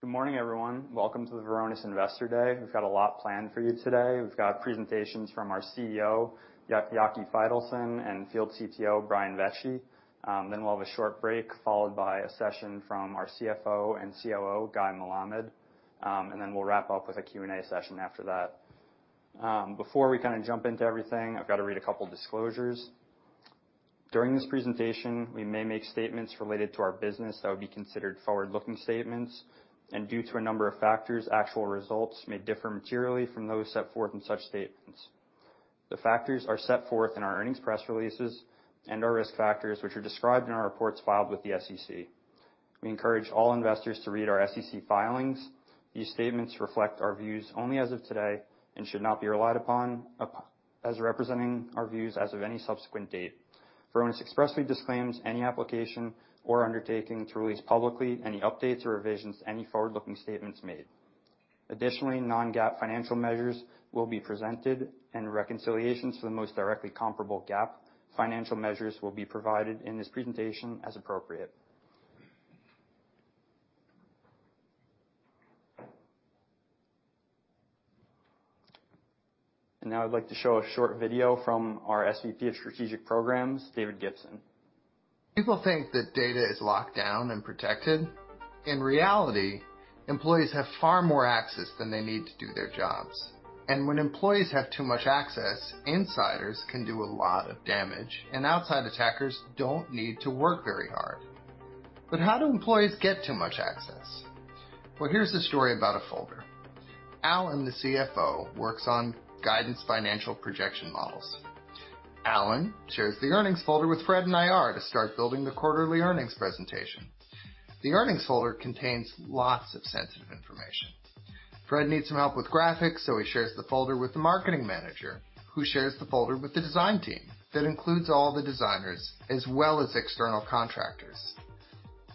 Good morning, everyone. Welcome to the Varonis Investor Day. We've got a lot planned for you today. We've got presentations from our CEO, Yaki Faitelson, and Field CTO, Brian Vecci. We'll have a short break, followed by a session from our CFO and COO, Guy Melamed, and then we'll wrap up with a Q&A session after that. Before we kinda jump into everything, I've gotta read a couple disclosures. During this presentation, we may make statements related to our business that would be considered forward-looking statements, and due to a number of factors, actual results may differ materially from those set forth in such statements. The factors are set forth in our earnings press releases and our risk factors, which are described in our reports filed with the SEC. We encourage all investors to read our SEC filings. These statements reflect our views only as of today and should not be relied upon as representing our views as of any subsequent date. Varonis expressly disclaims any application or undertaking to release publicly any updates or revisions to any forward-looking statements made. Additionally, non-GAAP financial measures will be presented, and reconciliations to the most directly comparable GAAP financial measures will be provided in this presentation as appropriate. Now I'd like to show a short video from our SVP of Strategic Programs, David Gibson. People think that data is locked down and protected. In reality, employees have far more access than they need to do their jobs. When employees have too much access, insiders can do a lot of damage, and outside attackers don't need to work very hard. How do employees get too much access? Well, here's a story about a folder. Alan, the CFO, works on guidance financial projection models. Alan shares the earnings folder with Fred in IR to start building the quarterly earnings presentation. The earnings folder contains lots of sensitive information. Fred needs some help with graphics, so he shares the folder with the marketing manager, who shares the folder with the design team that includes all the designers as well as external contractors.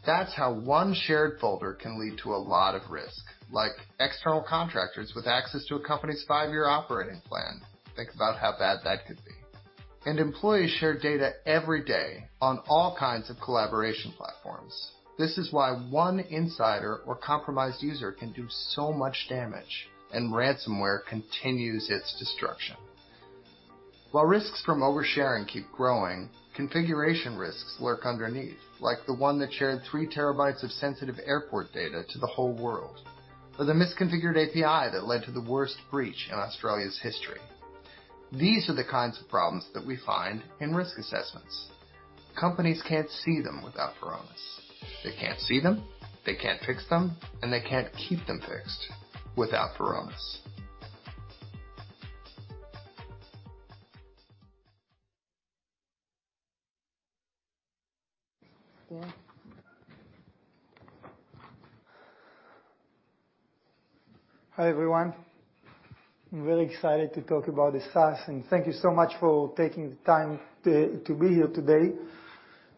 That's how one shared folder can lead to a lot of risk, like external contractors with access to a company's five-year operating plan. Think about how bad that could be. Employees share data every day on all kinds of collaboration platforms. This is why one insider or compromised user can do so much damage, and ransomware continues its destruction. While risks from oversharing keep growing, configuration risks lurk underneath, like the one that shared 3 TB of sensitive airport data to the whole world, or the misconfigured API that led to the worst breach in Australia's history. These are the kinds of problems that we find in risk assessments. Companies can't see them without Varonis. They can't see them, they can't fix them, and they can't keep them fixed without Varonis. Hi, everyone. I'm very excited to talk about the SaaS, thank you so much for taking the time to be here today.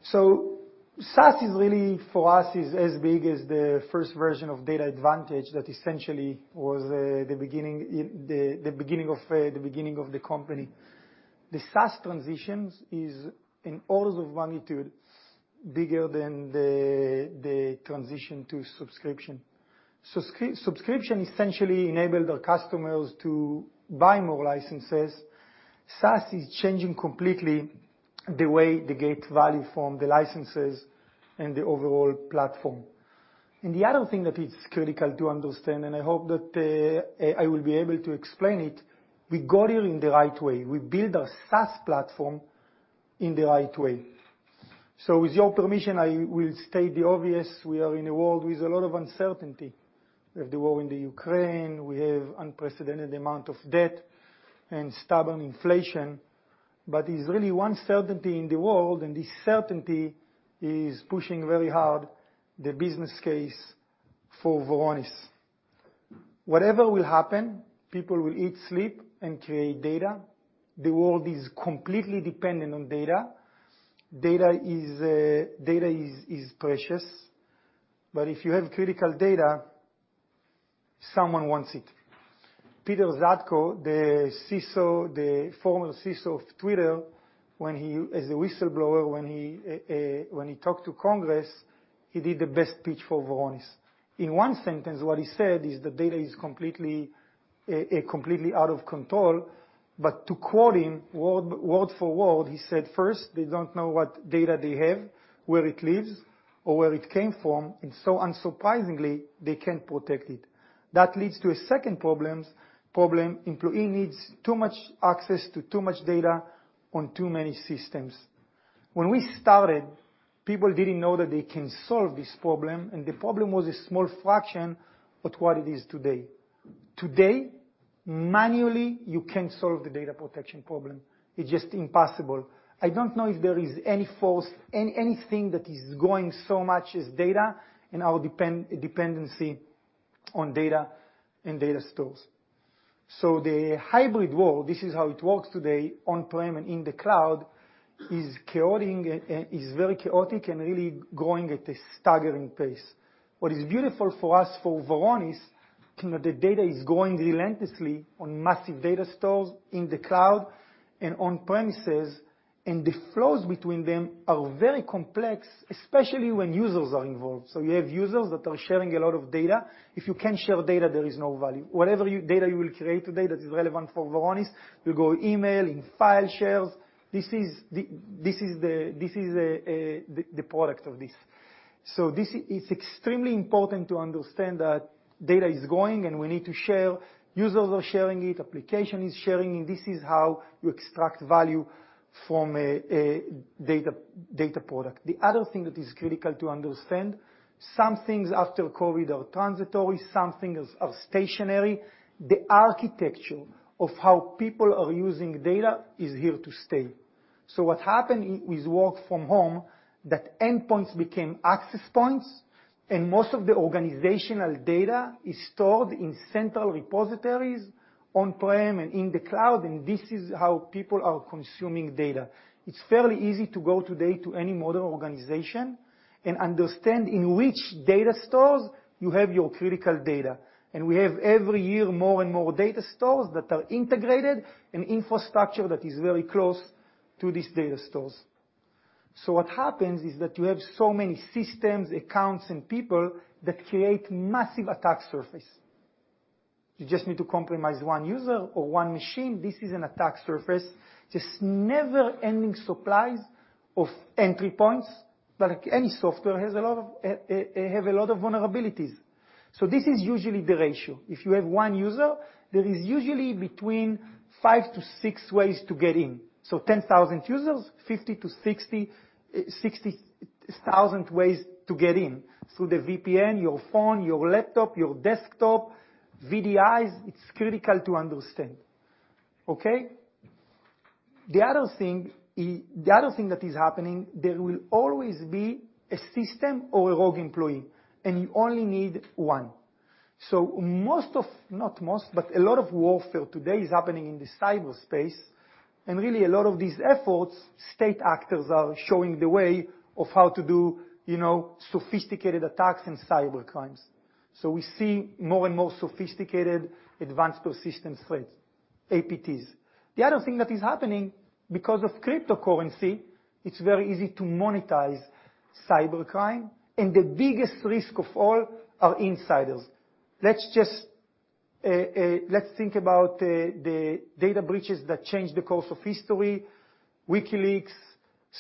SaaS is really for us is as big as the first version of DatAdvantage that essentially was the beginning of the company. The SaaS transitions is an orders of magnitude bigger than the transition to subscription. Subscription essentially enabled our customers to buy more licenses. SaaS is changing completely the way they get value from the licenses and the overall platform. The other thing that is critical to understand, and I hope that I will be able to explain it, we got here in the right way. We build our SaaS platform in the right way. With your permission, I will state the obvious. We are in a world with a lot of uncertainty. We have the war in Ukraine, we have unprecedented amount of debt and stubborn inflation, there's really one certainty in the world, this certainty is pushing very hard the business case for Varonis. Whatever will happen, people will eat, sleep, and create data. The world is completely dependent on data. Data is, data is precious. If you have critical data, someone wants it. Peiter Zatko, the CISO, the former CISO of Twitter, as a whistleblower, when he talked to Congress, he did the best pitch for Varonis. In one sentence, what he said is the data is completely out of control. To quote him word for word, he said, "First, they don't know what data they have, where it lives, or where it came from, and so unsurprisingly, they can't protect it. That leads to a second problem. Employee needs too much access to too much data on too many systems." When we started, people didn't know that they can solve this problem, and the problem was a small fraction of what it is today. Today, manually, you can't solve the data protection problem. It's just impossible. I don't know if there is any force, anything that is growing so much as data and our dependency on data and data stores. The hybrid world, this is how it works today, on-prem and in the cloud, is very chaotic and really growing at a staggering pace. What is beautiful for us, for Varonis, you know, the data is growing relentlessly on massive data stores in the cloud and on premises, and the flows between them are very complex, especially when users are involved. You have users that are sharing a lot of data. If you can't share data, there is no value. Whatever data you will create today that is relevant for Varonis, will go email, in file shares. This is the product of this. This is extremely important to understand that data is going, and we need to share. Users are sharing it, application is sharing, and this is how you extract value from a data product. The other thing that is critical to understand, some things after COVID are transitory, some things are stationary. The architecture of how people are using data is here to stay. What happened with work from home, that endpoints became access points, and most of the organizational data is stored in central repositories, on-prem and in the cloud, and this is how people are consuming data. It's fairly easy to go today to any modern organization and understand in which data stores you have your critical data. We have every year more and more data stores that are integrated, and infrastructure that is very close to these data stores. What happens is that you have so many systems, accounts, and people that create massive attack surface. You just need to compromise one user or one machine. This is an attack surface, just never-ending supplies of entry points. Like any software, have a lot of vulnerabilities. This is usually the ratio. If you have one user, there is usually between five to six ways to get in. 10,000 users, 50 to 60,000 ways to get in, through the VPN, your phone, your laptop, your desktop, VDIs. It's critical to understand. Okay? The other thing that is happening, there will always be a system or a rogue employee, and you only need one. Not most, but a lot of warfare today is happening in the cyber space, and really a lot of these efforts, state actors are showing the way of how to do, you know, sophisticated attacks and cyber crimes. We see more and more sophisticated Advanced Persistent Threats, APTs. The other thing that is happening, because of cryptocurrency, it's very easy to monetize cyber crime, and the biggest risk of all are insiders. Let's just let's think about the data breaches that changed the course of history, WikiLeaks,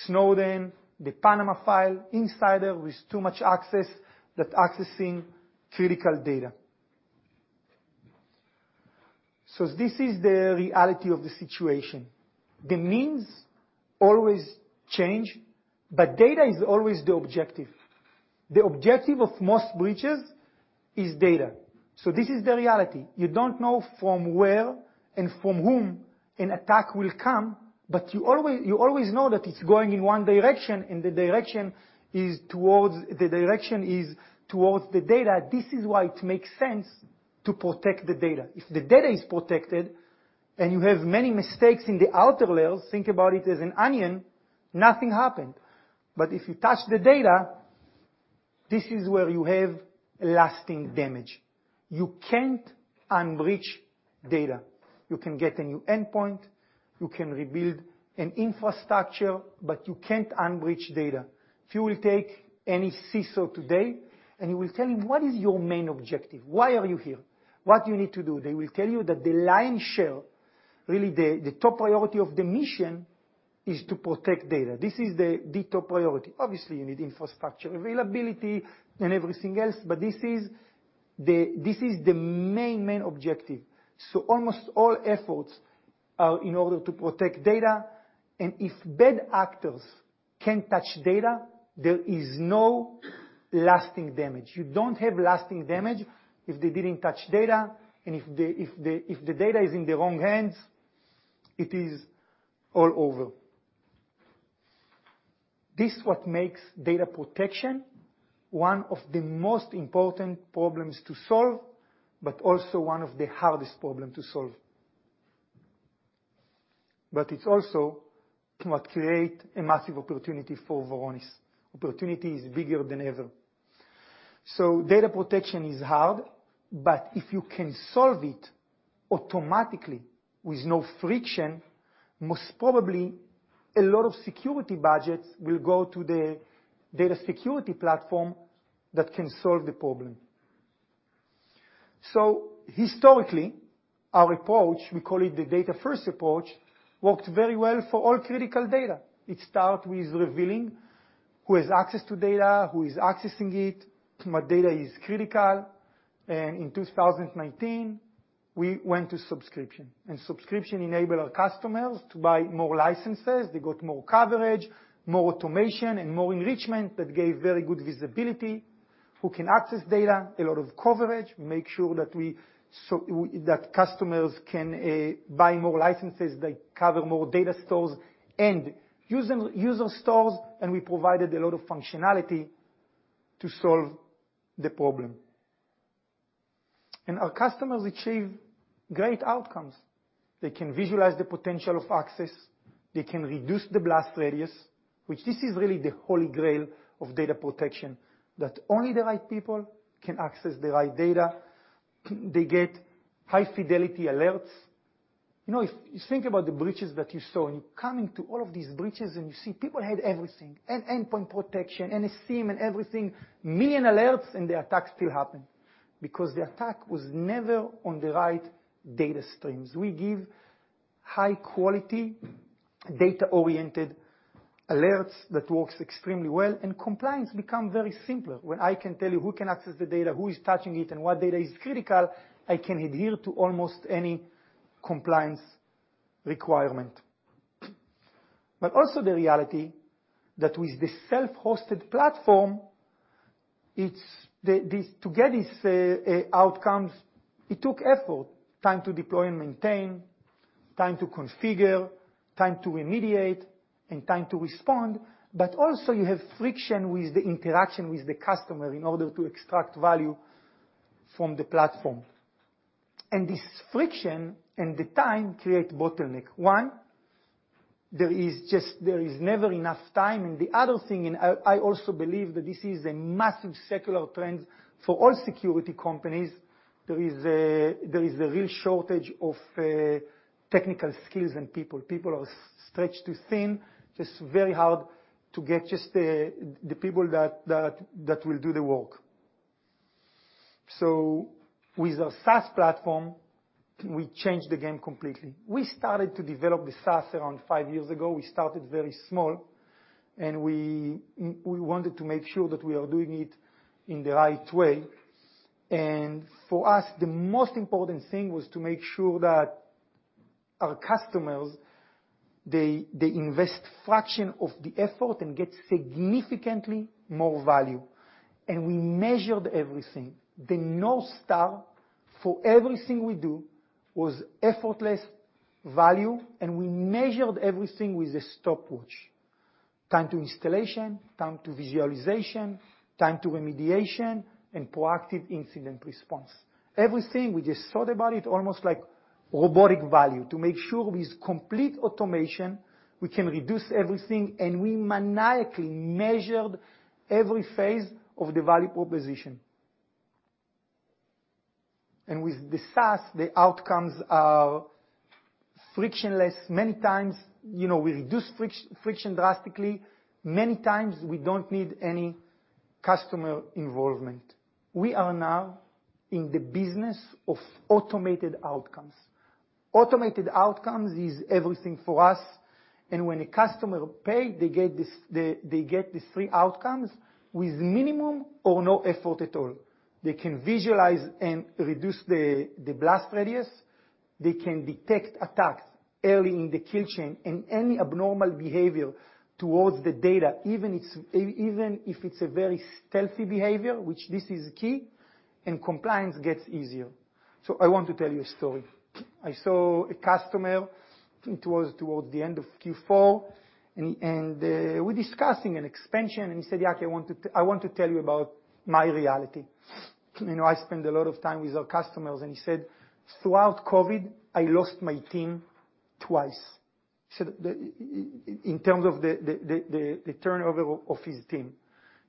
Snowden, the Panama File, insider with too much access that accessing critical data. This is the reality of the situation. The means always change, but data is always the objective. The objective of most breaches is data. This is the reality. You don't know from where and from whom an attack will come, but you always know that it's going in one direction, and the direction is towards, the direction is towards the data. This is why it makes sense to protect the data. If the data is protected and you have many mistakes in the outer layers, think about it as an onion, nothing happened. If you touch the data, this is where you have lasting damage. You can't unbreach data. You can get a new endpoint, you can rebuild an infrastructure, but you can't unbreach data. If you will take any CISO today, and you will tell him, "What is your main objective? Why are you here? What do you need to do?" They will tell you that the lion's share, really the top priority of the mission is to protect data. This is the top priority. Obviously, you need infrastructure availability and everything else, but this is the main objective. Almost all efforts are in order to protect data. If bad actors can't touch data, there is no lasting damage. You don't have lasting damage if they didn't touch data. If the data is in the wrong hands, it is all over. This what makes data protection one of the most important problems to solve, but also one of the hardest problem to solve. It's also what create a massive opportunity for Varonis. Opportunity is bigger than ever. Data protection is hard, but if you can solve it automatically with no friction, most probably a lot of security budgets will go to the data security platform that can solve the problem. Historically, our approach, we call it the data first approach, worked very well for all critical data. It start with revealing who has access to data, who is accessing it, what data is critical. In 2019, we went to subscription. Subscription enable our customers to buy more licenses. They got more coverage, more automation, and more enrichment that gave very good visibility. Who can access data, a lot of coverage, make sure that we that customers can buy more licenses, they cover more data stores and user stores, and we provided a lot of functionality to solve the problem. Our customers achieve great outcomes. They can visualize the potential of access, they can reduce the blast radius, which this is really the holy grail of data protection, that only the right people can access the right data. They get high-fidelity alerts. You know, if you think about the breaches that you saw, and you come into all of these breaches, and you see people had everything, end-endpoint protection, NSC and everything, million alerts, and the attack still happened because the attack was never on the right data streams. We give high-quality, data-oriented alerts that works extremely well, and compliance become very simple. When I can tell you who can access the data, who is touching it, and what data is critical, I can adhere to almost any compliance requirement. Also the reality that with the self-hosted platform, to get this outcomes, it took effort, time to deploy and maintain, time to configure, time to remediate, and time to respond. This friction and the time create bottleneck. One, there is never enough time. The other thing, and I also believe that this is a massive secular trend for all security companies, there is a real shortage of technical skills and people. People are stretched too thin. Just very hard to get just the people that will do the work. With our SaaS platform, we changed the game completely. We started to develop the SaaS around five years ago. We started very small, and we wanted to make sure that we are doing it in the right way. For us, the most important thing was to make sure that our customers, they invest fraction of the effort and get significantly more value. We measured everything. The north star for everything we do was effortless value, and we measured everything with a stopwatch. Time to installation, time to visualization, time to remediation, and proactive incident response. Everything, we just thought about it almost like robotic value to make sure with complete automation, we can reduce everything, and we maniacally measured every phase of the value proposition. With the SaaS, the outcomes are frictionless. Many times, you know, we reduce friction drastically. Many times, we don't need any customer involvement. We are now in the business of automated outcomes. Automated outcomes is everything for us. When a customer pay, they get this, they get the three outcomes with minimum or no effort at all. They can visualize and reduce the blast radius. They can detect attacks early in the kill chain and any abnormal behavior towards the data, even if it's a very stealthy behavior, which this is key. Compliance gets easier. I want to tell you a story. I saw a customer towards the end of Q4. We're discussing an expansion. He said, "Yaki, I want to tell you about my reality." You know, I spend a lot of time with our customers. He said, "Throughout COVID, I lost my team twice." He said in terms of the turnover of his team.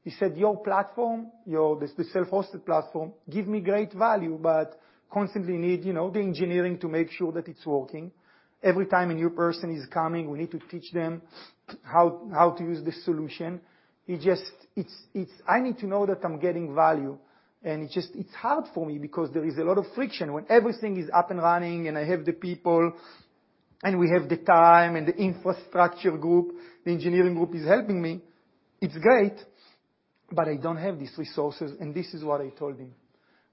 He said, "Your platform, your this, the self-hosted platform, give me great value, but constantly need, you know, the engineering to make sure that it's working. Every time a new person is coming, we need to teach them how to use this solution. It just, it's I need to know that I'm getting value, and it's just, it's hard for me because there is a lot of friction. When everything is up and running, and I have the people, and we have the time, and the infrastructure group, the engineering group is helping me, it's great, but I don't have these resources." This is what I told him.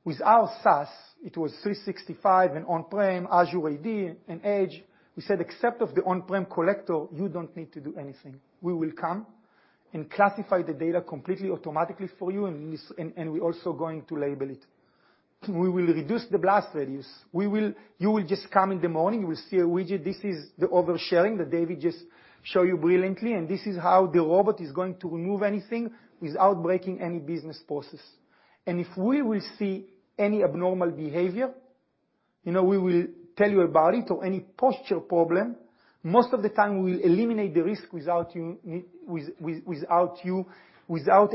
With our SaaS, it was 365 and on-prem, Azure AD and Edge. We said, "Except of the on-prem collector, you don't need to do anything. We will come and classify the data completely automatically for you and this, and we're also going to label it. We will reduce the blast radius. You will just come in the morning, you will see a widget. This is the oversharing that David just show you brilliantly, and this is how the robot is going to remove anything without breaking any business process. If we will see any abnormal behavior, you know, we will tell you about it or any posture problem. Most of the time, we'll eliminate the risk without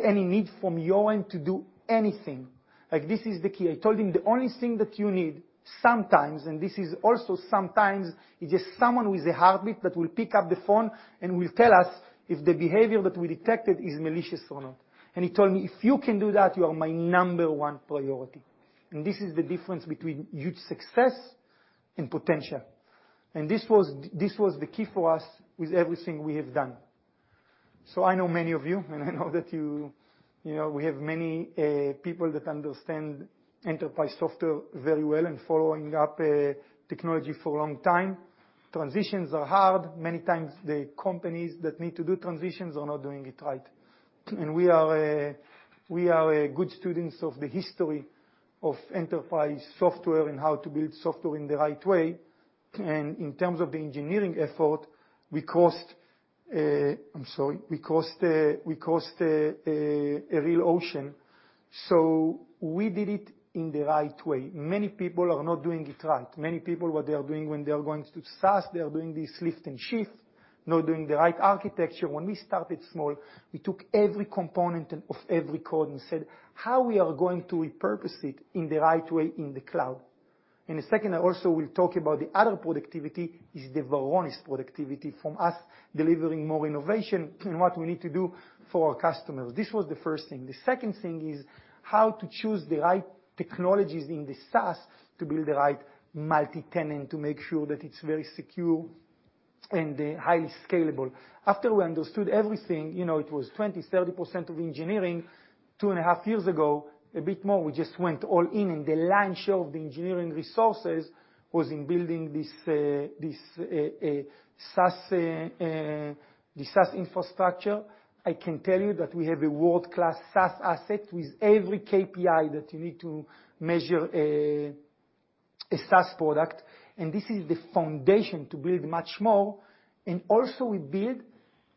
any need from your end to do anything. Like, this is the key." I told him, "The only thing that you need sometimes, and this is also sometimes, is just someone with a heartbeat that will pick up the phone and will tell us if the behavior that we detected is malicious or not." He told me, "If you can do that, you are my number one priority." This is the difference between huge success and potential. This was the key for us with everything we have done. I know many of you, and I know that you know, we have many people that understand enterprise software very well and following up technology for a long time. Transitions are hard. Many times, the companies that need to do transitions are not doing it right. We are good students of the history of enterprise software and how to build software in the right way. In terms of the engineering effort, we crossed a real ocean, so we did it in the right way. Many people are not doing it right. Many people, what they are doing when they are going to SaaS, they are doing this lift and shift, not doing the right architecture. When we started small, we took every component and, of every code and said, "How we are going to repurpose it in the right way in the cloud?" The second I also will talk about the other productivity is the Varonis productivity from us delivering more innovation and what we need to do for our customers. This was the first thing. The second thing is how to choose the right technologies in the SaaS to build the right multitenant to make sure that it's very secure and highly scalable. After we understood everything, you know, it was 20%, 30% of engineering. Two and a half years ago, a bit more, we just went all in, and the lion's share of the engineering resources was in building this, the SaaS infrastructure. I can tell you that we have a world-class SaaS asset with every KPI that you need to measure a SaaS product, and this is the foundation to build much more. Also we build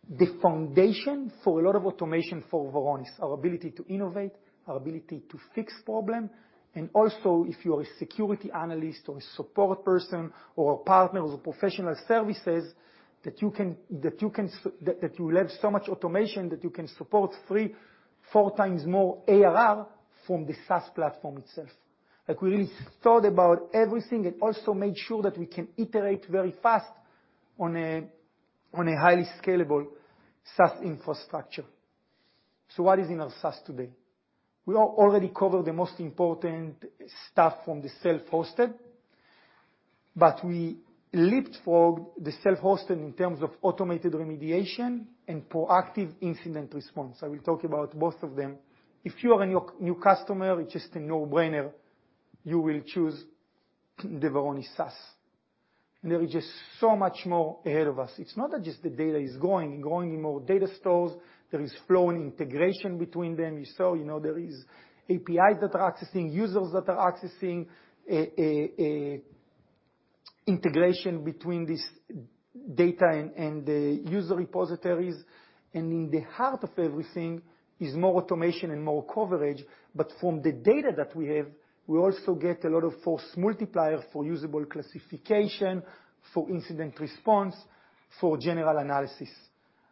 the foundation for a lot of automation for Varonis, our ability to innovate, our ability to fix problem. Also, if you are a security analyst or a support person or a partner of professional services, that you will have so much automation that you can support three, four times more ARR from the SaaS platform itself. Like, we really thought about everything and also made sure that we can iterate very fast on a highly scalable SaaS infrastructure. What is in our SaaS today? We already covered the most important stuff from the self-hosted, we leapedfrog the self-hosted in terms of automated remediation and proactive incident response. I will talk about both of them. If you are a new customer, it's just a no-brainer, you will choose the Varonis SaaS. There is just so much more ahead of us. It's not just the data is growing and growing in more data stores. There is flow and integration between them. You saw, you know, there is APIs that are accessing, users that are accessing, a integration between this data and the user repositories. In the heart of everything is more automation and more coverage. From the data that we have, we also get a lot of force multiplier for usable classification, for incident response, for general analysis.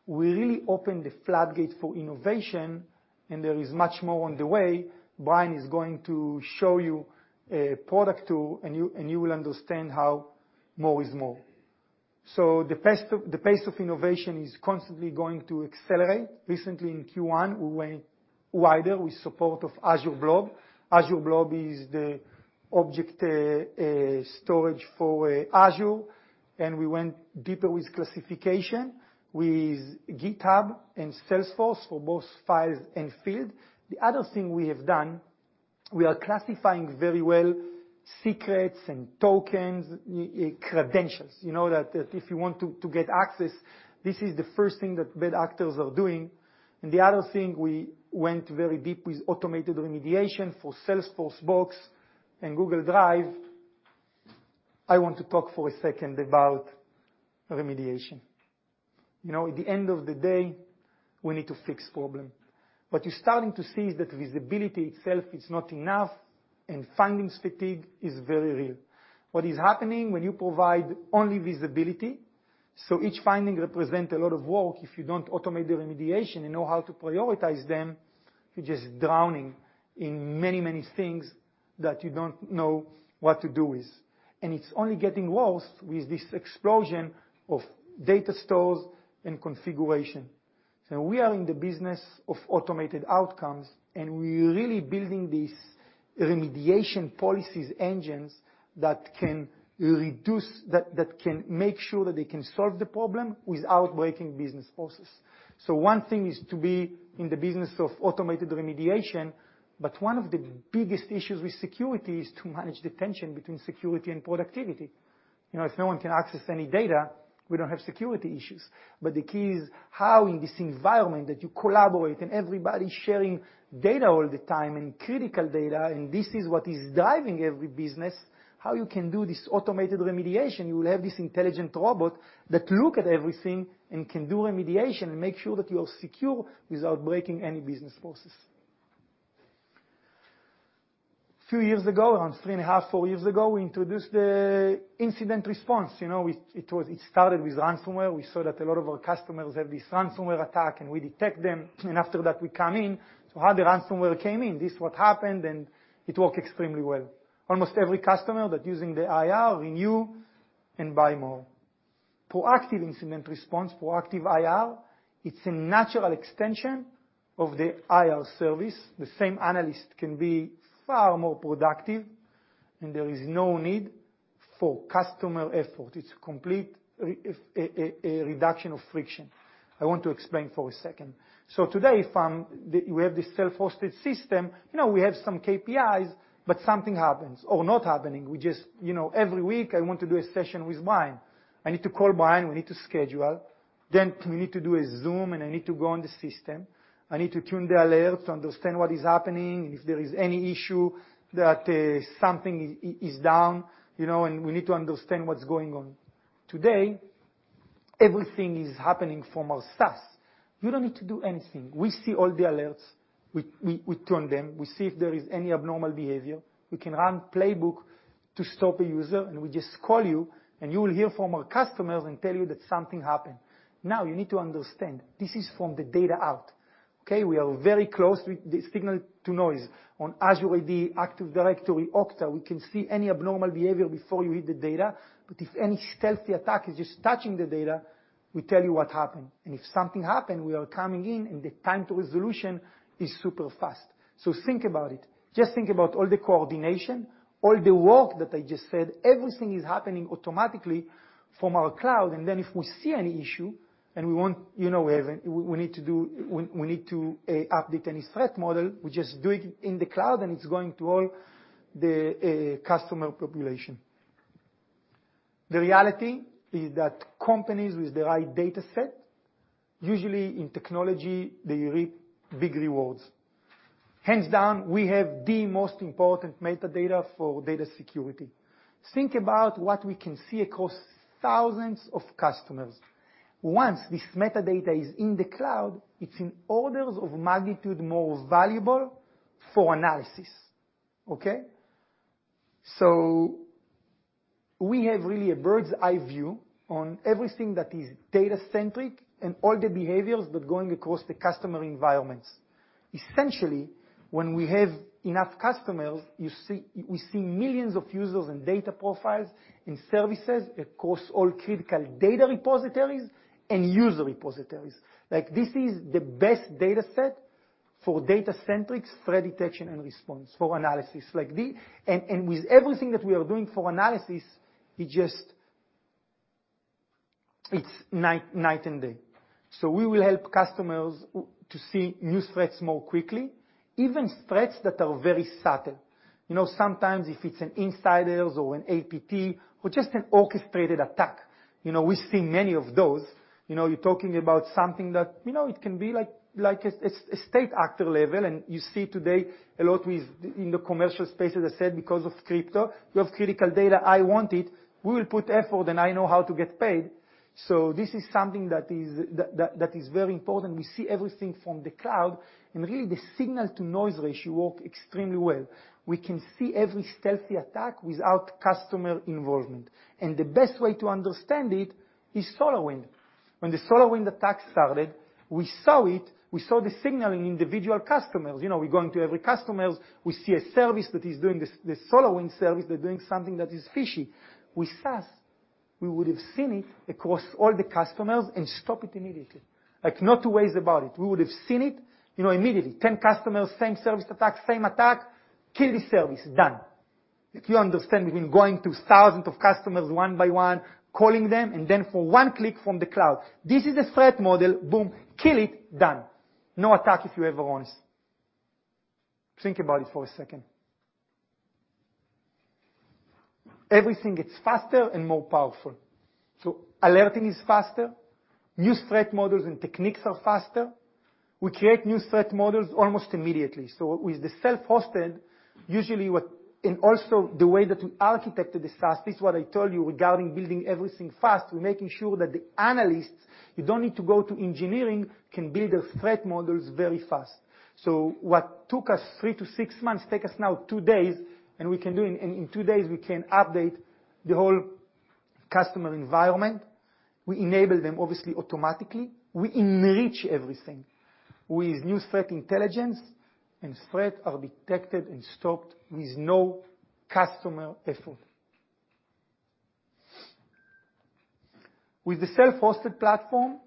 We really opened the floodgate for innovation, and there is much more on the way. Brian is going to show you a product tool, and you will understand how more is more. The pace of innovation is constantly going to accelerate. Recently in Q1, we went wider with support of Azure Blob. Azure Blob is the object storage for Azure. We went deeper with classification, with GitHub and Salesforce for both files and field. The other thing we have done, we are classifying very well secrets and tokens, credentials, you know that if you want to get access, this is the first thing that bad actors are doing. The other thing, we went very deep with automated remediation for Salesforce Box and Google Drive. I want to talk for a second about remediation. You know, at the end of the day, we need to fix problem. What you're starting to see is that visibility itself is not enough and findings fatigue is very real. What is happening when you provide only visibility, each finding represent a lot of work. If you don't automate the remediation and know how to prioritize them, you're just drowning in many, many things that you don't know what to do with. It's only getting worse with this explosion of data stores and configuration. We are in the business of automated outcomes, and we're really building these remediation policies engines that can make sure that they can solve the problem without breaking business process. One thing is to be in the business of automated remediation, but one of the biggest issues with security is to manage the tension between security and productivity. You know, if no one can access any data, we don't have security issues. The key is how in this environment that you collaborate and everybody's sharing data all the time and critical data, and this is what is driving every business, how you can do this automated remediation. You will have this intelligent robot that look at everything and can do remediation and make sure that you are secure without breaking any business process. Few years ago, around three and a half, four years ago, we introduced the incident response. You know, it started with ransomware. We saw that a lot of our customers have this ransomware attack, and we detect them. After that, we come in to how the ransomware came in, this what happened, and it worked extremely well. Almost every customer that using the IR renew and buy more. Proactive incident response, proactive IR, it's a natural extension of the IR service. The same analyst can be far more productive, there is no need for customer effort. It's complete reduction of friction. I want to explain for a second. Today, if I'm, the, we have this self-hosted system, you know, we have some KPIs, but something happens or not happening. We just, you know, every week I want to do a session with Brian. I need to call Brian. We need to schedule. We need to do a Zoom, I need to go on the system. I need to tune the alert to understand what is happening and if there is any issue that something is down. You know. We need to understand what's going on. Today, everything is happening from our SaaS. You don't need to do anything. We see all the alerts, we turn them. We see if there is any abnormal behavior. We can run playbook to stop a user, and we just call you, and you will hear from our customers and tell you that something happened. You need to understand, this is from the data out, okay? We are very close with the signal-to-noise. On Azure AD, Active Directory, Okta, we can see any abnormal behavior before you hit the data. If any stealthy attack is just touching the data, we tell you what happened. If something happened, we are coming in, and the time to resolution is super fast. Think about it. Just think about all the coordination, all the work that I just said, everything is happening automatically from our cloud. If we see any issue, and we want, you know, we need to update any threat model, we just do it in the cloud, and it's going to all the customer population. The reality is that companies with the right data set, usually in technology, they reap big rewards. Hands down, we have the most important metadata for data security. Think about what we can see across thousands of customers. Once this metadata is in the cloud, it's in orders of magnitude more valuable for analysis, okay? We have really a bird's eye view on everything that is data-centric and all the behaviors that are going across the customer environments. When we have enough customers, we see millions of users and data profiles in services across all critical data repositories and user repositories. Like, this is the best data set for data-centric threat detection and response for analysis. Like, with everything that we are doing for analysis, it just night and day. We will help customers to see new threats more quickly, even threats that are very subtle. You know, sometimes if it's an insiders or an APT or just an orchestrated attack, you know, we see many of those. You know, you're talking about something that, you know, it can be like a state actor level. You see today a lot with in the commercial space, as I said, because of crypto, you have critical data, I want it, we will put effort, and I know how to get paid. This is something that is very important. We see everything from the cloud, really the signal-to-noise ratio work extremely well. We can see every stealthy attack without customer involvement. The best way to understand it is SolarWinds. When the SolarWinds attack started, we saw it, we saw the signal in individual customers. You know, we're going to every customers, we see a service that is doing this SolarWinds service, they're doing something that is fishy. With SaaS, we would have seen it across all the customers and stop it immediately. Like, no two ways about it. We would have seen it, you know, immediately. 10 customers, same service attack, same attack, kill the service, done. If you understand, we've been going to thousands of customers one by one, calling them, for one click from the cloud. This is a threat model, boom, kill it, done. No attack if you ever want. Think about it for a second. Everything gets faster and more powerful. Alerting is faster, new threat models and techniques are faster. We create new threat models almost immediately. With the self-hosted, usually the way that we architected the SaaS, this is what I told you regarding building everything fast. We're making sure that the analysts, you don't need to go to engineering, can build their threat models very fast. What took us three to six months, take us now two days, and we can do it in two days, we can update the whole customer environment. We enable them, obviously, automatically. We enrich everything with new threat intelligence, and threat are detected and stopped with no customer effort. With the self-hosted platform,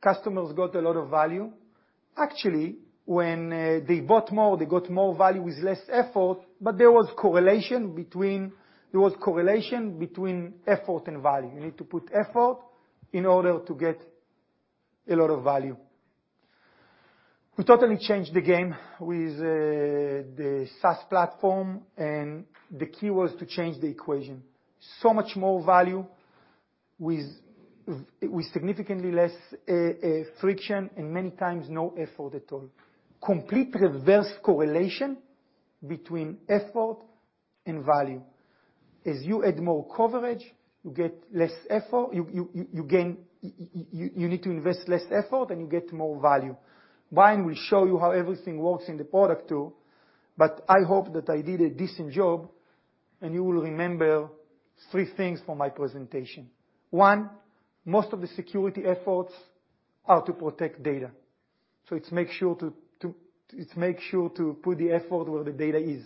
customers got a lot of value. Actually, when they bought more, they got more value with less effort. There was correlation between effort and value. You need to put effort in order to get a lot of value. We totally changed the game with the SaaS platform, and the key was to change the equation. Much more value with significantly less friction and many times no effort at all. Complete reverse correlation between effort and value. As you add more coverage, you get less effort. You need to invest less effort. You get more value. Brian will show you how everything works in the product tool. I hope that I did a decent job, and you will remember three things from my presentation. One, most of the security efforts are to protect data. It's make sure to put the effort where the data is.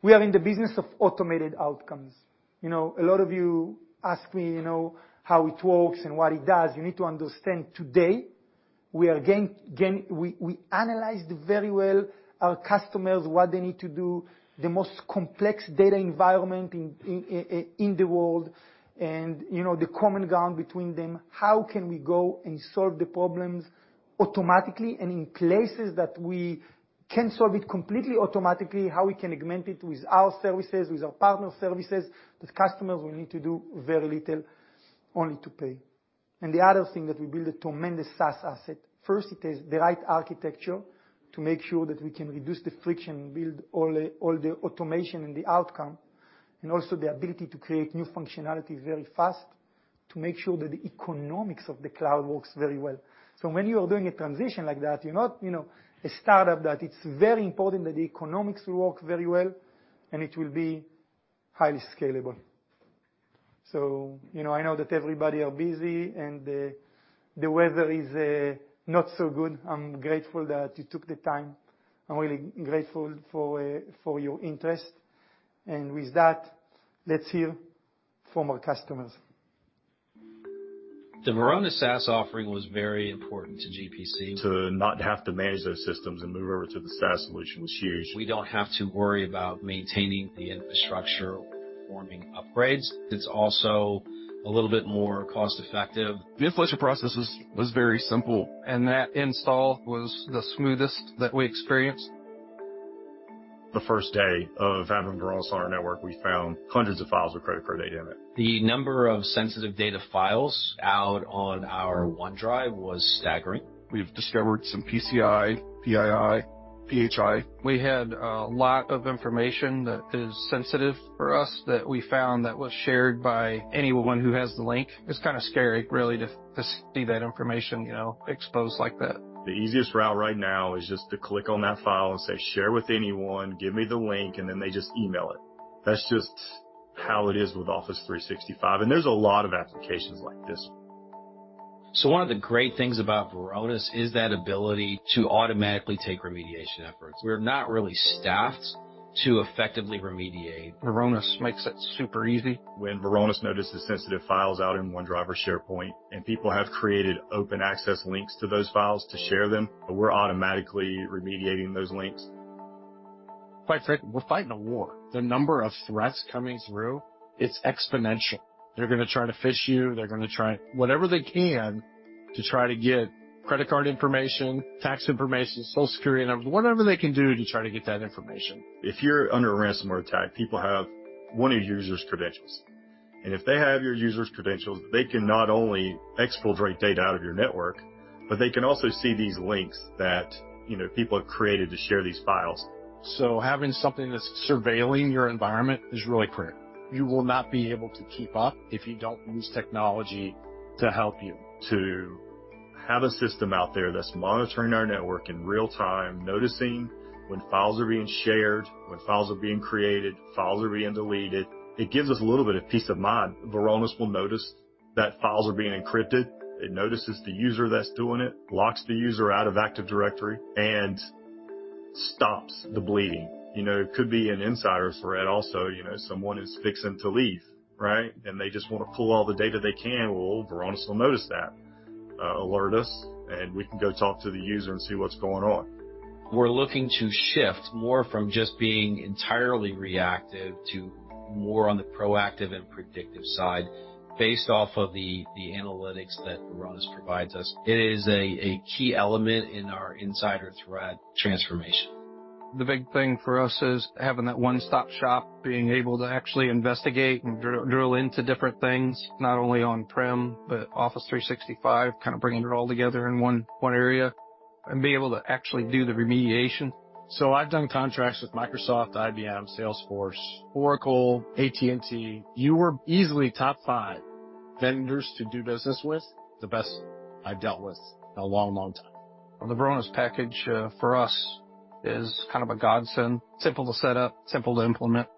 We are in the business of automated outcomes. You know, a lot of you ask me, you know, how it works and what it does. You need to understand today, we analyzed very well our customers, what they need to do, the most complex data environment in the world and, you know, the common ground between them, how can we go and solve the problems automatically and in places that we can solve it completely automatically, how we can augment it with our services, with our partner services, that customers will need to do very little only to pay. The other thing, that we build a tremendous SaaS asset. First, it is the right architecture to make sure that we can reduce the friction, build all the automation and the outcome, and also the ability to create new functionalities very fast. To make sure that the economics of the cloud works very well. When you are doing a transition like that, you're not, you know, a startup, that it's very important that the economics work very well and it will be highly scalable. You know, I know that everybody are busy and, the weather is, not so good. I'm grateful that you took the time. I'm really grateful for your interest. With that, let's hear from our customers. The Varonis SaaS offering was very important to GPC. To not have to manage those systems and move over to the SaaS solution was huge. We don't have to worry about maintaining the infrastructure, performing upgrades. It's also a little bit more cost-effective. The inflation process was very simple. That install was the smoothest that we experienced. The first day of having Varonis on our network, we found hundreds of files with credit card data in it. The number of sensitive data files out on our OneDrive was staggering. We've discovered some PCI, PII, PHI. We had a lot of information that is sensitive for us that we found that was shared by anyone who has the link. It's kind of scary really to see that information, you know, exposed like that. The easiest route right now is just to click on that file and say, "Share with anyone, give me the link," and then they just email it. That's just how it is with Office 365, and there's a lot of applications like this one. One of the great things about Varonis is that ability to automatically take remediation efforts. We're not really staffed to effectively remediate. Varonis makes it super easy. When Varonis notices sensitive files out in OneDrive or SharePoint, and people have created open access links to those files to share them, we're automatically remediating those links. Quite frankly, we're fighting a war. The number of threats coming through, it's exponential. They're gonna try to phish you, they're gonna try whatever they can to try to get credit card information, tax information, Social Security numbers, whatever they can do to try to get that information. If you're under a ransomware attack, people have one of your users' credentials. If they have your users' credentials, they can not only exfiltrate data out of your network, but they can also see these links that, you know, people have created to share these files. Having something that's surveilling your environment is really critical. You will not be able to keep up if you don't use technology to help you. To have a system out there that's monitoring our network in real time, noticing when files are being shared, when files are being created, files are being deleted, it gives us a little bit of peace of mind. Varonis will notice that files are being encrypted. It notices the user that's doing it, locks the user out of Active Directory, and stops the bleeding. You know, it could be an insider threat also, you know, someone who's fixing to leave, right? They just wanna pull all the data they can. Well, Varonis will notice that, alert us, we can go talk to the user and see what's going on. We're looking to shift more from just being entirely reactive to more on the proactive and predictive side based off of the analytics that Varonis provides us. It is a key element in our insider threat transformation. The big thing for us is having that one-stop shop, being able to actually investigate and drill into different things, not only on-prem but Office 365, kind of bringing it all together in one area and be able to actually do the remediation. I've done contracts with Microsoft, IBM, Salesforce, Oracle, AT&T. You are easily top five vendors to do business with, the best I've dealt with in a long, long time. The Varonis package, for us is kind of a godsend. Simple to set up, simple to implement.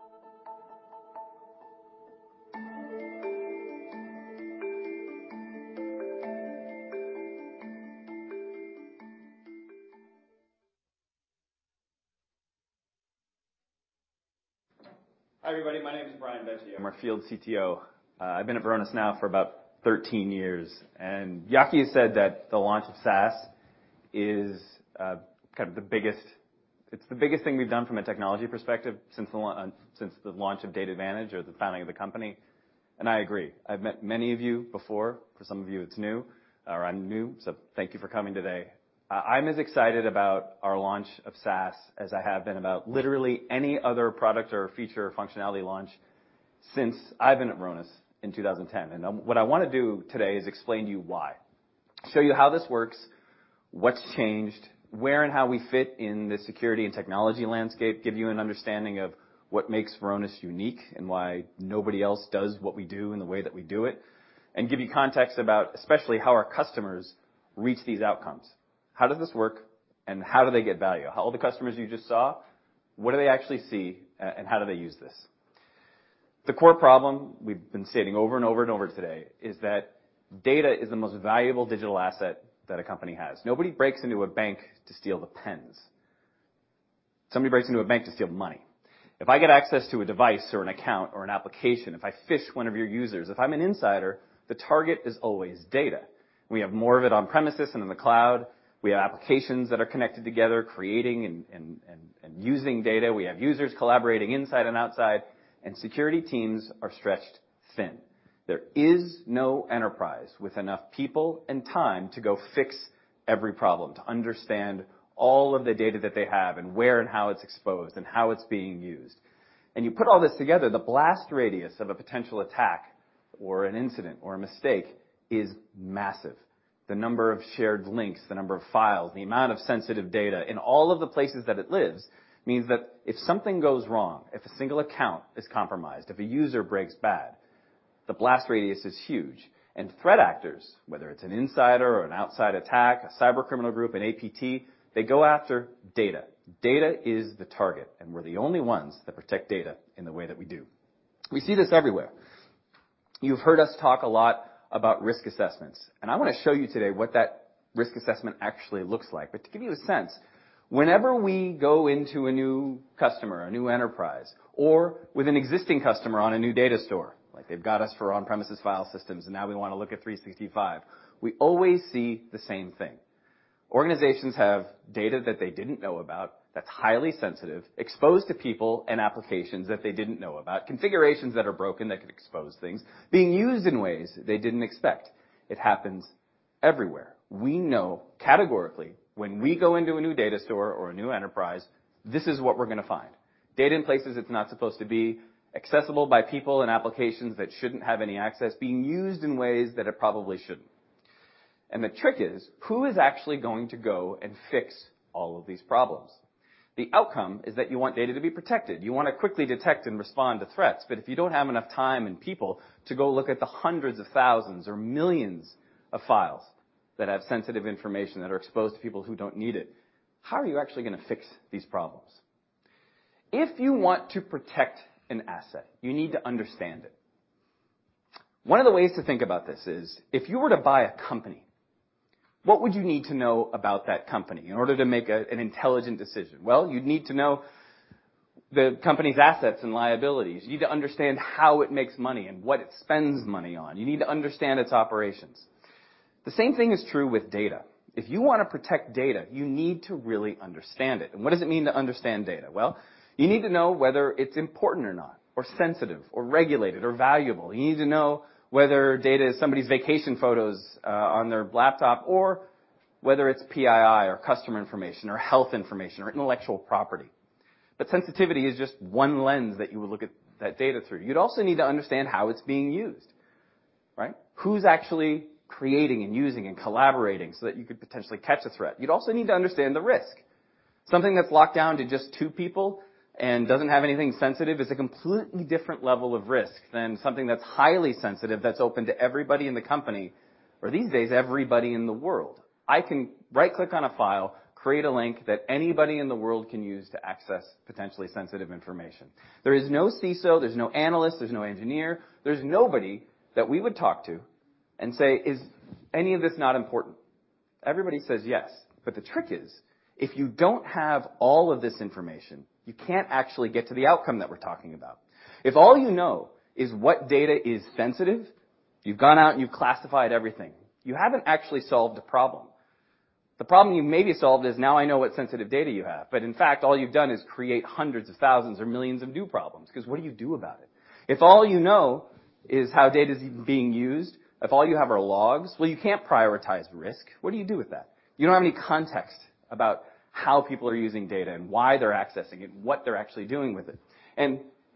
Hi, everybody. My name is Brian Vecci. I'm our Field CTO. I've been at Varonis now for about 13 years. Yaki said that the launch of SaaS is the biggest thing we've done from a technology perspective since the launch of DatAdvantage or the founding of the company. I agree. I've met many of you before. For some of you, it's new or I'm new, thank you for coming today. I'm as excited about our launch of SaaS as I have been about literally any other product or feature or functionality launch since I've been at Varonis in 2010. What I wanna do today is explain to you why. Show you how this works, what's changed, where and how we fit in the security and technology landscape, give you an understanding of what makes Varonis unique and why nobody else does what we do in the way that we do it, and give you context about especially how our customers reach these outcomes. How does this work and how do they get value? All the customers you just saw, what do they actually see and how do they use this? The core problem we've been stating over and over and over today is that data is the most valuable digital asset that a company has. Nobody breaks into a bank to steal the pens. Somebody breaks into a bank to steal money. If I get access to a device or an account or an application, if I phish one of your users, if I'm an insider, the target is always data. We have more of it on premises than in the cloud. We have applications that are connected together, creating and using data. We have users collaborating inside and outside, and security teams are stretched thin. There is no enterprise with enough people and time to go fix every problem, to understand all of the data that they have and where and how it's exposed and how it's being used. You put all this together, the blast radius of a potential attack or an incident or a mistake is massive. The number of shared links, the number of files, the amount of sensitive data in all of the places that it lives, means that if something goes wrong, if a single account is compromised, if a user breaks bad, the blast radius is huge. Threat actors, whether it's an insider or an outside attack, a cyber criminal group, an APT, they go after data. Data is the target. We're the only ones that protect data in the way that we do. We see this everywhere. You've heard us talk a lot about risk assessments. I wanna show you today what that risk assessment actually looks like. To give you a sense, whenever we go into a new customer, a new enterprise, or with an existing customer on a new data store, like they've got us for on-premises file systems, and now we wanna look at 365, we always see the same thing. Organizations have data that they didn't know about that's highly sensitive, exposed to people and applications that they didn't know about, configurations that are broken that could expose things, being used in ways they didn't expect. It happens everywhere. We know categorically, when we go into a new data store or a new enterprise, this is what we're gonna find. Data in places it's not supposed to be, accessible by people and applications that shouldn't have any access, being used in ways that it probably shouldn't. The trick is, who is actually going to go and fix all of these problems? The outcome is that you want data to be protected. You wanna quickly detect and respond to threats, but if you don't have enough time and people to go look at the hundreds of thousands or millions of files that have sensitive information, that are exposed to people who don't need it, how are you actually gonna fix these problems? If you want to protect an asset, you need to understand it. One of the ways to think about this is, if you were to buy a company, what would you need to know about that company in order to make an intelligent decision? Well, you'd need to know the company's assets and liabilities. You need to understand how it makes money and what it spends money on. You need to understand its operations. The same thing is true with data. If you wanna protect data, you need to really understand it. What does it mean to understand data? Well, you need to know whether it's important or not, or sensitive, or regulated, or valuable. You need to know whether data is somebody's vacation photos, on their laptop or whether it's PII, or customer information, or health information, or intellectual property. Sensitivity is just one lens that you would look at that data through. You'd also need to understand how it's being used, right? Who's actually creating and using and collaborating so that you could potentially catch a threat. You'd also need to understand the risk. Something that's locked down to just two people and doesn't have anything sensitive is a completely different level of risk than something that's highly sensitive that's open to everybody in the company, or these days, everybody in the world. I can right-click on a file, create a link that anybody in the world can use to access potentially sensitive information. There is no CISO, there's no analyst, there's no engineer, there's nobody that we would talk to and say, "Is any of this not important?" Everybody says yes. The trick is, if you don't have all of this information, you can't actually get to the outcome that we're talking about. If all you know is what data is sensitive, if you've gone out and you've classified everything, you haven't actually solved the problem. The problem you maybe solved is now I know what sensitive data you have, but in fact, all you've done is create hundreds of thousands or millions of new problems, 'cause what do you do about it? If all you know is how data is being used, if all you have are logs, well, you can't prioritize risk. What do you do with that? You don't have any context about how people are using data and why they're accessing it, what they're actually doing with it.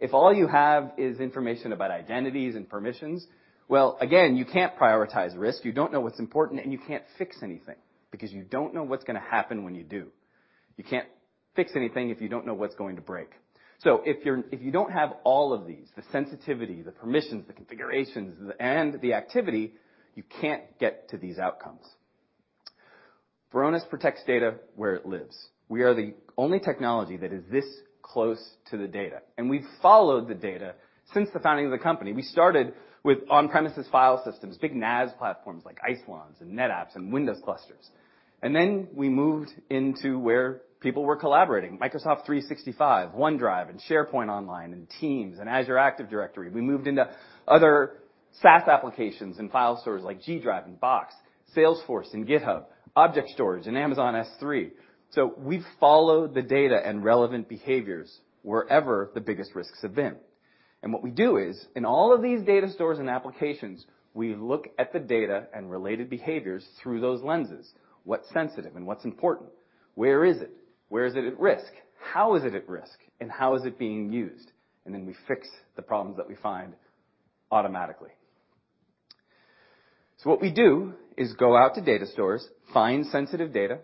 If all you have is information about identities and permissions, well, again, you can't prioritize risk. You don't know what's important, and you can't fix anything, because you don't know what's gonna happen when you do. You can't fix anything if you don't know what's going to break. If you don't have all of these, the sensitivity, the permissions, the configurations, and the activity, you can't get to these outcomes. Varonis protects data where it lives. We are the only technology that is this close to the data, and we've followed the data since the founding of the company. We started with on-premises file systems, big NAS platforms like Isilons and NetApps and Windows clusters. Then we moved into where people were collaborating, Microsoft 365, OneDrive, and SharePoint Online, and Teams, and Azure Active Directory. We moved into other SaaS applications and file storage like GDrive and Box, Salesforce and GitHub, object storage, and Amazon S3. We've followed the data and relevant behaviors wherever the biggest risks have been. What we do is, in all of these data stores and applications, we look at the data and related behaviors through those lenses. What's sensitive and what's important? Where is it? Where is it at risk? How is it at risk, and how is it being used? We fix the problems that we find automatically. What we do is go out to data stores, find sensitive data,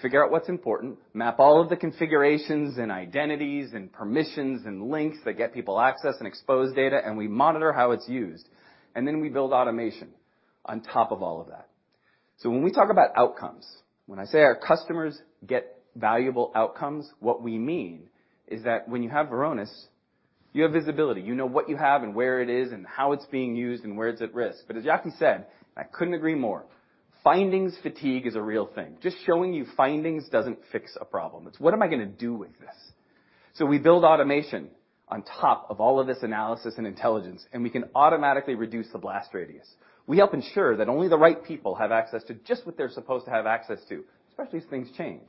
figure out what's important, map all of the configurations and identities, and permissions and links that get people access and expose data, and we monitor how it's used. We build automation on top of all of that. When we talk about outcomes, when I say our customers get valuable outcomes, what we mean is that when you have Varonis, you have visibility. You know what you have and where it is and how it's being used and where it's at risk. As Yaki said, I couldn't agree more. Findings fatigue is a real thing. Just showing you findings doesn't fix a problem. It's what am I gonna do with this? We build automation on top of all of this analysis and intelligence, and we can automatically reduce the blast radius. We help ensure that only the right people have access to just what they're supposed to have access to, especially as things change.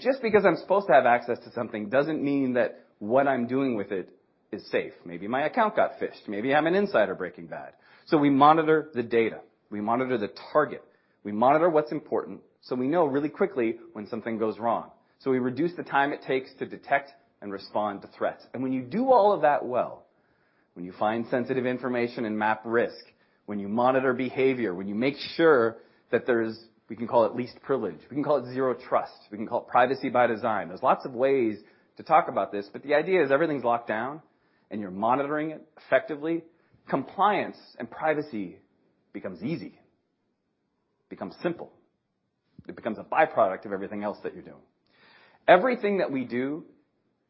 Just because I'm supposed to have access to something doesn't mean that what I'm doing with it is safe. Maybe my account got phished. Maybe I'm an insider breaking bad. We monitor the data. We monitor the target. We monitor what's important, so we know really quickly when something goes wrong. We reduce the time it takes to detect and respond to threats. When you do all of that well, when you find sensitive information and map risk, when you monitor behavior, when you make sure that there's, we can call it least privilege, we can call it Zero Trust, we can call it Privacy by Design. There's lots of ways to talk about this, but the idea is everything's locked down and you're monitoring it effectively. Compliance and privacy becomes easy, becomes simple. It becomes a by-product of everything else that you're doing. Everything that we do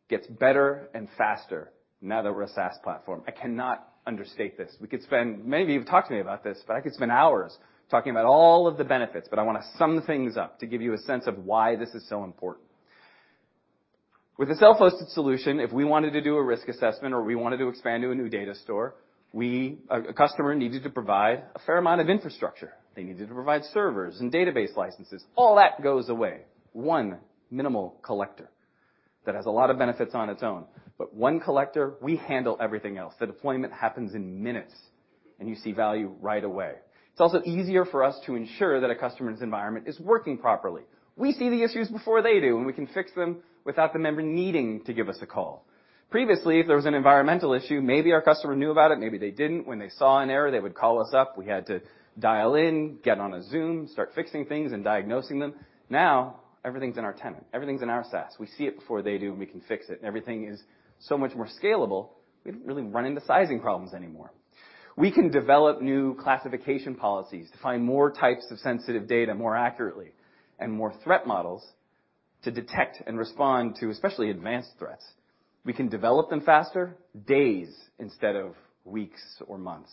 gets better and faster now that we're a SaaS platform. I cannot understate this. We could spend, many of you have talked to me about this, but I could spend hours talking about all of the benefits, but I wanna sum things up to give you a sense of why this is so important. With a self-hosted solution, if we wanted to do a risk assessment or we wanted to expand to a new data store, a customer needed to provide a fair amount of infrastructure. They needed to provide servers and database licenses. All that goes away. One minimal collector. That has a lot of benefits on its own. One collector, we handle everything else. The deployment happens in minutes, and you see value right away. It's also easier for us to ensure that a customer's environment is working properly. We see the issues before they do, and we can fix them without the member needing to give us a call. Previously, if there was an environmental issue, maybe our customer knew about it, maybe they didn't. When they saw an error, they would call us up. We had to dial in, get on a Zoom, start fixing things and diagnosing them. Everything's in our tenant, everything's in our SaaS. We see it before they do, and we can fix it, and everything is so much more scalable. We don't really run into sizing problems anymore. We can develop new classification policies to find more types of sensitive data more accurately, and more threat models to detect and respond to especially advanced threats. We can develop them faster, days instead of weeks or months,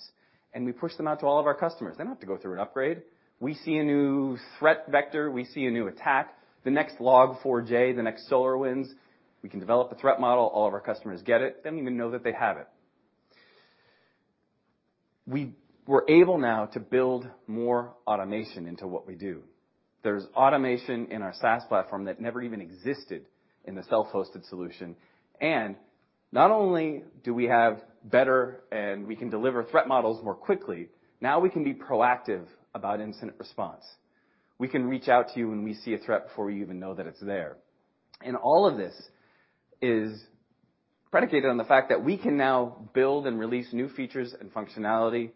and we push them out to all of our customers. They don't have to go through an upgrade. We see a new threat vector, we see a new attack, the next Log4j, the next SolarWinds, we can develop a threat model. All of our customers get it. They don't even know that they have it. We're able now to build more automation into what we do. There's automation in our SaaS platform that never even existed in the self-hosted solution. Not only do we have better and we can deliver threat models more quickly, now we can be proactive about incident response. We can reach out to you when we see a threat before you even know that it's there. All of this is predicated on the fact that we can now build and release new features and functionality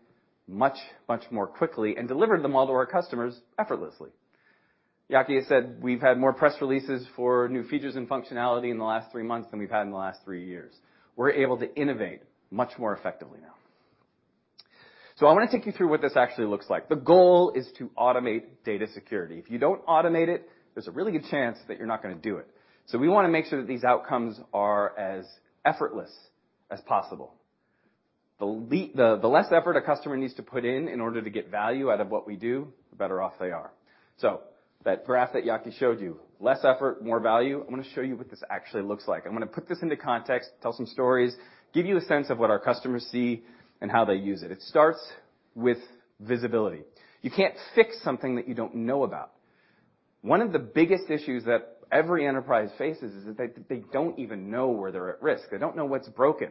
much, much more quickly and deliver them all to our customers effortlessly. Yaki has said we've had more press releases for new features and functionality in the last three months than we've had in the last three years. We're able to innovate much more effectively now. I wanna take you through what this actually looks like. The goal is to automate data security. If you don't automate it, there's a really good chance that you're not gonna do it. We wanna make sure that these outcomes are as effortless as possible. The less effort a customer needs to put in in order to get value out of what we do, the better off they are. That graph that Yaki showed you, less effort, more value. I'm gonna show you what this actually looks like. I'm gonna put this into context, tell some stories, give you a sense of what our customers see and how they use it. It starts with visibility. You can't fix something that you don't know about. One of the biggest issues that every enterprise faces is that they don't even know where they're at risk. They don't know what's broken.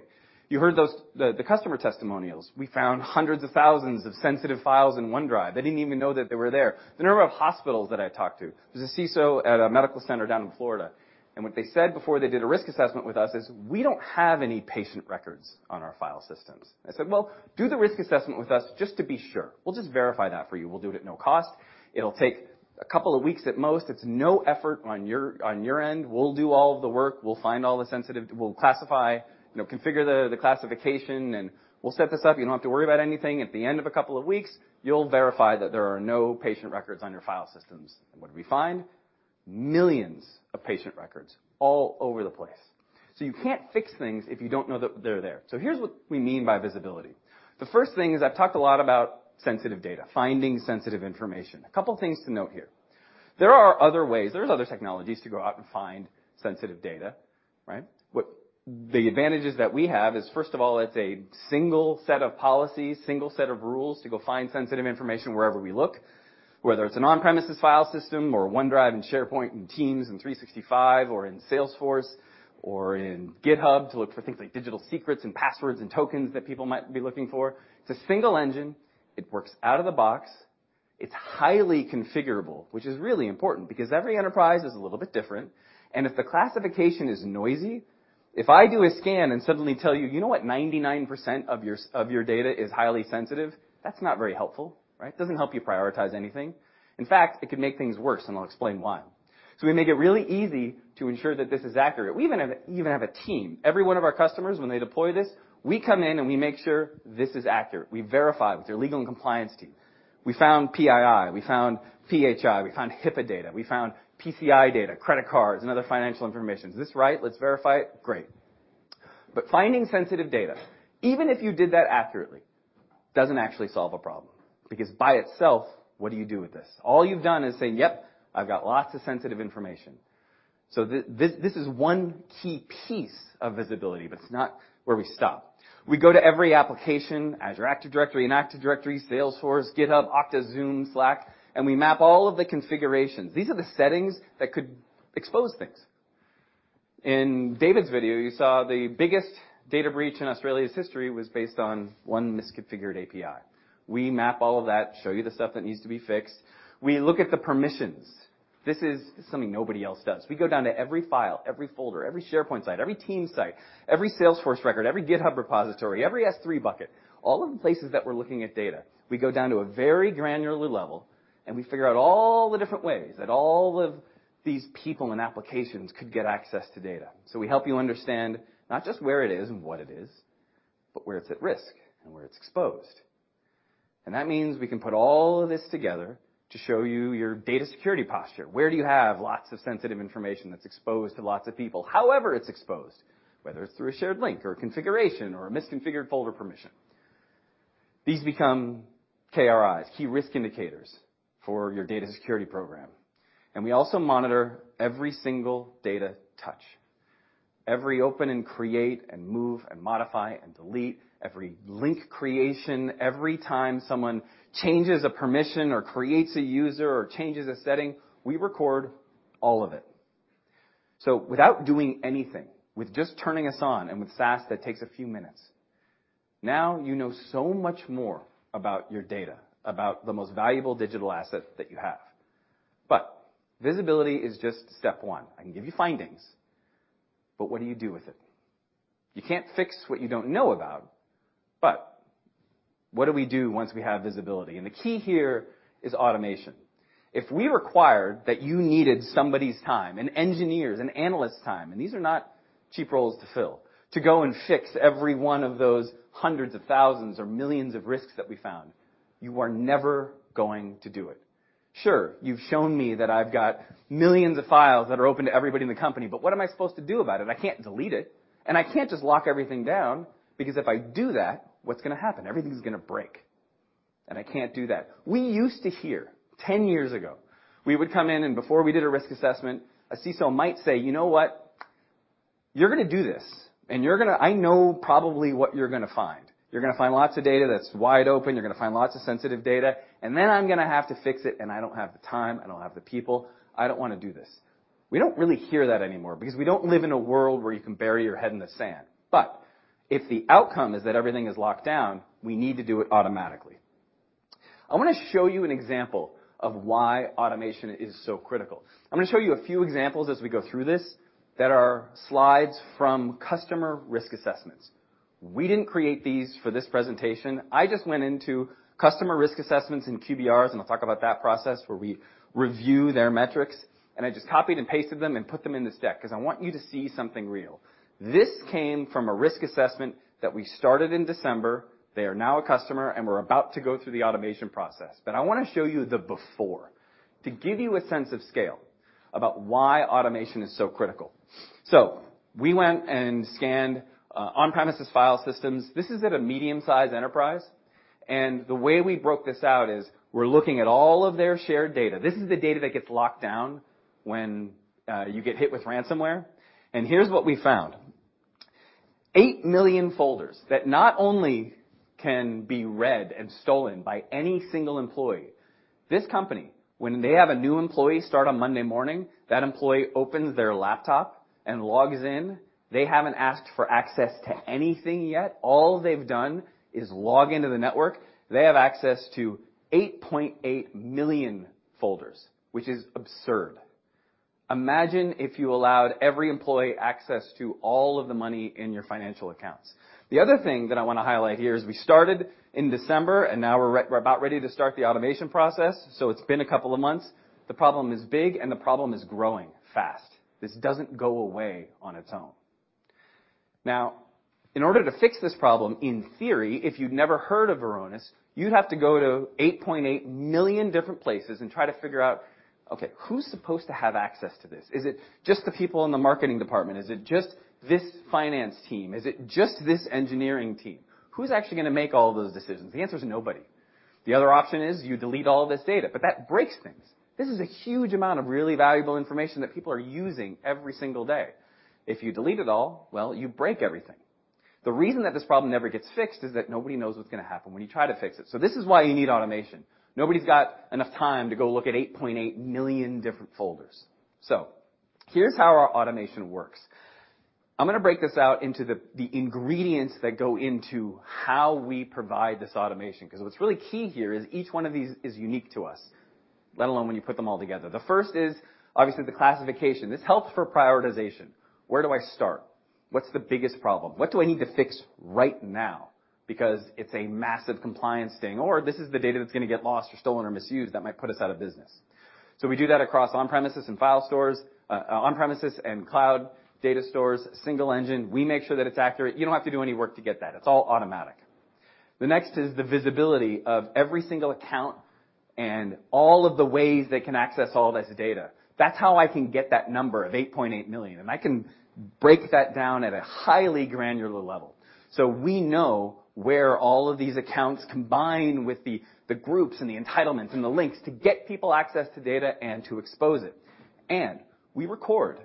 You heard the customer testimonials. We found hundreds of thousands of sensitive files in OneDrive. They didn't even know that they were there. The number of hospitals that I talked to. There's a CISO at a medical center down in Florida. What they said before they did a risk assessment with us is, "We don't have any patient records on our file systems." I said, "Well, do the risk assessment with us just to be sure. We'll just verify that for you. We'll do it at no cost. It'll take a couple of weeks at most. It's no effort on your end. We'll do all of the work. We'll find all the sensitive, we'll classify, you know, configure the classification, and we'll set this up. You don't have to worry about anything. At the end of a couple of weeks, you'll verify that there are no patient records on your file systems." What did we find? Millions of patient records all over the place. You can't fix things if you don't know that they're there. Here's what we mean by visibility. The first thing is, I've talked a lot about sensitive data, finding sensitive information. A couple things to note here. There are other ways. There's other technologies to go out and find sensitive data, right? The advantages that we have is, first of all, it's a single set of policies, single set of rules to go find sensitive information wherever we look, whether it's an on-premises file system or OneDrive and SharePoint and Teams and 365 or in Salesforce or in GitHub to look for things like digital secrets and passwords and tokens that people might be looking for. It's a single engine. It works out of the box. It's highly configurable, which is really important because every enterprise is a little bit different, and if the classification is noisy, if I do a scan and suddenly tell you, "You know what? 99% of your data is highly sensitive," that's not very helpful, right? Doesn't help you prioritize anything. In fact, it could make things worse, and I'll explain why. We make it really easy to ensure that this is accurate. We even have a team. Every one of our customers, when they deploy this, we come in and we make sure this is accurate. We verify with their legal and compliance team. We found PII, we found PHI, we found HIPAA data, we found PCI data, credit cards and other financial information. Is this right? Let's verify it. Great. Finding sensitive data, even if you did that accurately, doesn't actually solve a problem because by itself, what do you do with this? All you've done is say, "Yep, I've got lots of sensitive information." This is one key piece of visibility, but it's not where we stop. We go to every application, Azure Active Directory and Active Directory, Salesforce, GitHub, Okta, Zoom, Slack, and we map all of the configurations. These are the settings that could expose things. In David's video, you saw the biggest data breach in Australia's history was based on one misconfigured API. We map all of that, show you the stuff that needs to be fixed. We look at the permissions. This is something nobody else does. We go down to every file, every folder, every SharePoint site, every team site, every Salesforce record, every GitHub repository, every S3 bucket, all of the places that we're looking at data. We go down to a very granular level, and we figure out all the different ways that all of these people and applications could get access to data. We help you understand not just where it is and what it is, but where it's at risk and where it's exposed. That means we can put all of this together to show you your data security posture. Where do you have lots of sensitive information that's exposed to lots of people? However it's exposed, whether it's through a shared link or a configuration or a misconfigured folder permission. These become KRIs, key risk indicators for your data security program. We also monitor every single data touch. Every open and create, and move, and modify, and delete. Every link creation. Every time someone changes a permission or creates a user or changes a setting, we record all of it. Without doing anything, with just turning us on and with SaaS, that takes a few minutes. Now you know so much more about your data, about the most valuable digital assets that you have. Visibility is just step one. I can give you findings, but what do you do with it? You can't fix what you don't know about. What do we do once we have visibility? The key here is automation. If we required that you needed somebody's time, an engineer's, an analyst's time, and these are not cheap roles to fill, to go and fix every one of those hundreds of thousands or millions of risks that we found, you are never going to do it. Sure, you've shown me that I've got millions of files that are open to everybody in the company, but what am I supposed to do about it? I can't delete it, and I can't just lock everything down, because if I do that, what's gonna happen? Everything's gonna break, and I can't do that. We used to hear, 10 years ago, we would come in and before we did a risk assessment, a CISO might say, "You know what? You're gonna do this, and you're gonna, I know probably what you're gonna find. You're gonna find lots of data that's wide open. You're gonna find lots of sensitive data, and then I'm gonna have to fix it. I don't have the time. I don't have the people. I don't wanna do this." We don't really hear that anymore because we don't live in a world where you can bury your head in the sand. If the outcome is that everything is locked down, we need to do it automatically. I wanna show you an example of why automation is so critical. I'm gonna show you a few examples as we go through this that are slides from customer risk assessments. We didn't create these for this presentation. I just went into customer risk assessments in QBRs, and I'll talk about that process, where we review their metrics, and I just copied and pasted them and put them in this deck because I want you to see something real. This came from a risk assessment that we started in December. They are now a customer, and we're about to go through the automation process. I wanna show you the before to give you a sense of scale about why automation is so critical. We went and scanned on-premises file systems. This is at a medium-sized enterprise. The way we broke this out is we're looking at all of their shared data. This is the data that gets locked down when you get hit with ransomware. Here's what we found. Eight million folders that not only can be read and stolen by any single employee. This company, when they have a new employee start on Monday morning, that employee opens their laptop and logs in. They haven't asked for access to anything yet. All they've done is log into the network. They have access to 8.8 million folders, which is absurd. Imagine if you allowed every employee access to all of the money in your financial accounts. The other thing that I wanna highlight here is we started in December, now we're about ready to start the automation process, it's been a couple of months. The problem is big, the problem is growing fast. This doesn't go away on its own. In order to fix this problem, in theory, if you'd never heard of Varonis, you'd have to go to 8.8 million different places and try to figure out, okay, who's supposed to have access to this? Is it just the people in the marketing department? Is it just this finance team? Is it just this engineering team? Who's actually gonna make all those decisions? The answer is nobody. The other option is you delete all this data, but that breaks things. This is a huge amount of really valuable information that people are using every single day. If you delete it all, well, you break everything. The reason that this problem never gets fixed is that nobody knows what's gonna happen when you try to fix it. This is why you need automation. Nobody's got enough time to go look at 8.8 million different folders. Here's how our automation works. I'm gonna break this out into the ingredients that go into how we provide this automation, 'cause what's really key here is each one of these is unique to us, let alone when you put them all together. The first is obviously the classification. This helps for prioritization. Where do I start? What's the biggest problem? What do I need to fix right now because it's a massive compliance thing? This is the data that's gonna get lost or stolen or misused that might put us out of business. We do that across on-premises and file stores, on-premises and cloud data stores, single engine. We make sure that it's accurate. You don't have to do any work to get that. It's all automatic. The next is the visibility of every single account and all of the ways they can access all this data. That's how I can get that number of 8.8 million, I can break that down at a highly granular level. We know where all of these accounts combine with the groups and the entitlements and the links to get people access to data and to expose it. We record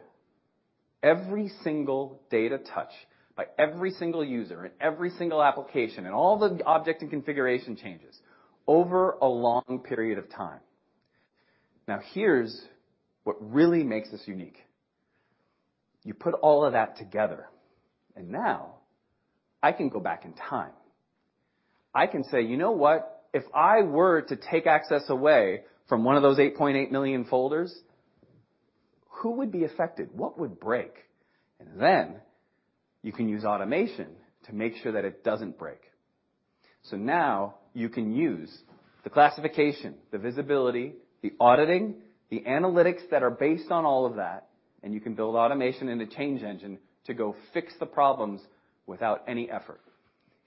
every single data touch by every single user and every single application and all the object and configuration changes over a long period of time. Here's what really makes this unique. You put all of that together, now I can go back in time. I can say, "You know what? If I were to take access away from one of those 8.8 million folders, who would be affected? What would break?" Then you can use automation to make sure that it doesn't break. Now you can use the classification, the visibility, the auditing, the analytics that are based on all of that, and you can build automation in the change engine to go fix the problems without any effort.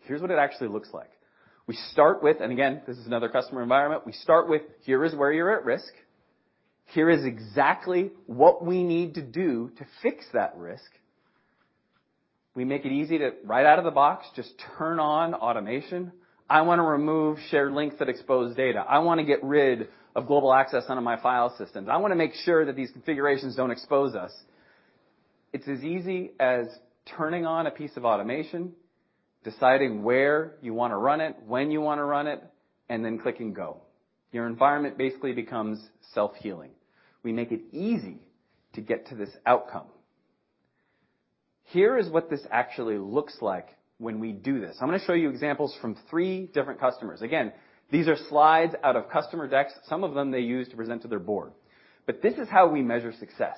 Here's what it actually looks like. Again, this is another customer environment. We start with, here is where you're at risk. Here is exactly what we need to do to fix that risk. We make it easy to, right out of the box, just turn on automation. I wanna remove shared links that expose data. I wanna get rid of global access out of my file systems. I wanna make sure that these configurations don't expose us. It's as easy as turning on a piece of automation, deciding where you want to run it, when you want to run it, and then clicking Go. Your environment basically becomes self-healing. We make it easy to get to this outcome. Here is what this actually looks like when we do this. I'm going to show you examples from three different customers. These are slides out of customer decks. Some of them they use to present to their board. This is how we measure success.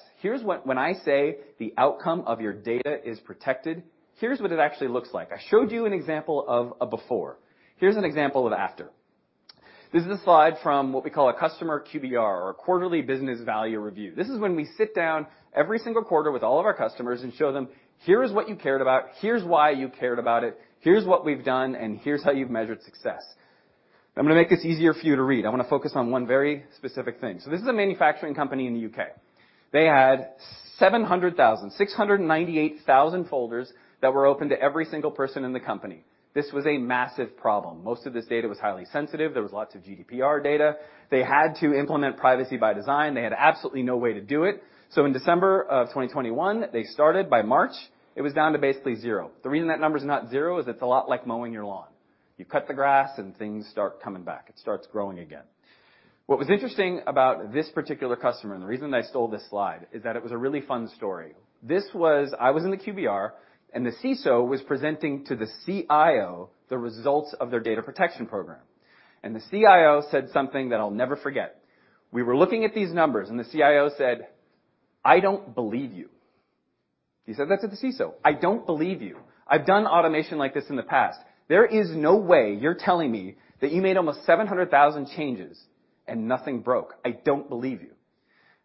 When I say the outcome of your data is protected, here's what it actually looks like. I showed you an example of a before. Here's an example of after. This is a slide from what we call a customer QBR or a quarterly business value review. This is when we sit down every single quarter with all of our customers and show them, "Here is what you cared about. Here's why you cared about it. Here's what we've done, and here's how you've measured success." I'm gonna make this easier for you to read. I wanna focus on one very specific thing. This is a manufacturing company in the U.K. They had 700,000-- 698,000 folders that were open to every single person in the company. This was a massive problem. Most of this data was highly sensitive. There was lots of GDPR data. They had to implement Privacy by Design. They had absolutely no way to do it. In December of 2021, they started. By March, it was down to basically zero. The reason that number is not zero is it's a lot like mowing your lawn. You cut the grass and things start coming back. It starts growing again. What was interesting about this particular customer, and the reason I stole this slide, is that it was a really fun story. This was I was in the QBR, the CISO was presenting to the CIO the results of their data protection program. The CIO said something that I'll never forget. We were looking at these numbers. The CIO said, "I don't believe you." He said that to the CISO, "I don't believe you. I've done automation like this in the past. There is no way you're telling me that you made almost 700,000 changes and nothing broke. I don't believe you."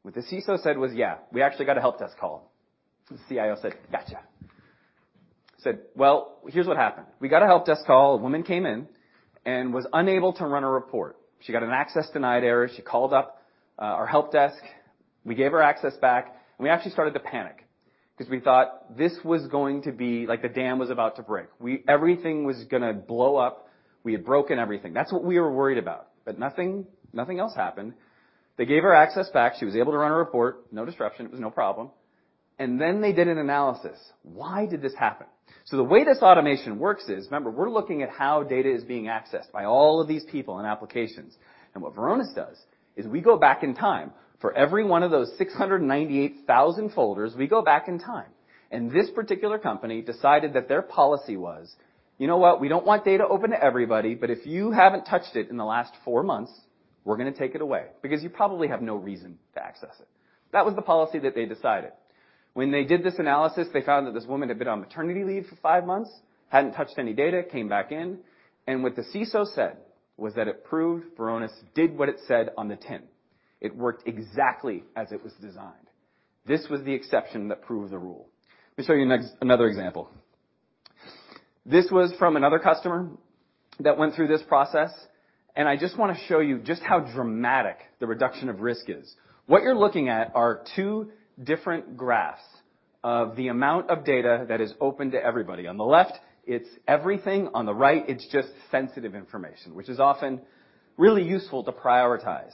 What the CISO said was, "Yeah, we actually got a help desk call." The CIO said, "Gotcha." He said, "Well, here's what happened. We got a help desk call. A woman came in and was unable to run a report. She got an access denied error. She called up, our help desk. We gave her access back, and we actually started to panic 'cause we thought this was going to be like the dam was about to break. Everything was gonna blow up. We had broken everything. That's what we were worried about, but nothing else happened. They gave her access back. She was able to run a report, no disruption. It was no problem." They did an analysis. Why did this happen? The way this automation works is, remember, we're looking at how data is being accessed by all of these people in applications. What Varonis does is we go back in time. For every one of those 698,000 folders, we go back in time. This particular company decided that their policy was, "You know what? We don't want data open to everybody, but if you haven't touched it in the last four months, we're gonna take it away because you probably have no reason to access it." That was the policy that they decided. When they did this analysis, they found that this woman had been on maternity leave for five months, hadn't touched any data, came back in, and what the CISO said was that it proved Varonis did what it said on the tin. It worked exactly as it was designed. This was the exception that proved the rule. Let me show you another example. This was from another customer that went through this process, and I just wanna show you just how dramatic the reduction of risk is. What you're looking at are two different graphs of the amount of data that is open to everybody. On the left, it's everything. On the right, it's just sensitive information, which is often really useful to prioritize.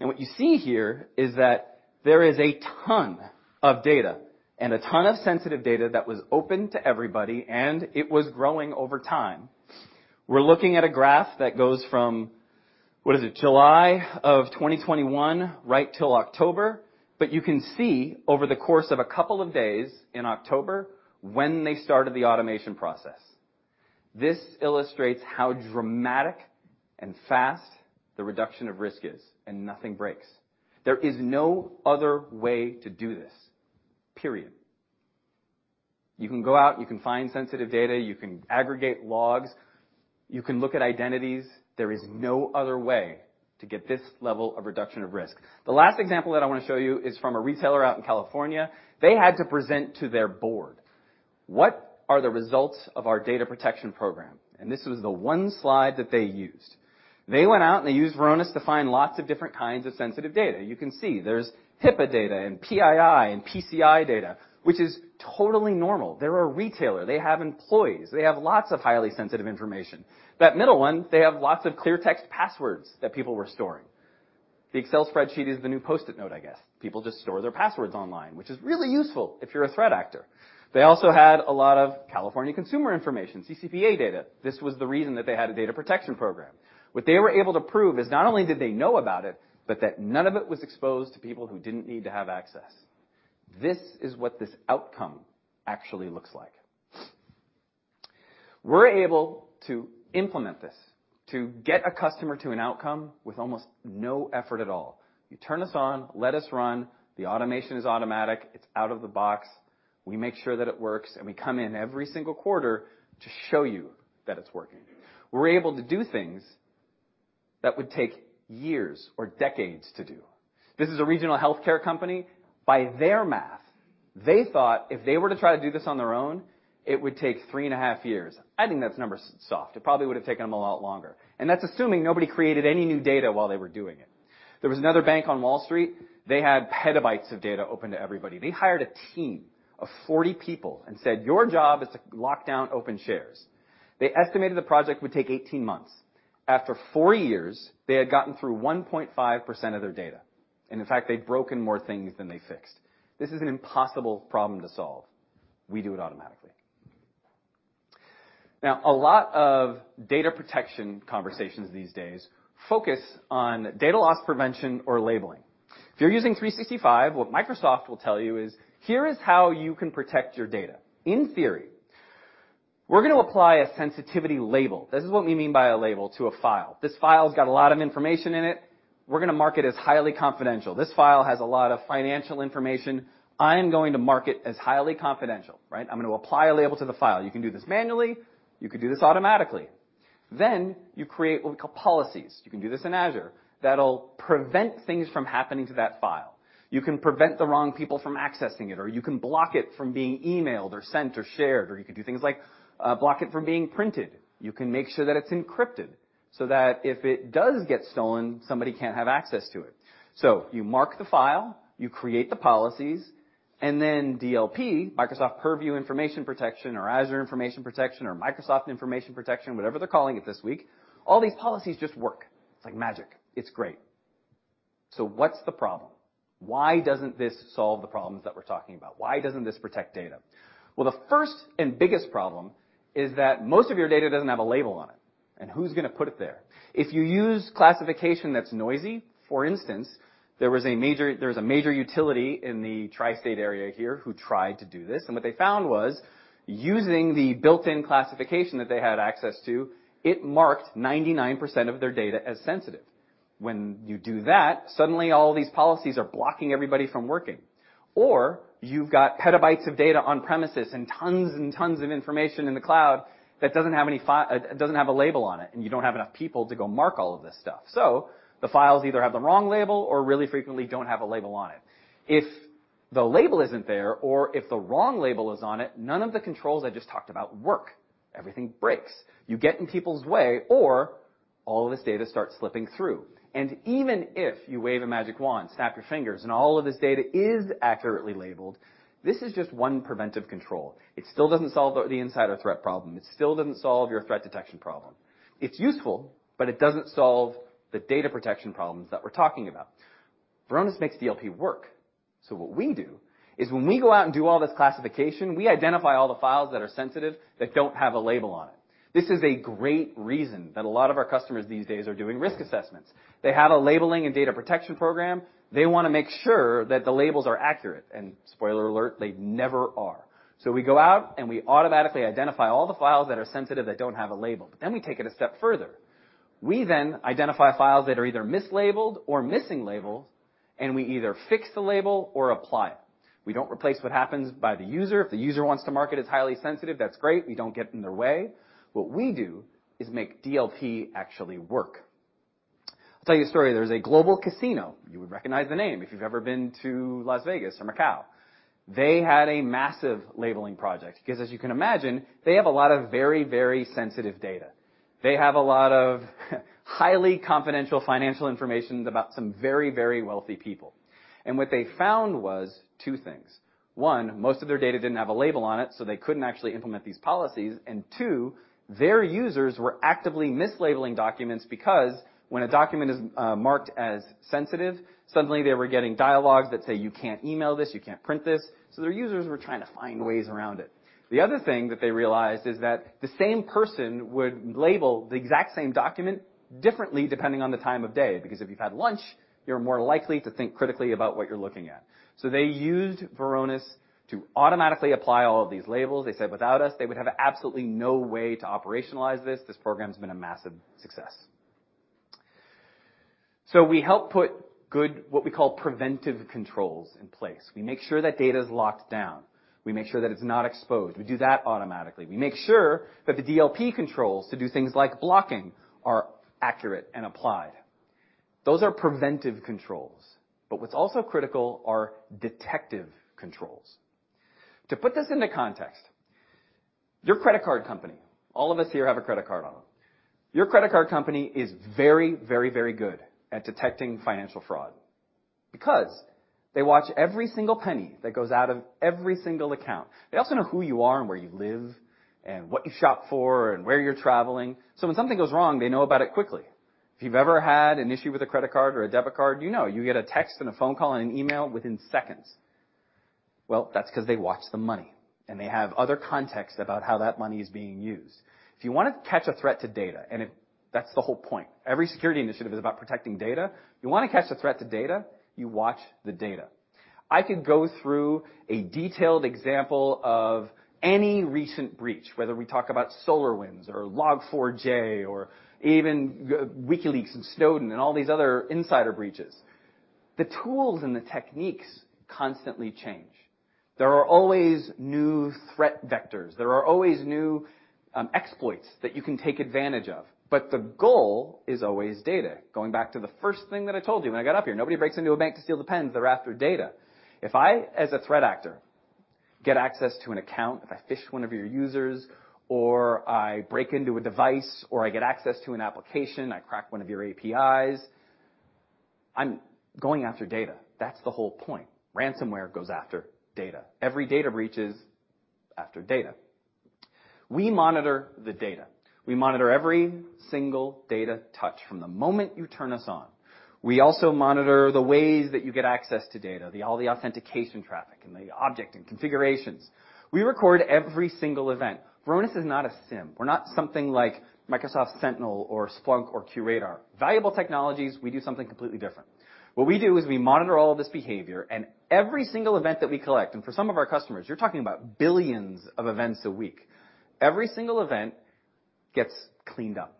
What you see here is that there is a ton of data and a ton of sensitive data that was open to everybody, and it was growing over time. We're looking at a graph that goes from, what is it? July of 2021 right till October. You can see over the course of a couple of days in October when they started the automation process. This illustrates how dramatic and fast the reduction of risk is, and nothing breaks. There is no other way to do this, period. You can go out, you can find sensitive data, you can aggregate logs, you can look at identities. There is no other way to get this level of reduction of risk. The last example that I wanna show you is from a retailer out in California. They had to present to their board, "What are the results of our data protection program?" This was the one slide that they used. They went out, and they used Varonis to find lots of different kinds of sensitive data. You can see there's HIPAA data and PII and PCI data, which is totally normal. They're a retailer. They have employees. They have lots of highly sensitive information. That middle one, they have lots of clear text passwords that people were storing. The Excel spreadsheet is the new Post-it Note, I guess. People just store their passwords online, which is really useful if you're a threat actor. They also had a lot of California consumer information, CCPA data. This was the reason that they had a data protection program. What they were able to prove is not only did they know about it, but that none of it was exposed to people who didn't need to have access. This is what this outcome actually looks like. We're able to implement this to get a customer to an outcome with almost no effort at all. You turn us on, let us run, the automation is automatic, it's out of the box. We make sure that it works, and we come in every single quarter to show you that it's working. We're able to do things that would take years or decades to do. This is a regional healthcare company. By their math, they thought if they were to try to do this on their own, it would take three and a half years. I think that number's soft. It probably would have taken them a lot longer. That's assuming nobody created any new data while they were doing it. There was another bank on Wall Street. They had petabytes of data open to everybody. They hired a team of 40 people and said, "Your job is to lock down open shares." They estimated the project would take 18 months. After four years, they had gotten through 1.5% of their data. In fact, they'd broken more things than they fixed. This is an impossible problem to solve. We do it automatically. A lot of data protection conversations these days focus on data loss prevention or labeling. If you're using Microsoft 365, what Microsoft will tell you is, "Here is how you can protect your data." In theory, we're gonna apply a sensitivity label. This is what we mean by a label to a file. This file's got a lot of information in it. We're gonna mark it as highly confidential. This file has a lot of financial information. I am going to mark it as highly confidential, right? I'm gonna apply a label to the file. You can do this manually, you could do this automatically. Then you create what we call policies, you can do this in Azure, that'll prevent things from happening to that file. You can prevent the wrong people from accessing it, or you can block it from being emailed or sent or shared, or you could do things like block it from being printed. You can make sure that it's encrypted, so that if it does get stolen, somebody can't have access to it. You mark the file, you create the policies, and then DLP, Microsoft Purview Information Protection or Azure Information Protection or Microsoft Information Protection, whatever they're calling it this week, all these policies just work. It's like magic. It's great. What's the problem? Why doesn't this solve the problems that we're talking about? Why doesn't this protect data? The first and biggest problem is that most of your data doesn't have a label on it. Who's gonna put it there? If you use classification that's noisy, for instance, there was a major utility in the tri-state area here who tried to do this, and what they found was using the built-in classification that they had access to, it marked 99% of their data as sensitive. When you do that, suddenly all these policies are blocking everybody from working. Or, you've got petabytes of data on premises and tons and tons of information in the cloud that doesn't have a label on it, and you don't have enough people to go mark all of this stuff. The files either have the wrong label or really frequently don't have a label on it. If the label isn't there or if the wrong label is on it, none of the controls I just talked about work. Everything breaks. You get in people's way, or all of this data starts slipping through. Even if you wave a magic wand, snap your fingers, and all of this data is accurately labeled, this is just one preventive control. It still doesn't solve the insider threat problem. It still doesn't solve your threat detection problem. It's useful, it doesn't solve the data protection problems that we're talking about. Varonis makes DLP work. What we do is when we go out and do all this classification, we identify all the files that are sensitive that don't have a label on it. This is a great reason that a lot of our customers these days are doing risk assessments. They have a labeling and data protection program. They wanna make sure that the labels are accurate and, spoiler alert, they never are. We go out, and we automatically identify all the files that are sensitive that don't have a label. We take it a step further. We identify files that are either mislabeled or missing labels, and we either fix the label or apply it. We don't replace what happens by the user. If the user wants to mark it as highly sensitive, that's great. We don't get in their way. What we do is make DLP actually work. I'll tell you a story. There's a global casino. You would recognize the name if you've ever been to Las Vegas or Macau. They had a massive labeling project because as you can imagine, they have a lot of very, very sensitive data. They have a lot of highly confidential financial information about some very, very wealthy people. What they found was two things. One, most of their data didn't have a label on it, so they couldn't actually implement these policies. Two, their users were actively mislabeling documents because when a document is marked as sensitive, suddenly they were getting dialogues that say, "You can't email this. You can't print this." Their users were trying to find ways around it. The other thing that they realized is that the same person would label the exact same document differently depending on the time of day. If you've had lunch, you're more likely to think critically about what you're looking at. They used Varonis to automatically apply all of these labels. They said without us, they would have absolutely no way to operationalize this. This program's been a massive success. We help put good, what we call preventive controls in place. We make sure that data is locked down. We make sure that it's not exposed. We do that automatically. We make sure that the DLP controls to do things like blocking are accurate and applied. Those are preventive controls, what's also critical are detective controls. To put this into context, your credit card company, all of us here have a credit card on them. Your credit card company is very, very, very good at detecting financial fraud because they watch every single penny that goes out of every single account. They also know who you are and where you live and what you shop for and where you're traveling. When something goes wrong, they know about it quickly. If you've ever had an issue with a credit card or a debit card, you know. You get a text and a phone call and an email within seconds. That's 'cause they watch the money. They have other context about how that money is being used. If you want to catch a threat to data, that's the whole point. Every security initiative is about protecting data. You want to catch a threat to data, you watch the data. I could go through a detailed example of any recent breach, whether we talk about SolarWinds or Log4j or even WikiLeaks and Snowden and all these other insider breaches. The tools and the techniques constantly change. There are always new threat vectors. There are always new exploits that you can take advantage of, but the goal is always data. Going back to the first thing that I told you when I got up here, nobody breaks into a bank to steal the pens, they're after data. If I, as a threat actor, get access to an account, if I phish one of your users, or I break into a device, or I get access to an application, I crack one of your APIs, I'm going after data. That's the whole point. Ransomware goes after data. Every data breach is after data. We monitor the data. We monitor every single data touch from the moment you turn us on. We also monitor the ways that you get access to data, all the authentication traffic and the object and configurations. We record every single event. Varonis is not a SIM. We're not something like Microsoft Sentinel or Splunk or QRadar. Valuable technologies, we do something completely different. What we do is we monitor all of this behavior and every single event that we collect, and for some of our customers, you're talking about billions of events a week. Every single event gets cleaned up.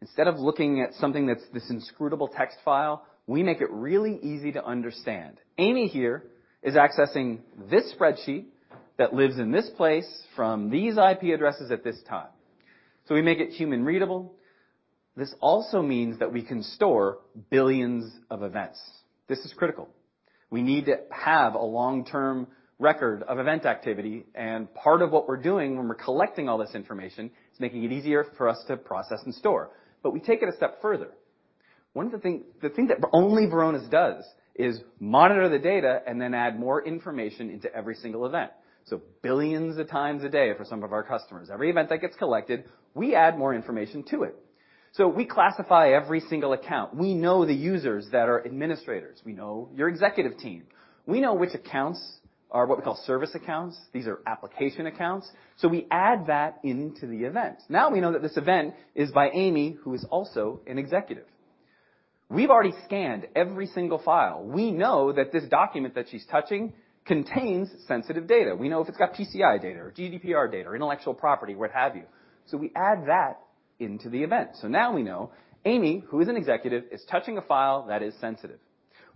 Instead of looking at something that's this inscrutable text file, we make it really easy to understand. Amy here is accessing this spreadsheet that lives in this place from these IP addresses at this time. We make it human readable. This also means that we can store billions of events. This is critical. We need to have a long-term record of event activity, part of what we're doing when we're collecting all this information is making it easier for us to process and store. We take it a step further. The thing that only Varonis does is monitor the data and then add more information into every single event. Billions of times a day for some of our customers. Every event that gets collected, we add more information to it. We classify every single account. We know the users that are administrators. We know your executive team. We know which accounts are what we call service accounts. These are application accounts. We add that into the event. Now we know that this event is by Amy, who is also an executive. We've already scanned every single file. We know that this document that she's touching contains sensitive data. We know if it's got PCI data or GDPR data or intellectual property, what have you. We add that into the event. Now we know Amy, who is an executive, is touching a file that is sensitive.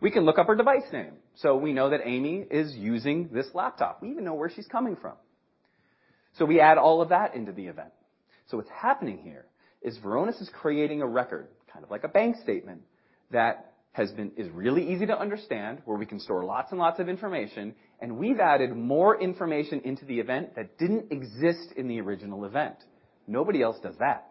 We can look up her device name. We know that Amy is using this laptop. We even know where she's coming from. We add all of that into the event. What's happening here is Varonis is creating a record, kind of like a bank statement, that is really easy to understand, where we can store lots and lots of information, and we've added more information into the event that didn't exist in the original event. Nobody else does that.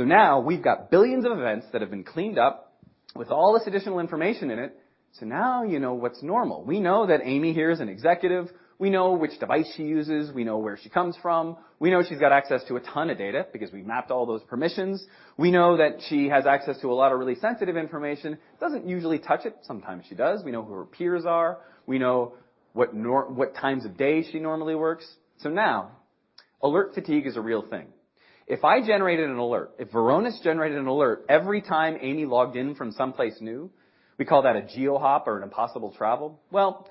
Now we've got billions of events that have been cleaned up with all this additional information in it, so now you know what's normal. We know that Amy here is an executive. We know which device she uses. We know where she comes from. We know she's got access to a ton of data because we mapped all those permissions. We know that she has access to a lot of really sensitive information. Doesn't usually touch it. Sometimes she does. We know who her peers are. We know what times of day she normally works. Now, alert fatigue is a real thing. If I generated an alert, if Varonis generated an alert every time Amy logged in from someplace new, we call that a geo-hop or an impossible travel. Well,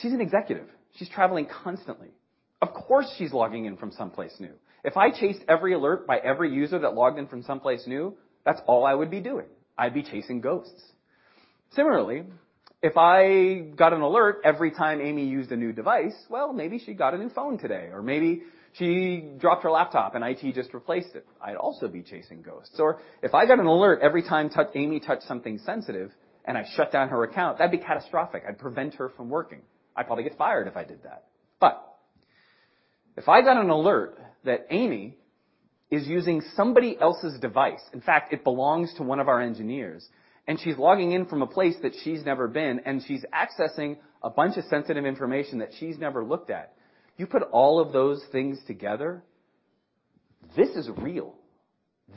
she's an executive. She's traveling constantly. Of course, she's logging in from someplace new. If I chased every alert by every user that logged in from someplace new, that's all I would be doing. I'd be chasing ghosts. Similarly, if I got an alert every time Amy used a new device, well, maybe she got a new phone today, or maybe she dropped her laptop and IT just replaced it. I'd also be chasing ghosts. If I got an alert every time Amy touched something sensitive and I shut down her account, that'd be catastrophic. I'd prevent her from working. I'd probably get fired if I did that. If I got an alert that Amy is using somebody else's device, in fact, it belongs to one of our engineers, and she's logging in from a place that she's never been, and she's accessing a bunch of sensitive information that she's never looked at, you put all of those things together, this is real.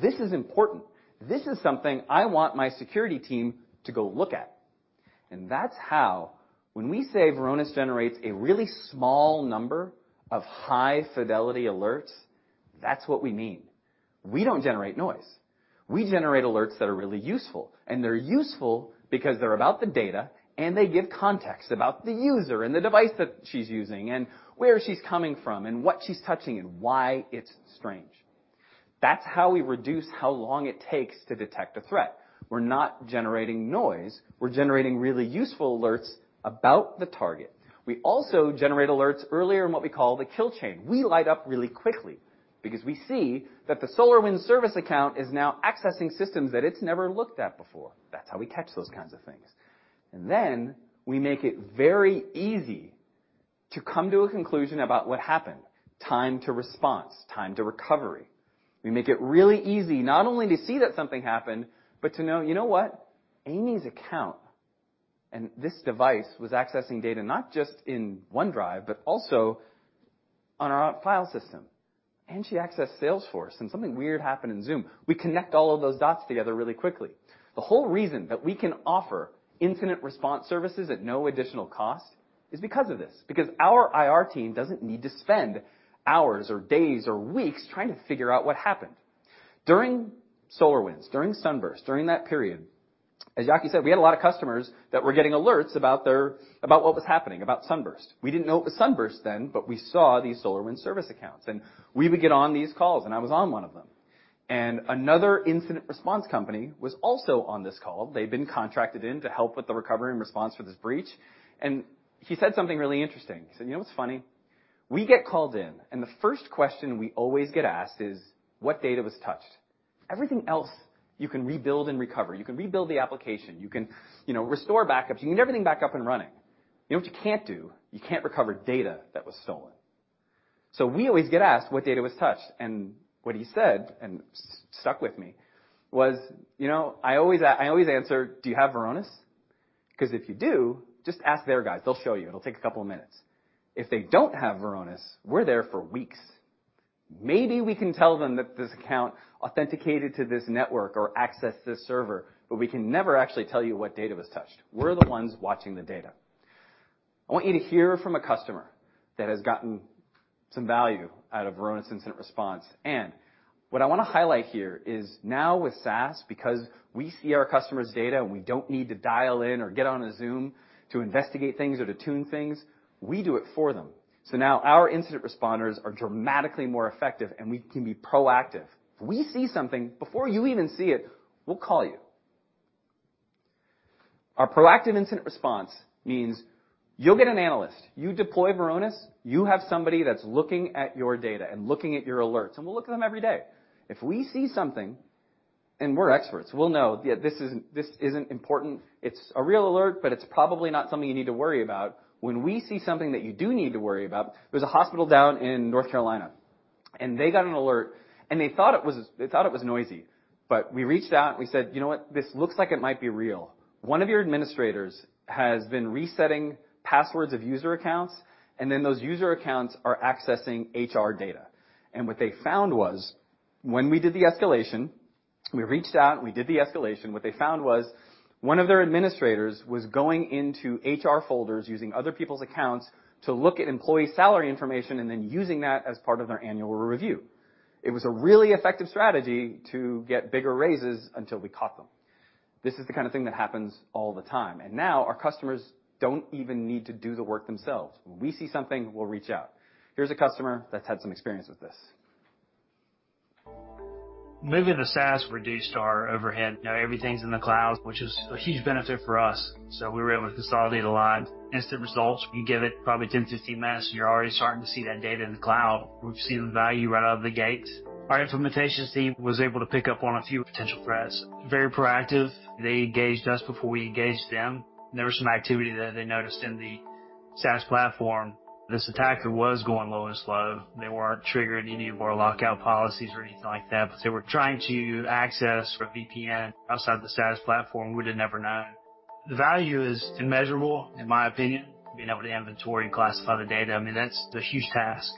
This is important. This is something I want my security team to go look at. That's how when we say Varonis generates a really small number of high-fidelity alerts, that's what we mean. We don't generate noise. We generate alerts that are really useful, and they're useful because they're about the data, and they give context about the user and the device that she's using and where she's coming from and what she's touching and why it's strange. That's how we reduce how long it takes to detect a threat. We're not generating noise. We're generating really useful alerts about the target. We also generate alerts earlier in what we call the kill chain. We light up really quickly because we see that the SolarWinds service account is now accessing systems that it's never looked at before. That's how we catch those kinds of things. We make it very easy to come to a conclusion about what happened, time to response, time to recovery. We make it really easy not only to see that something happened, but to know, you know what? Amy's account and this device was accessing data not just in OneDrive, but also on our file system. She accessed Salesforce, and something weird happened in Zoom. We connect all of those dots together really quickly. The whole reason that we can offer incident response services at no additional cost is because of this, because our IR team doesn't need to spend hours or days or weeks trying to figure out what happened. During SolarWinds, during SUNBURST, during that period, as Yaki said, we had a lot of customers that were getting alerts about what was happening, about SUNBURST. We didn't know it was SUNBURST then. We saw these SolarWinds service accounts. We would get on these calls. I was on one of them. Another incident response company was also on this call. They'd been contracted in to help with the recovery and response for this breach. He said something really interesting. He said, "You know what's funny? We get called in, the first question we always get asked is, 'What data was touched?' Everything else you can rebuild and recover, you can rebuild the application, you can, you know, restore backups, you can get everything back up and running. You know what you can't do? You can't recover data that was stolen. We always get asked what data was touched." What he said, and stuck with me, was, "You know, I always answer, 'Do you have Varonis? Because if you do, just ask their guys, they'll show you. It'll take a couple of minutes.' If they don't have Varonis, we're there for weeks. Maybe we can tell them that this account authenticated to this network or accessed this server, but we can never actually tell you what data was touched. We're the ones watching the data." I want you to hear from a customer that has gotten some value out of Varonis Incident Response. What I want to highlight here is now with SaaS, because we see our customers' data and we don't need to dial in or get on a Zoom to investigate things or to tune things, we do it for them. Now our incident responders are dramatically more effective, and we can be proactive. If we see something before you even see it, we'll call you. Our proactive incident response means you'll get an analyst. You deploy Varonis, you have somebody that's looking at your data and looking at your alerts, and we'll look at them every day. If we see something, and we're experts, we'll know, yeah, this isn't important. It's a real alert, but it's probably not something you need to worry about. When we see something that you do need to worry about. There was a hospital down in North Carolina, they got an alert, and they thought it was noisy. We reached out and we said, "You know what? This looks like it might be real. One of your administrators has been resetting passwords of user accounts, and then those user accounts are accessing HR data." What they found was when we did the escalation, we reached out and we did the escalation. What they found was one of their administrators was going into HR folders using other people's accounts to look at employee salary information and then using that as part of their annual review. It was a really effective strategy to get bigger raises until we caught them. This is the kind of thing that happens all the time. Now our customers don't even need to do the work themselves. When we see something, we'll reach out. Here's a customer that's had some experience with this. Moving to SaaS reduced our overhead. Everything's in the cloud, which is a huge benefit for us. We were able to consolidate a lot. Instant results. You give it probably 10, 15 minutes, and you're already starting to see that data in the cloud. We've seen the value right out of the gates. Our implementations team was able to pick up on a few potential threats. Very proactive. They engaged us before we engaged them. There was some activity that they noticed in the SaaS platform. This attacker was going low and slow. They weren't triggering any of our lockout policies or anything like that, they were trying to access our VPN outside the SaaS platform. We'd have never known. The value is immeasurable, in my opinion, being able to inventory and classify the data. I mean, that's a huge task.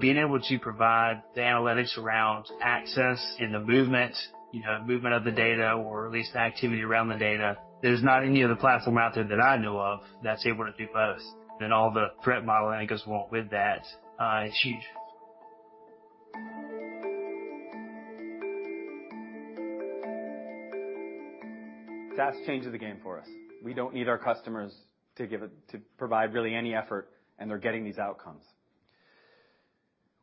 Being able to provide the analytics around access and the movement, you know, movement of the data or at least the activity around the data, there's not any other platform out there that I know of that's able to do both. All the threat modeling that goes along with that, is huge. SaaS changes the game for us. We don't need our customers to provide really any effort, and they're getting these outcomes.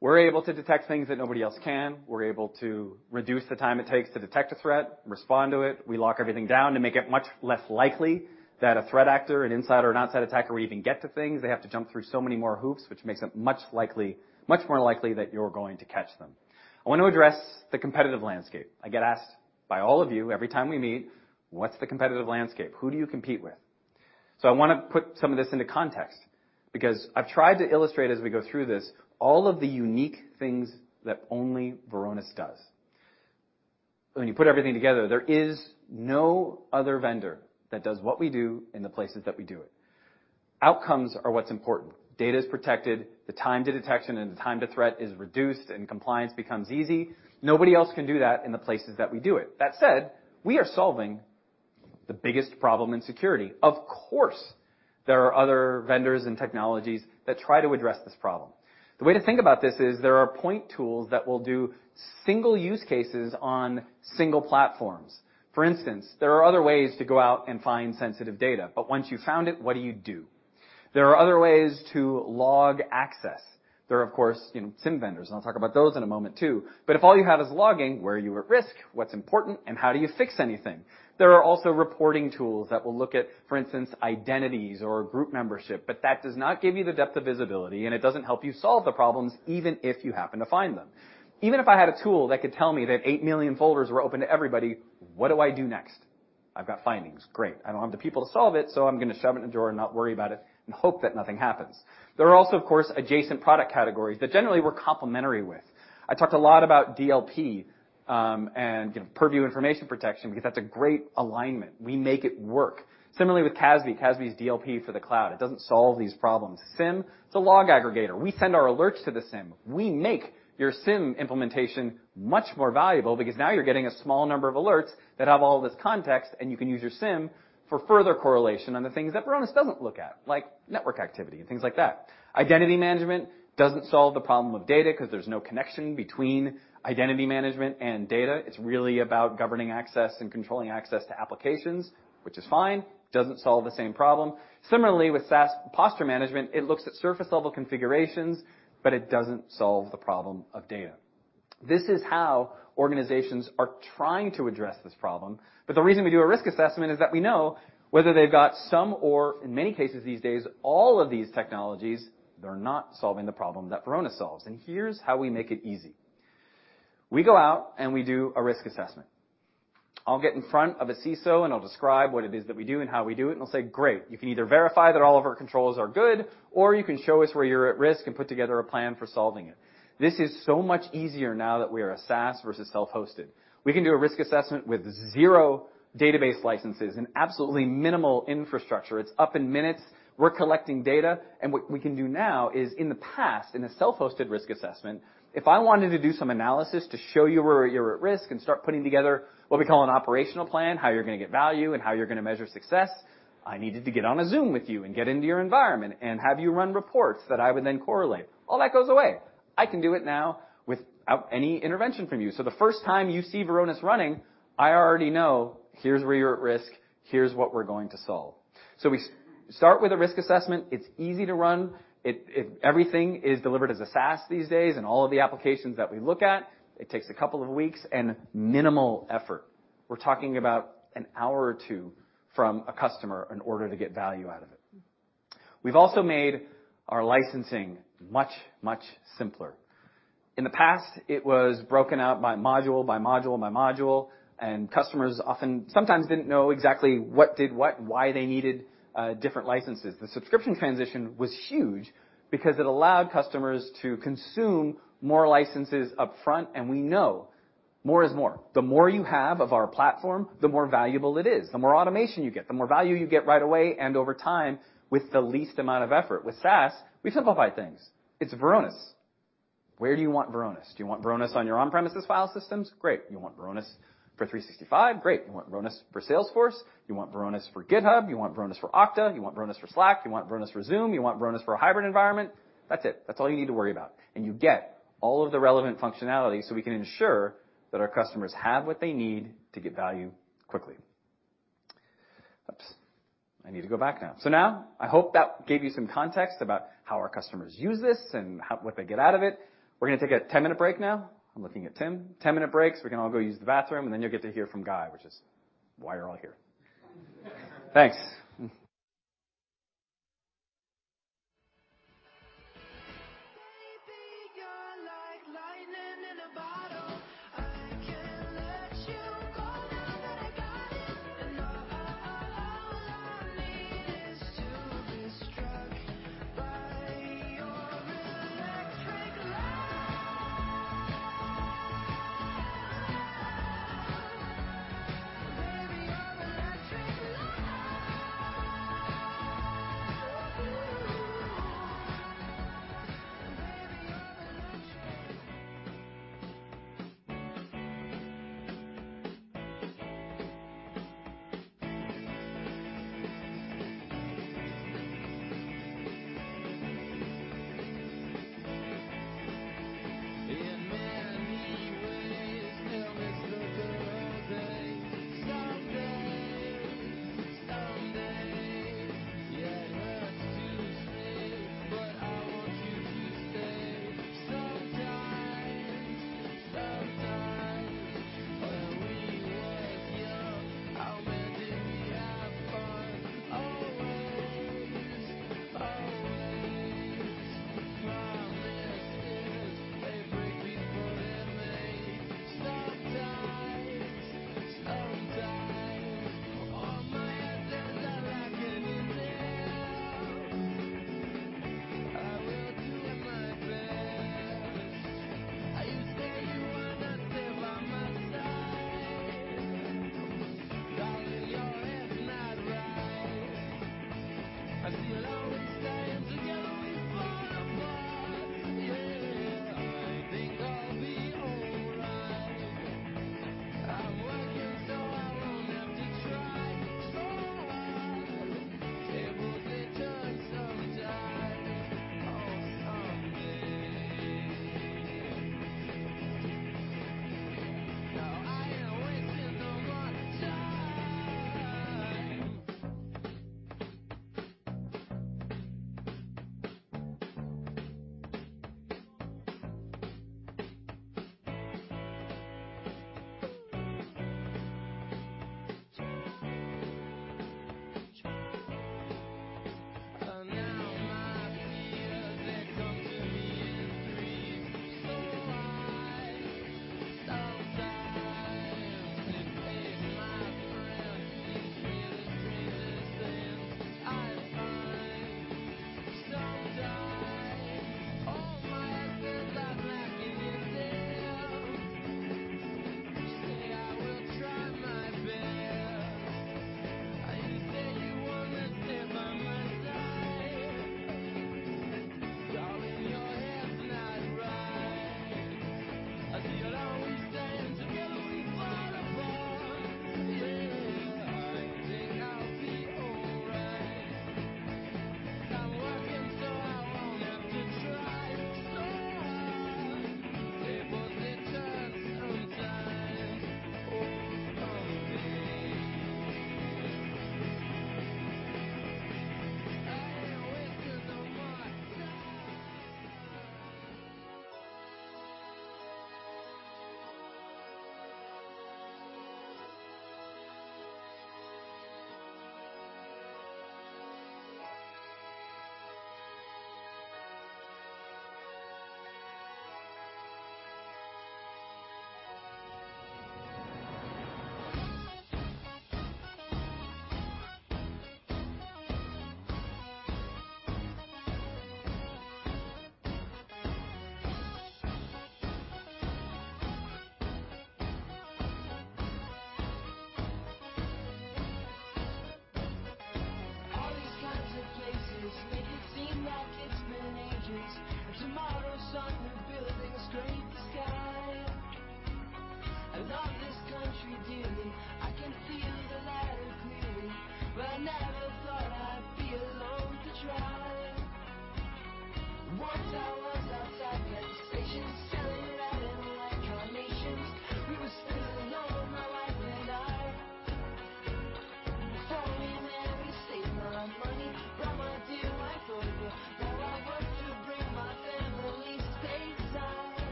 We're able to detect things that nobody else can. We're able to reduce the time it takes to detect a threat, respond to it. We lock everything down to make it much less likely that a threat actor, an insider, an outside attacker would even get to things. They have to jump through so many more hoops, which makes it much more likely that you're going to catch them. I want to address the competitive landscape. I get asked by all of you every time we meet, "What's the competitive landscape? Who do you compete with?" I wanna put some of this into context because I've tried to illustrate as we go through this all of the unique things that only Varonis does. When you put everything together, there is no other vendor that does what we do in the places that we do it. Outcomes are what's important. Data is protected, the time to detection and the time to threat is reduced, and compliance becomes easy. Nobody else can do that in the places that we do it. We are solving the biggest problem in security. There are other vendors and technologies that try to address this problem. The way to think about this is there are point tools that will do single use cases on single platforms. There are other ways to go out and find sensitive data, but once you've found it, what do you do? There are other ways to log access. There are, of course, you know, SIM vendors, and I'll talk about those in a moment too. If all you have is logging, where are you at risk, what's important, and how do you fix anything? There are also reporting tools that will look at, for instance, identities or group membership, but that does not give you the depth of visibility, and it doesn't help you solve the problems, even if you happen to find them. Even if I had a tool that could tell me that eight million folders were open to everybody, what do I do next? I've got findings, great. I don't have the people to solve it, so I'm gonna shove it in a drawer and not worry about it and hope that nothing happens. There are also, of course, adjacent product categories that generally we're complementary with. I talked a lot about DLP. You know, Purview Information Protection because that's a great alignment. We make it work. Similarly with CASB. CASB is DLP for the cloud. It doesn't solve these problems. SIEM, it's a log aggregator. We send our alerts to the SIEM. We make your SIEM implementation much more valuable because now you're getting a small number of alerts that have all this context, and you can use your SIEM for further correlation on the things that Varonis doesn't look at, like network activity and things like that. Identity management doesn't solve the problem of data 'cause there's no connection between identity management and data. It's really about governing access and controlling access to applications, which is fine. Doesn't solve the same problem. Similarly, with SaaS posture management, it looks at surface level configurations, but it doesn't solve the problem of data. This is how organizations are trying to address this problem. The reason we do a risk assessment is that we know whether they've got some or, in many cases these days, all of these technologies, they're not solving the problem that Varonis solves. Here's how we make it easy. We go out, and we do a risk assessment. I'll get in front of a CISO, and I'll describe what it is that we do and how we do it. They'll say, "Great, you can either verify that all of our controls are good, or you can show us where you're at risk and put together a plan for solving it." This is so much easier now that we are a SaaS versus self-hosted. We can do a risk assessment with zero database licenses and absolutely minimal infrastructure. It's up in minutes. We're collecting data. What we can do now is in the past, in a self-hosted risk assessment, if I wanted to do some analysis to show you where you're at risk and start putting together what we call an operational plan, how you're gonna get value, and how you're gonna measure success, I needed to get on a Zoom with you and get into your environment and have you run reports that I would then correlate. All that goes away. I can do it now without any intervention from you. The first time you see Varonis running, I already know here's where you're at risk, here's what we're going to solve. We start with a risk assessment. It's easy to run. Everything is delivered as a SaaS these days, and all of the applications that we look at, it takes two weeks and minimal effort. We're talking about an hour or two from a customer in order to get value out of it. We've also made our licensing much, much simpler. In the past, it was broken out by module, by module, by module, customers sometimes didn't know exactly what did what and why they needed different licenses. The subscription transition was huge because it allowed customers to consume more licenses upfront, we know more is more. The more you have of our platform, the more valuable it is, the more automation you get, the more value you get right away and over time with the least amount of effort. With SaaS, we simplify things. It's Varonis. Where do you want Varonis? Do you want Varonis on your on-premises file systems? Great. You want Varonis for 365? Great. You want Varonis for Salesforce? You want Varonis for GitHub? You want Varonis for Okta? You want Varonis for Slack? You want Varonis for Zoom? You want Varonis for a hybrid environment? That's it. That's all you need to worry about. You get all of the relevant functionality so we can ensure that our customers have what they need to get value quickly. Oops, I need to go back now. Now I hope that gave you some context about how our customers use this and how what they get out of it. We're gonna take a 10-minute break now. I'm looking at Tim. 10-minute breaks. We can all go use the bathroom, and then you'll get to hear from Guy, which is why you're all here. Thanks.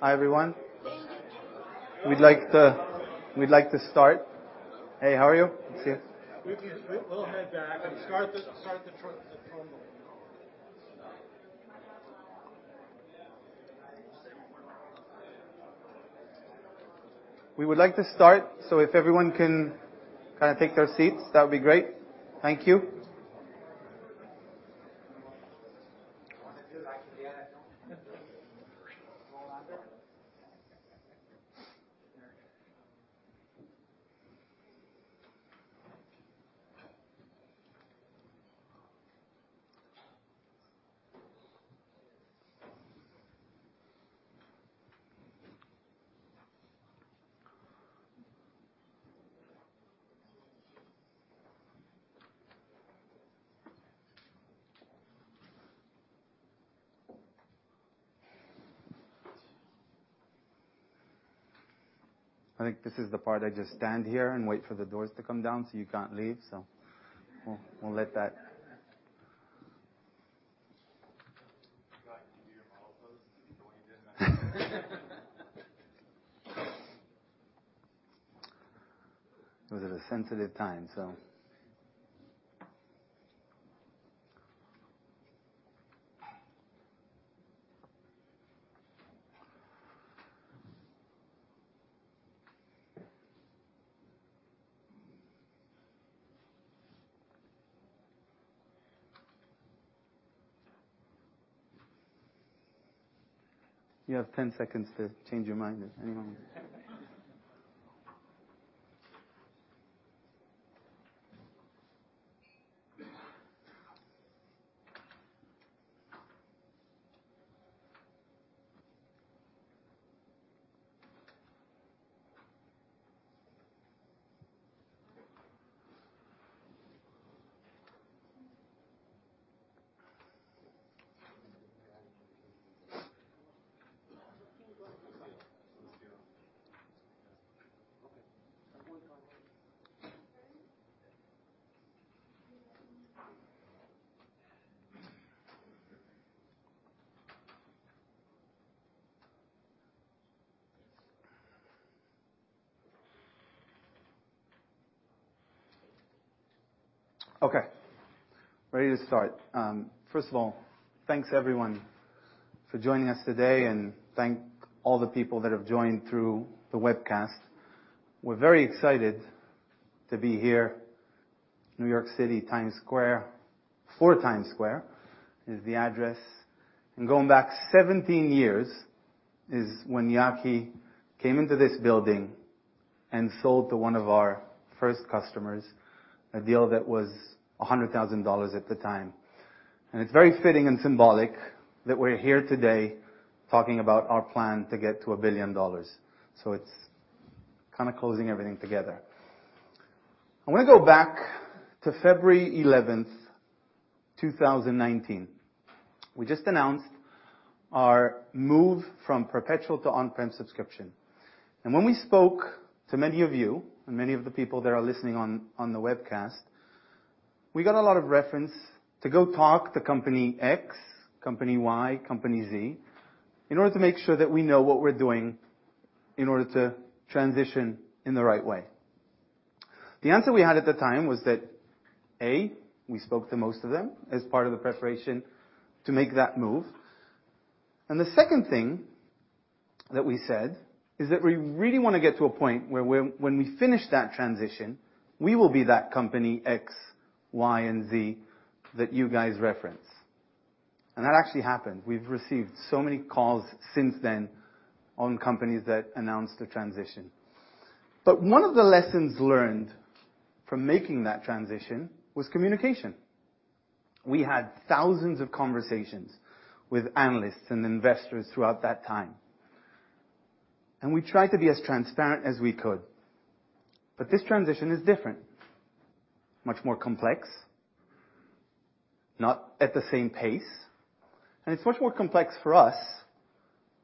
Hi, everyone. We'd like to start. Hey, how are you? Good to see you. We'll head back and start the. We would like to start, so if everyone can kinda take their seats, that would be great. Thank you. I think this is the part I just stand here and wait for the doors to come down so you can't leave, so. We'll let that. It was at a sensitive time, so. You have 10 seconds to change your mind if anyone. Okay. Ready to start. First of all, thanks everyone for joining us today, and thank all the people that have joined through the webcast. We're very excited to be here, New York City, Times Square. 4 Times Square is the address. Going back 17 years is when Yaki came into this building and sold to one of our first customers, a deal that was $100,000 at the time. It's very fitting and symbolic that we're here today talking about our plan to get to $1 billion. It's kinda closing everything together. I wanna go back to February 11th, 2019. We just announced our move from perpetual to on-prem subscription. When we spoke to many of you, and many of the people that are listening on the webcast, we got a lot of reference to go talk to company X, company Y, company Z, in order to make sure that we know what we're doing in order to transition in the right way. The answer we had at the time was that, A, we spoke to most of them as part of the preparation to make that move. The second thing that we said is that we really wanna get to a point where when we finish that transition, we will be that company X, Y, and Z that you guys reference. That actually happened. We've received so many calls since then on companies that announced the transition. One of the lessons learned from making that transition was communication. We had thousands of conversations with analysts and investors throughout that time. We tried to be as transparent as we could. This transition is different, much more complex, not at the same pace, and it's much more complex for us,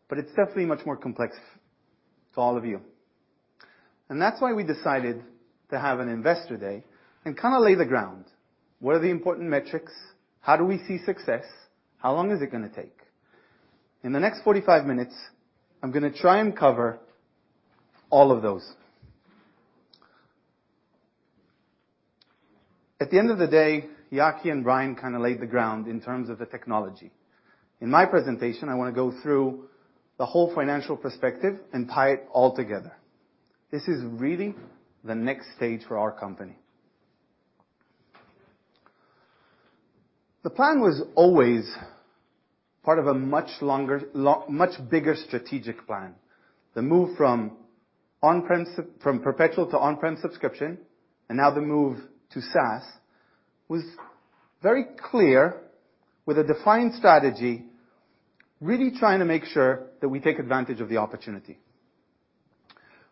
but it's definitely much more complex to all of you. That's why we decided to have an Investor Day and kinda lay the ground. What are the important metrics? How do we see success? How long is it gonna take? In the next 45 minutes, I'm gonna try and cover all of those. At the end of the day, Yaki and Brian kinda laid the ground in terms of the technology. In my presentation, I wanna go through the whole financial perspective and tie it all together. This is really the next stage for our company. The plan was always part of a much longer, much bigger strategic plan. The move from on-prem from perpetual to on-prem subscription, and now the move to SaaS, was very clear with a defined strategy, really trying to make sure that we take advantage of the opportunity.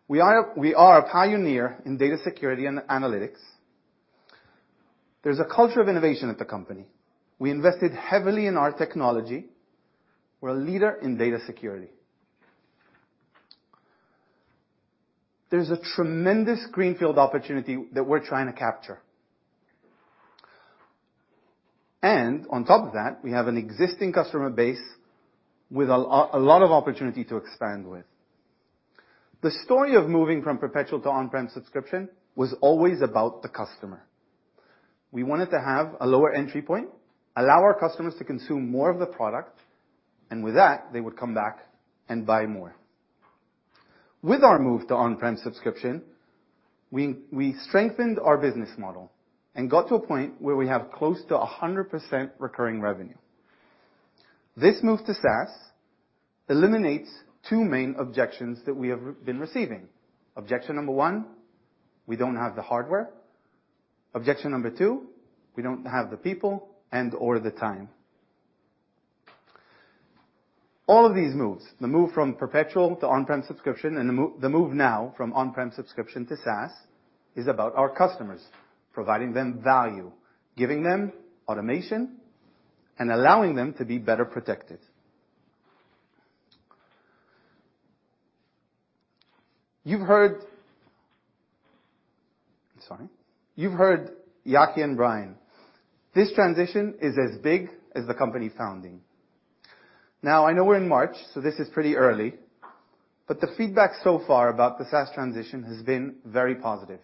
We are a pioneer in data security and analytics. There's a culture of innovation at the company. We invested heavily in our technology. We're a leader in data security. There's a tremendous greenfield opportunity that we're trying to capture. On top of that, we have an existing customer base with a lot of opportunity to expand with. The story of moving from perpetual to on-prem subscription was always about the customer. We wanted to have a lower entry point, allow our customers to consume more of the product, and with that, they would come back and buy more. With our move to on-prem subscription, we strengthened our business model and got to a point where we have close to 100% recurring revenue. This move to SaaS eliminates two main objections that we have been receiving. Objection number one, we don't have the hardware. Objection number two, we don't have the people and/or the time. All of these moves, the move from perpetual to on-prem subscription and the move now from on-prem subscription to SaaS, is about our customers, providing them value, giving them automation, and allowing them to be better protected. You've heard. Sorry. You've heard Yaki and Brian. This transition is as big as the company founding. I know we're in March, so this is pretty early, but the feedback so far about the SaaS transition has been very positive,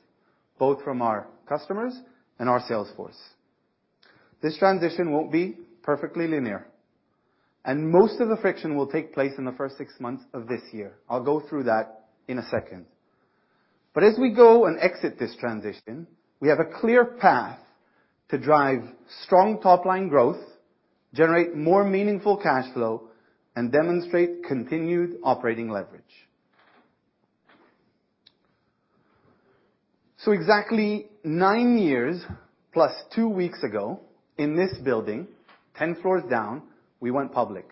both from our customers and our sales force. This transition won't be perfectly linear, and most of the friction will take place in the first six months of this year. I'll go through that in a second. As we go and exit this transition, we have a clear path to drive strong top-line growth, generate more meaningful cash flow, and demonstrate continued operating leverage. Exactly nine years plus two weeks ago in this building, 10 floors down, we went public.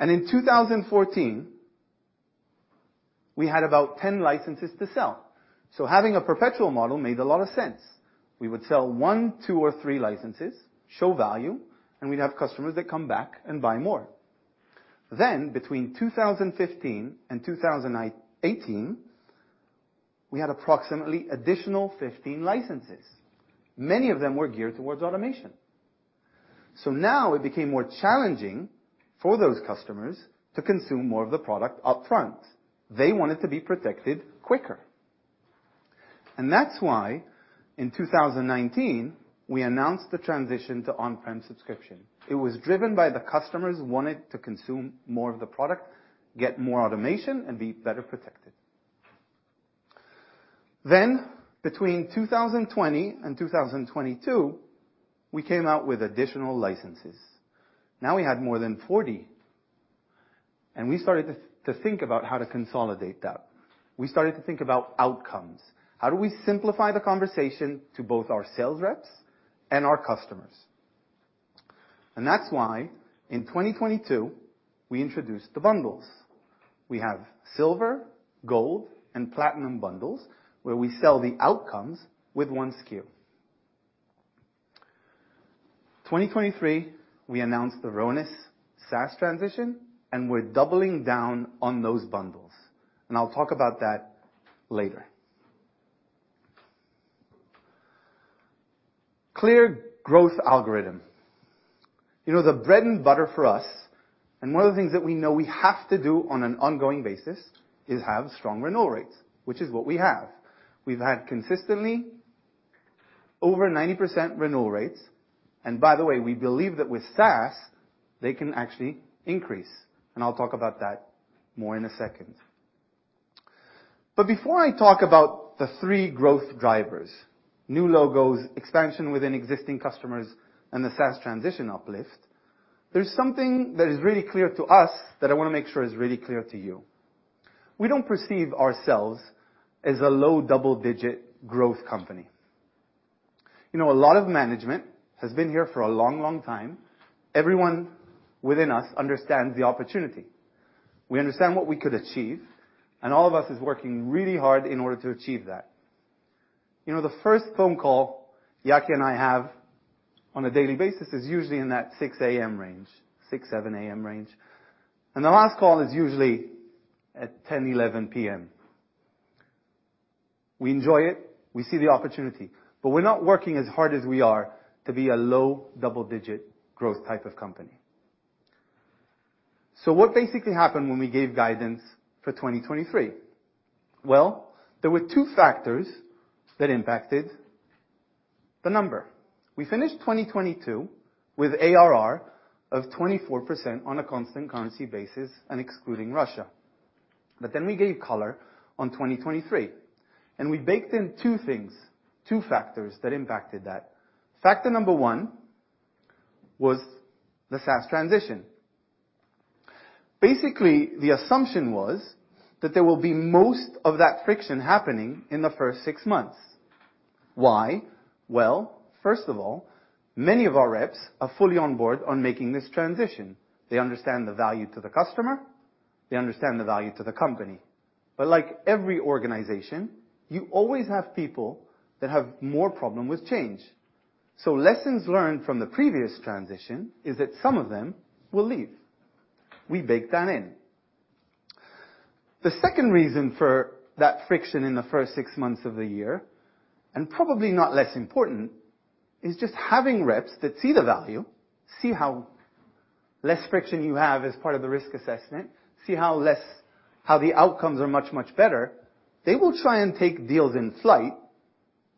In 2014, we had about 10 licenses to sell. Having a perpetual model made a lot of sense. We would sell one, two, or three licenses, show value, and we'd have customers that come back and buy more. Between 2015 and 2018, we had approximately additional 15 licenses. Many of them were geared towards automation. Now it became more challenging for those customers to consume more of the product upfront. They wanted to be protected quicker. That's why in 2019, we announced the transition to on-prem subscription. It was driven by the customers who wanted to consume more of the product, get more automation, and be better protected. Between 2020 and 2022, we came out with additional licenses. Now we had more than 40, and we started to think about how to consolidate that. We started to think about outcomes. How do we simplify the conversation to both our sales reps and our customers? That's why in 2022, we introduced the bundles. We have silver, gold, and platinum bundles, where we sell the outcomes with one SKU. 2023, we announced the Varonis SaaS transition, we're doubling down on those bundles. I'll talk about that later. Clear growth algorithm. You know, the bread and butter for us, and one of the things that we know we have to do on an ongoing basis is have strong renewal rates, which is what we have. We've had consistently over 90% renewal rates, and by the way, we believe that with SaaS, they can actually increase. I'll talk about that more in a second. Before I talk about the three growth drivers, new logos, expansion within existing customers, and the SaaS transition uplift, there's something that is really clear to us that I wanna make sure is really clear to you. We don't perceive ourselves as a low double-digit growth company. You know, a lot of management has been here for a long, long time. Everyone within us understands the opportunity. We understand what we could achieve, all of us is working really hard in order to achieve that. You know, the first phone call Yaki and I have on a daily basis is usually in that 6:00 A.M. range, 6:00 A.M., 7:00 A.M. range. The last call is usually at 10:00 P.M., 11:00 P.M. We enjoy it, we see the opportunity, we're not working as hard as we are to be a low double-digit growth type of company. What basically happened when we gave guidance for 2023? Well, there were two factors that impacted the number. We finished 2022 with ARR of 24% on a constant currency basis and excluding Russia. We gave color on 2023, and we baked in two things, two factors that impacted that. Factor number one was the SaaS transition. Basically, the assumption was that there will be most of that friction happening in the first six months. Why? Well, first of all, many of our reps are fully on board on making this transition. They understand the value to the customer, they understand the value to the company. Like every organization, you always have people that have more problem with change. Lessons learned from the previous transition is that some of them will leave. We baked that in. The second reason for that friction in the first six months of the year, probably not less important, is just having reps that see the value, see how less friction you have as part of the risk assessment, how the outcomes are much, much better. They will try and take deals in flight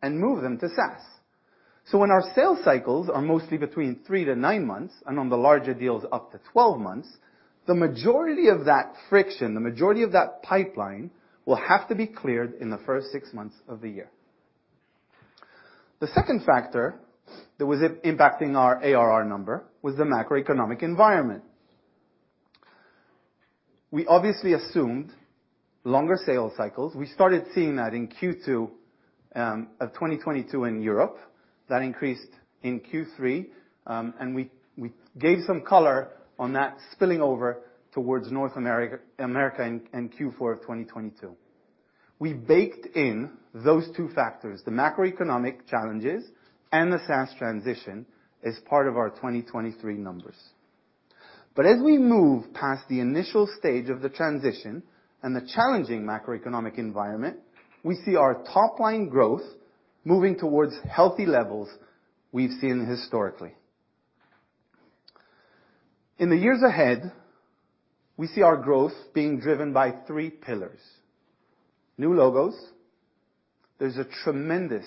and move them to SaaS. When our sales cycles are mostly between three to nine months, and on the larger deals up to 12 months, the majority of that friction, the majority of that pipeline will have to be cleared in the first six months of the year. The second factor that was impacting our ARR number was the macroeconomic environment. We obviously assumed longer sales cycles. We started seeing that in Q2 of 2022 in Europe. That increased in Q3, we gave some color on that spilling over towards North America in Q4 of 2022. We baked in those two factors, the macroeconomic challenges and the SaaS transition, as part of our 2023 numbers. As we move past the initial stage of the transition and the challenging macroeconomic environment, we see our top-line growth moving towards healthy levels we've seen historically. In the years ahead, we see our growth being driven by three pillars. New logos. There's a tremendous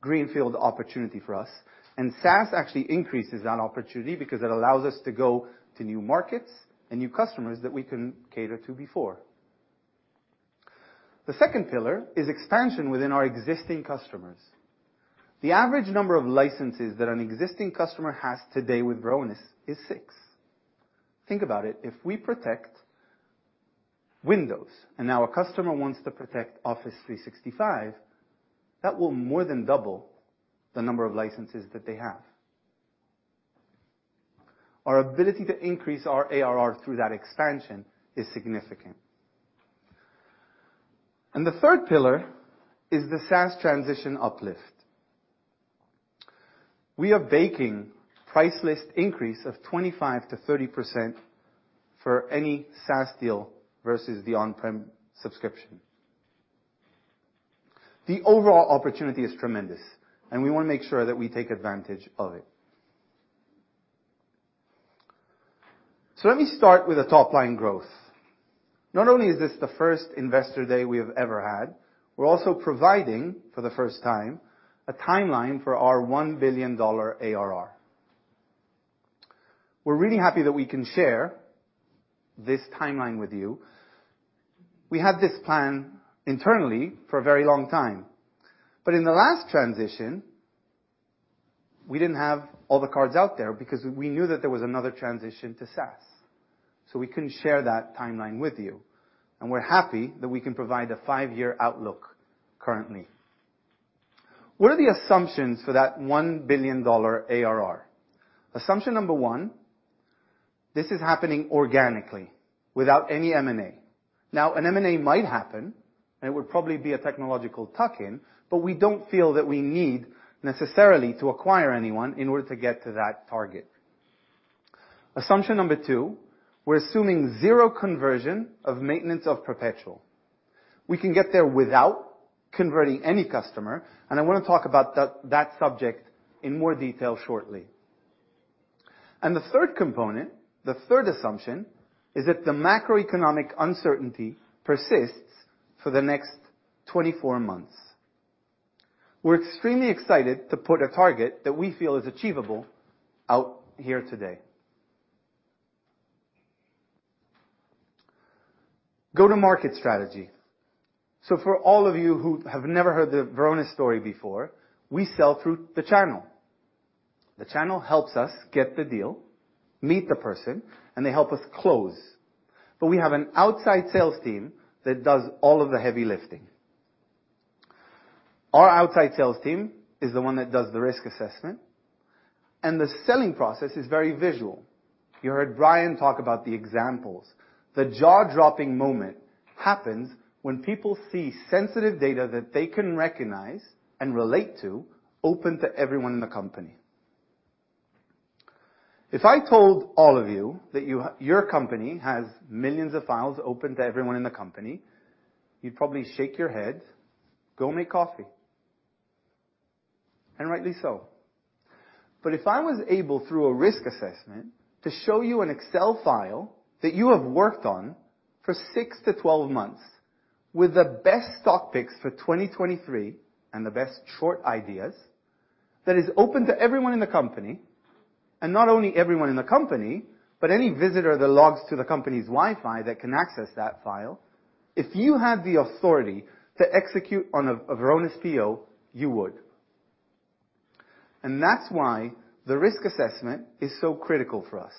greenfield opportunity for us, SaaS actually increases that opportunity because it allows us to go to new markets and new customers that we couldn't cater to before. The second pillar is expansion within our existing customers. The average number of licenses that an existing customer has today with Varonis is six. Think about it. If we protect Windows and now a customer wants to protect Office 365, that will more than double the number of licenses that they have. Our ability to increase our ARR through that expansion is significant. The third pillar is the SaaS transition uplift. We are baking price list increase of 25%-30% for any SaaS deal versus the on-prem subscription. The overall opportunity is tremendous, and we wanna make sure that we take advantage of it. Let me start with the top-line growth. Not only is this the first Investor Day we have ever had, we're also providing, for the first time, a timeline for our $1 billion ARR. We're really happy that we can share this timeline with you. We had this plan internally for a very long time. In the last transition, we didn't have all the cards out there because we knew that there was another transition to SaaS, so we couldn't share that timeline with you. We're happy that we can provide a five-year outlook currently. What are the assumptions for that $1 billion ARR? Assumption number one, this is happening organically without any M&A. An M&A might happen, and it would probably be a technological tuck-in, but we don't feel that we need necessarily to acquire anyone in order to get to that target. Assumption number two, we're assuming zero conversion of maintenance of perpetual. We can get there without converting any customer, and I wanna talk about that subject in more detail shortly. The third component, the third assumption, is that the macroeconomic uncertainty persists for the next 24 months. We're extremely excited to put a target that we feel is achievable out here today. Go-to-market strategy. For all of you who have never heard the Varonis story before, we sell through the channel. The channel helps us get the deal, meet the person, and they help us close. We have an outside sales team that does all of the heavy lifting. Our outside sales team is the one that does the risk assessment. The selling process is very visual. You heard Brian talk about the examples. The jaw-dropping moment happens when people see sensitive data that they can recognize and relate to open to everyone in the company. If I told all of you that your company has millions of files open to everyone in the company, you'd probably shake your head, go make coffee, and rightly so. If I was able, through a risk assessment, to show you an Excel file that you have worked on for six to 12 months with the best stock picks for 2023 and the best short ideas that is open to everyone in the company, and not only everyone in the company, but any visitor that logs to the company's Wi-Fi that can access that file, if you had the authority to execute on a Varonis PO, you would. That's why the risk assessment is so critical for us.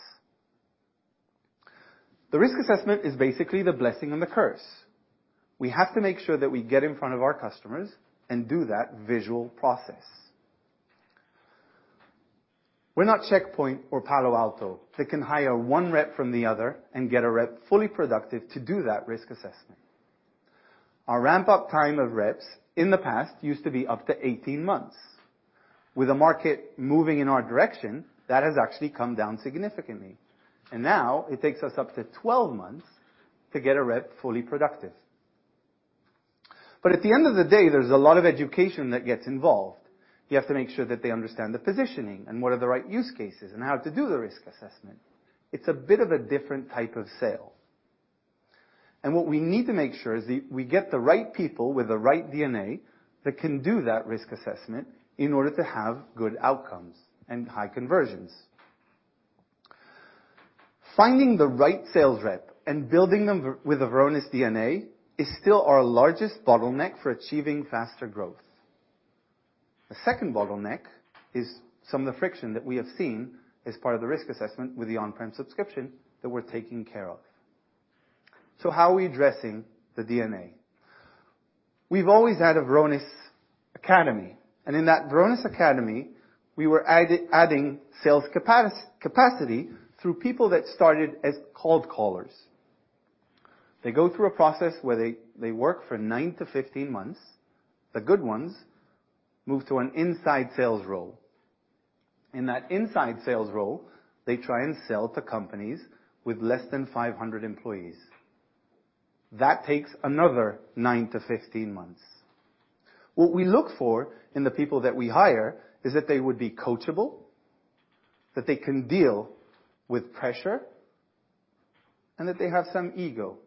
The risk assessment is basically the blessing and the curse. We have to make sure that we get in front of our customers and do that visual process. We're not Check Point or Palo Alto that can hire one rep from the other and get a rep fully productive to do that risk assessment. Our ramp-up time of reps in the past used to be up to 18 months. With the market moving in our direction, that has actually come down significantly. Now it takes us up to 12 months to get a rep fully productive. At the end of the day, there's a lot of education that gets involved. You have to make sure that they understand the positioning and what are the right use cases and how to do the risk assessment. It's a bit of a different type of sale. What we need to make sure is that we get the right people with the right DNA that can do that risk assessment in order to have good outcomes and high conversions. Finding the right sales rep and building them with a Varonis DNA is still our largest bottleneck for achieving faster growth. The second bottleneck is some of the friction that we have seen as part of the risk assessment with the on-prem subscription that we're taking care of. How are we addressing the DNA? We've always had a Varonis academy, and in that Varonis academy, we were adding sales capacity through people that started as cold callers. They go through a process where they work for nine to 15 months. The good ones move to an inside sales role. In that inside sales role, they try and sell to companies with less than 500 employees. That takes another nine to 15 months. What we look for in the people that we hire is that they would be coachable, that they can deal with pressure, and that they have some ego.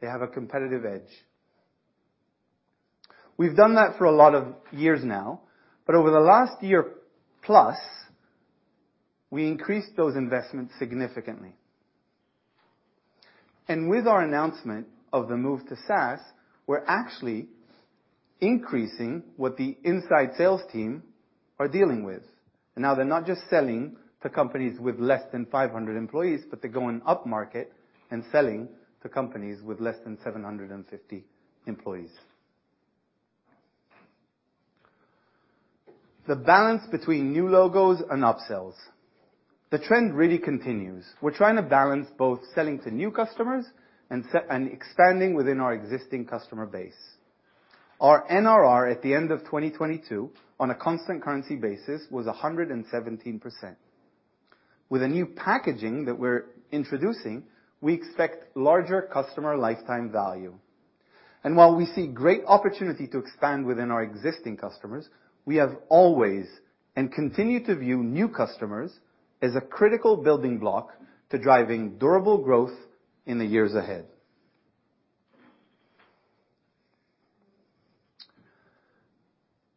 They have a competitive edge. We've done that for a lot of years now, but over the last year plus, we increased those investments significantly. With our announcement of the move to SaaS, we're actually increasing what the inside sales team are dealing with. Now they're not just selling to companies with less than 500 employees, but they're going up market and selling to companies with less than 750 employees. The balance between new logos and upsells. The trend really continues. We're trying to balance both selling to new customers and expanding within our existing customer base. Our NRR at the end of 2022, on a constant currency basis, was 117%. With the new packaging that we're introducing, we expect larger customer lifetime value. While we see great opportunity to expand within our existing customers, we have always and continue to view new customers as a critical building block to driving durable growth in the years ahead.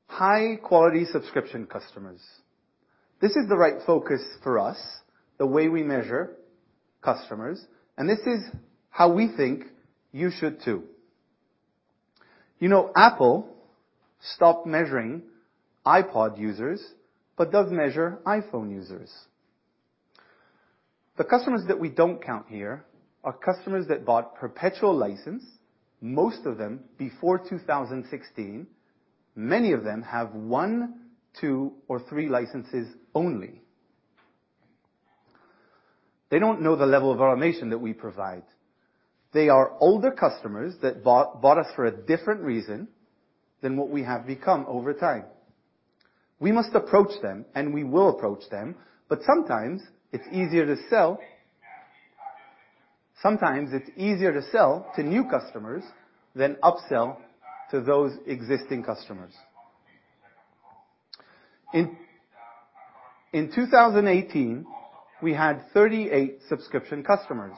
High-quality subscription customers. This is the right focus for us, the way we measure customers, and this is how we think you should too. You know, Apple stopped measuring iPod users, but does measure iPhone users. The customers that we don't count here are customers that bought perpetual license, most of them before 2016. Many of them have one, two, or three licenses only. They don't know the level of automation that we provide. They are older customers that bought us for a different reason than what we have become over time. We must approach them, we will approach them, sometimes it's easier to sell to new customers than upsell to those existing customers. In 2018, we had 38 subscription customers.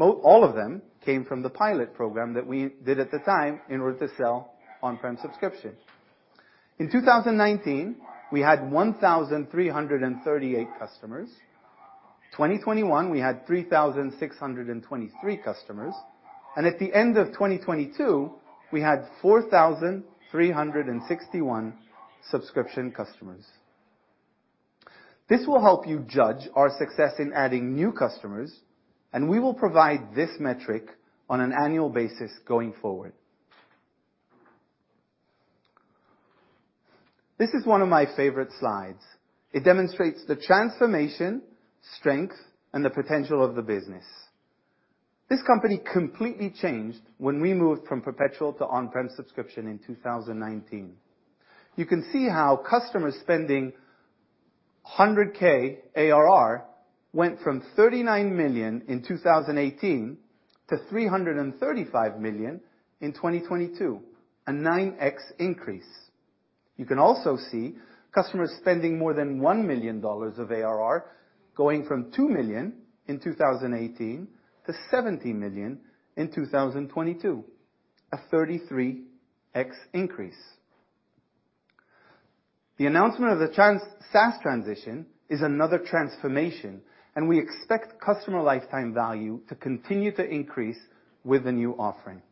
All of them came from the pilot program that we did at the time in order to sell on-prem subscription. In 2019, we had 1,338 customers. 2021, we had 3,623 customers, at the end of 2022, we had 4,361 subscription customers. This will help you judge our success in adding new customers, we will provide this metric on an annual basis going forward. This is one of my favorite slides. It demonstrates the transformation, strength, and the potential of the business. This company completely changed when we moved from perpetual to on-prem subscription in 2019. You can see how customer spending $100,000 ARR went from $39 million in 2018 to $335 million in 2022, a 9x increase. You can also see customers spending more than $1 million of ARR going from $2 million in 2018 to $17 million in 2022, a 33x increase. The announcement of the SaaS transition is another transformation, and we expect customer lifetime value to continue to increase with the new offering.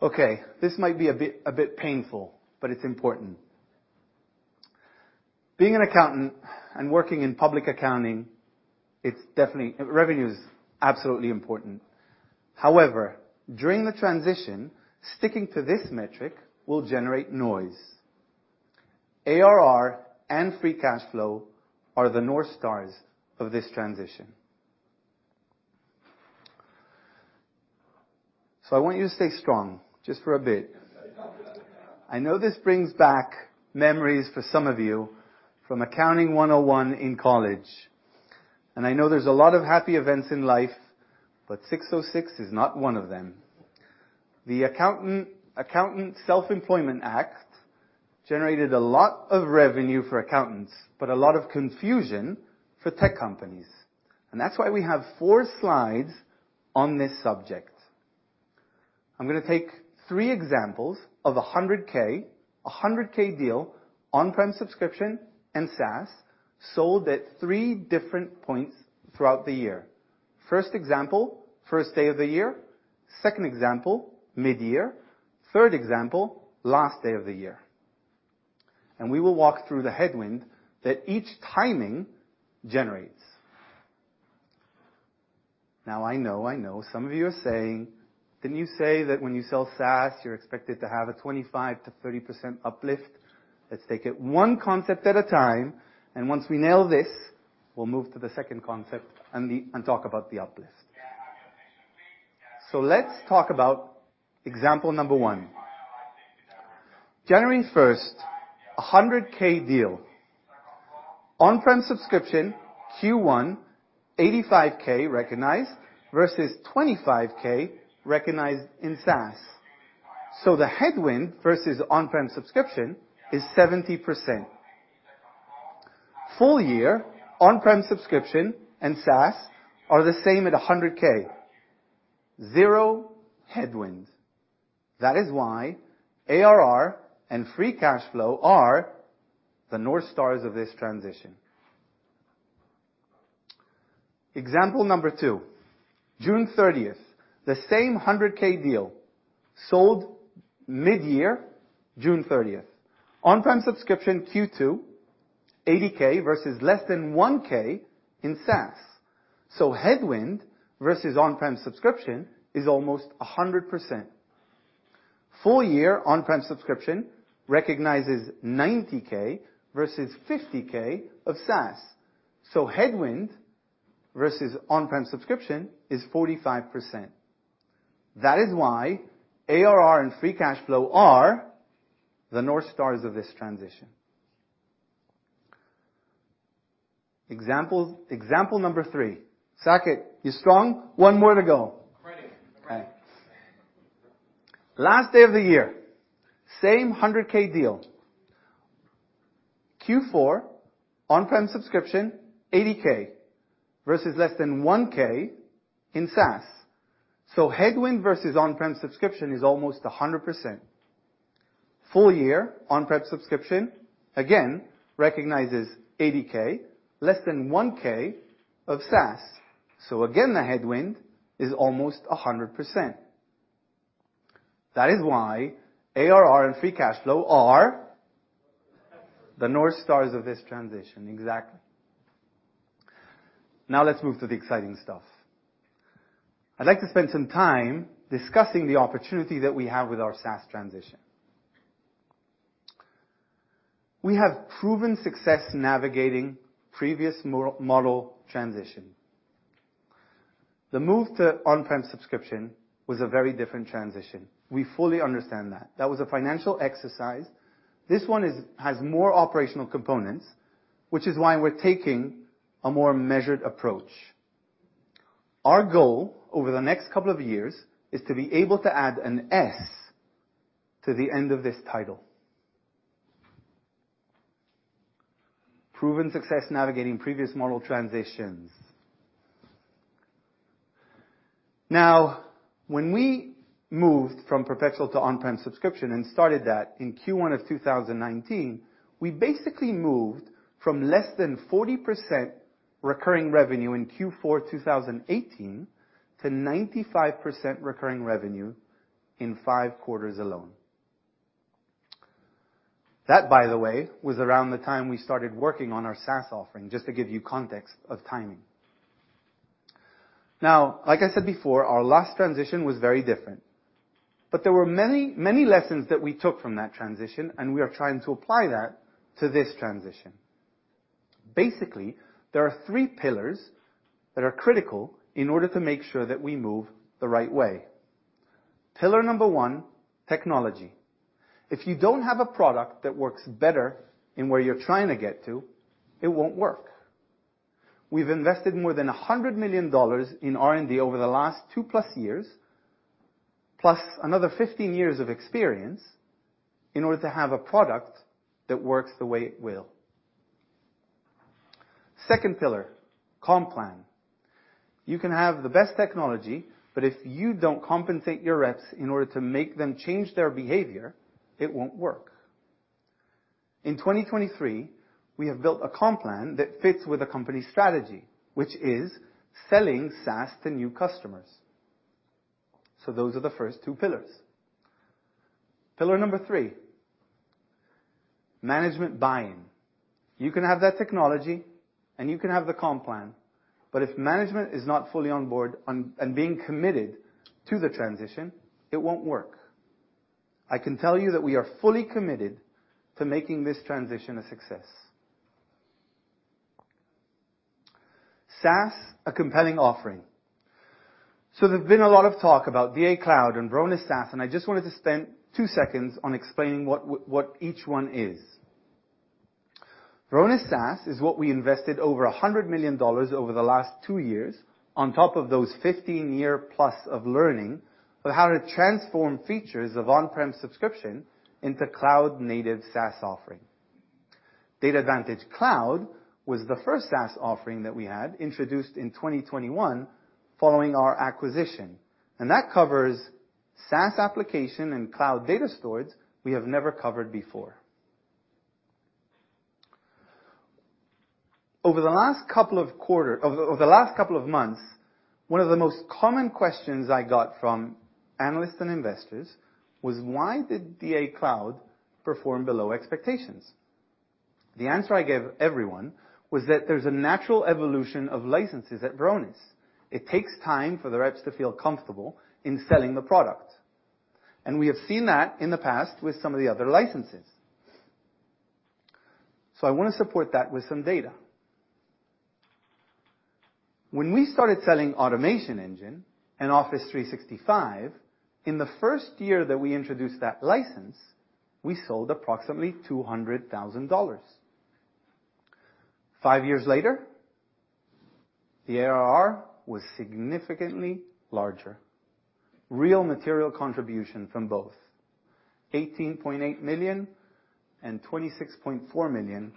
Okay, this might be a bit painful, but it's important. Being an accountant and working in public accounting, it's definitely, revenue is absolutely important. However, during the transition, sticking to this metric will generate noise. ARR and free cash flow are the north stars of this transition. I want you to stay strong just for a bit. I know this brings back memories for some of you from Accounting 101 in college. I know there's a lot of happy events in life, but 606 is not one of them. The Accountant Self-Employment Act generated a lot of revenue for accountants, a lot of confusion for tech companies. That's why we have four slides on this subject. I'm going to take three examples of a $100,000, a $100,000 deal, on-prem subscription and SaaS, sold at three different points throughout the year. First example, first day of the year. Second example, mid-year. Third example, last day of the year. We will walk through the headwind that each timing generates. I know some of you are saying, "Didn't you say that when you sell SaaS, you're expected to have a 25%-30% uplift?" Let's take it one concept at a time, and once we nail this, we'll move to the second concept and talk about the uplift. Let's talk about example number one. January 1st, a $100,000 deal. On-prem subscription, Q1, $85,000 recognized versus $25,000 recognized in SaaS. The headwind versus on-prem subscription is 70%. Full year on-prem subscription and SaaS are the same at $100,00. Zero headwinds. That is why ARR and free cash flow are the north stars of this transition. Example number two. June 30th. The same $100,000 deal sold mid-year, June 30th. On-prem subscription Q2, $80,000 versus less than $1,000 in SaaS. Headwind versus on-prem subscription is almost 100%. Full year on-prem subscription recognizes $90,000 versus $50,000 of SaaS. Headwind versus on-prem subscription is 45%. That is why ARR and free cash flow are the north stars of this transition. Example number three. Saket, you strong? One more to go. Ready. Okay. Last day of the year, same $100,000 deal. Q4 on-prem subscription $80,000 versus less than $1,000 in SaaS. Headwind versus on-prem subscription is almost 100%. Full year on-prem subscription, again, recognizes $80,000, less than $1,000 of SaaS. Again, the headwind is almost 100%. That is why ARR and free cash flow are? North star. The north stars of this transition. Exactly. Let's move to the exciting stuff. I'd like to spend some time discussing the opportunity that we have with our SaaS transition. We have proven success navigating previous model transition. The move to on-prem subscription was a very different transition. We fully understand that. That was a financial exercise. This one has more operational components, which is why we're taking a more measured approach. Our goal over the next couple of years is to be able to add an S to the end of this title. Proven success navigating previous model transitions. When we moved from perpetual to on-prem subscription and started that in Q1 of 2019, we basically moved from less than 40% recurring revenue in Q4 2018 to 95% recurring revenue in five quarters alone. That, by the way, was around the time we started working on our SaaS offering, just to give you context of timing. Like I said before, our last transition was very different, but there were many lessons that we took from that transition, and we are trying to apply that to this transition. There are three pillars that are critical in order to make sure that we move the right way. Pillar number one, technology. If you don't have a product that works better in where you're trying to get to, it won't work. We've invested more than $100 million in R&D over the last two-plus years, plus another 15 years of experience, in order to have a product that works the way it will. Second pillar, comp plan. You can have the best technology, but if you don't compensate your reps in order to make them change their behavior, it won't work. In 2023, we have built a comp plan that fits with the company's strategy, which is selling SaaS to new customers. Those are the first two pillars. Pillar number three, management buy-in. You can have that technology, and you can have the comp plan, but if management is not fully on board and being committed to the transition, it won't work. I can tell you that we are fully committed to making this transition a success. SaaS, a compelling offering. There's been a lot of talk about DA Cloud and Varonis SaaS, and I just wanted to spend two seconds on explaining what each one is. Varonis SaaS is what we invested over $100 million over the last two years on top of those 15-year plus of learning how to transform features of on-prem subscription into cloud-native SaaS offering. DatAdvantage Cloud was the first SaaS offering that we had introduced in 2021 following our acquisition, that covers SaaS application and cloud data storage we have never covered before. Over the last couple of months, one of the most common questions I got from analysts and investors was, "Why did DA Cloud perform below expectations?" The answer I gave everyone was that there's a natural evolution of licenses at Varonis. It takes time for the reps to feel comfortable in selling the product, we have seen that in the past with some of the other licenses. I wanna support that with some data. When we started selling Automation Engine and Office 365, in the first year that we introduced that license, we sold approximately $200,000. Five years later, the ARR was significantly larger. Real material contribution from both. $18.8 million and $26.4 million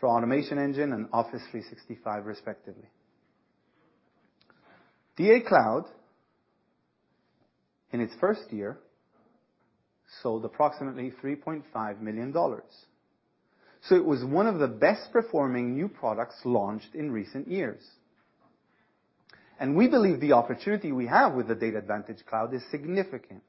for Automation Engine and Office 365, respectively. DA Cloud, in its first year, sold approximately $3.5 million. It was one of the best performing new products launched in recent years. We believe the opportunity we have with the DatAdvantage Cloud is significant.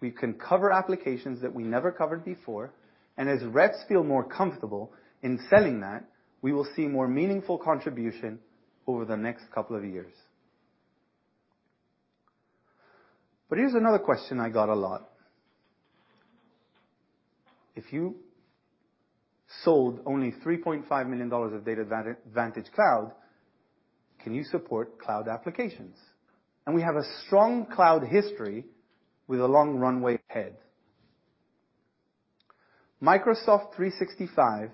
We can cover applications that we never covered before, and as reps feel more comfortable in selling that, we will see more meaningful contribution over the next couple of years. Here's another question I got a lot. If you sold only $3.5 million of DatAdvantage Cloud, can you support cloud applications? We have a strong cloud history with a long runway ahead. Microsoft 365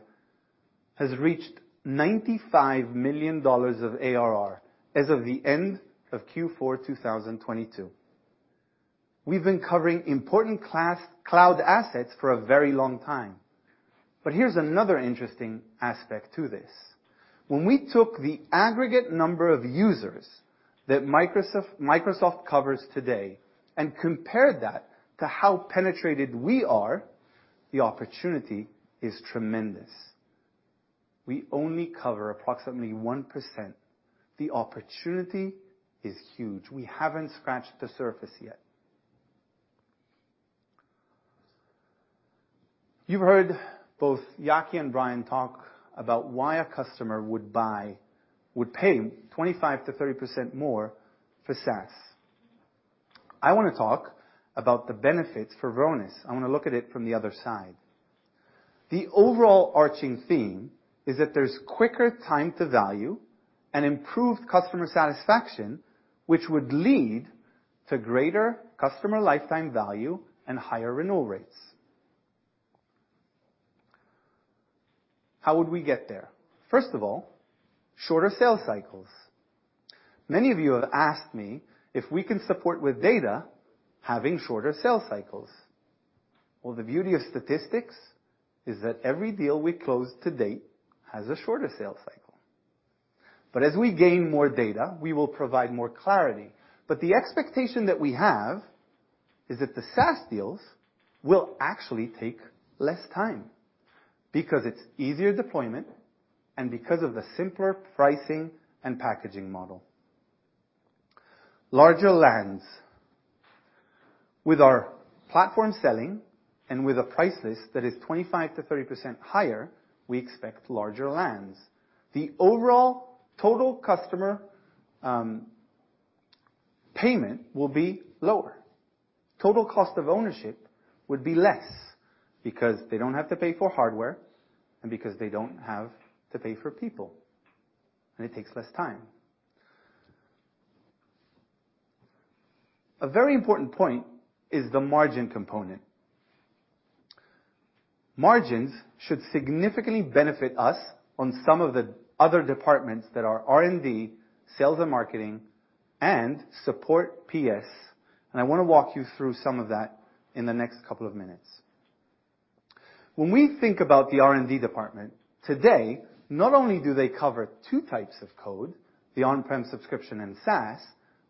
has reached $95 million of ARR as of the end of Q4 2022. We've been covering important cloud assets for a very long time. Here's another interesting aspect to this. When we took the aggregate number of users that Microsoft covers today and compared that to how penetrated we are, the opportunity is tremendous. We only cover approximately 1%. The opportunity is huge. We haven't scratched the surface yet. You've heard both Yaki and Brian talk about why a customer would pay 25%-30% more for SaaS. I wanna talk about the benefits for Varonis. I wanna look at it from the other side. The overall arching theme is that there's quicker time to value and improved customer satisfaction, which would lead to greater customer lifetime value and higher renewal rates. How would we get there? First of all, shorter sales cycles. Many of you have asked me if we can support with data having shorter sales cycles. Well, the beauty of statistics is that every deal we close to date has a shorter sales cycle. As we gain more data, we will provide more clarity. The expectation that we have is that the SaaS deals will actually take less time because it's easier deployment and because of the simpler pricing and packaging model. Larger lands. With our platform selling and with a price list that is 25%-30% higher, we expect larger lands. The overall total customer payment will be lower. Total cost of ownership would be less because they don't have to pay for hardware and because they don't have to pay for people, and it takes less time. A very important point is the margin component. Margins should significantly benefit us on some of the other departments that are R&D, sales and marketing, and support PS. I wanna walk you through some of that in the next couple of minutes. When we think about the R&D department, today, not only do they cover two types of code, the on-prem subscription and SaaS,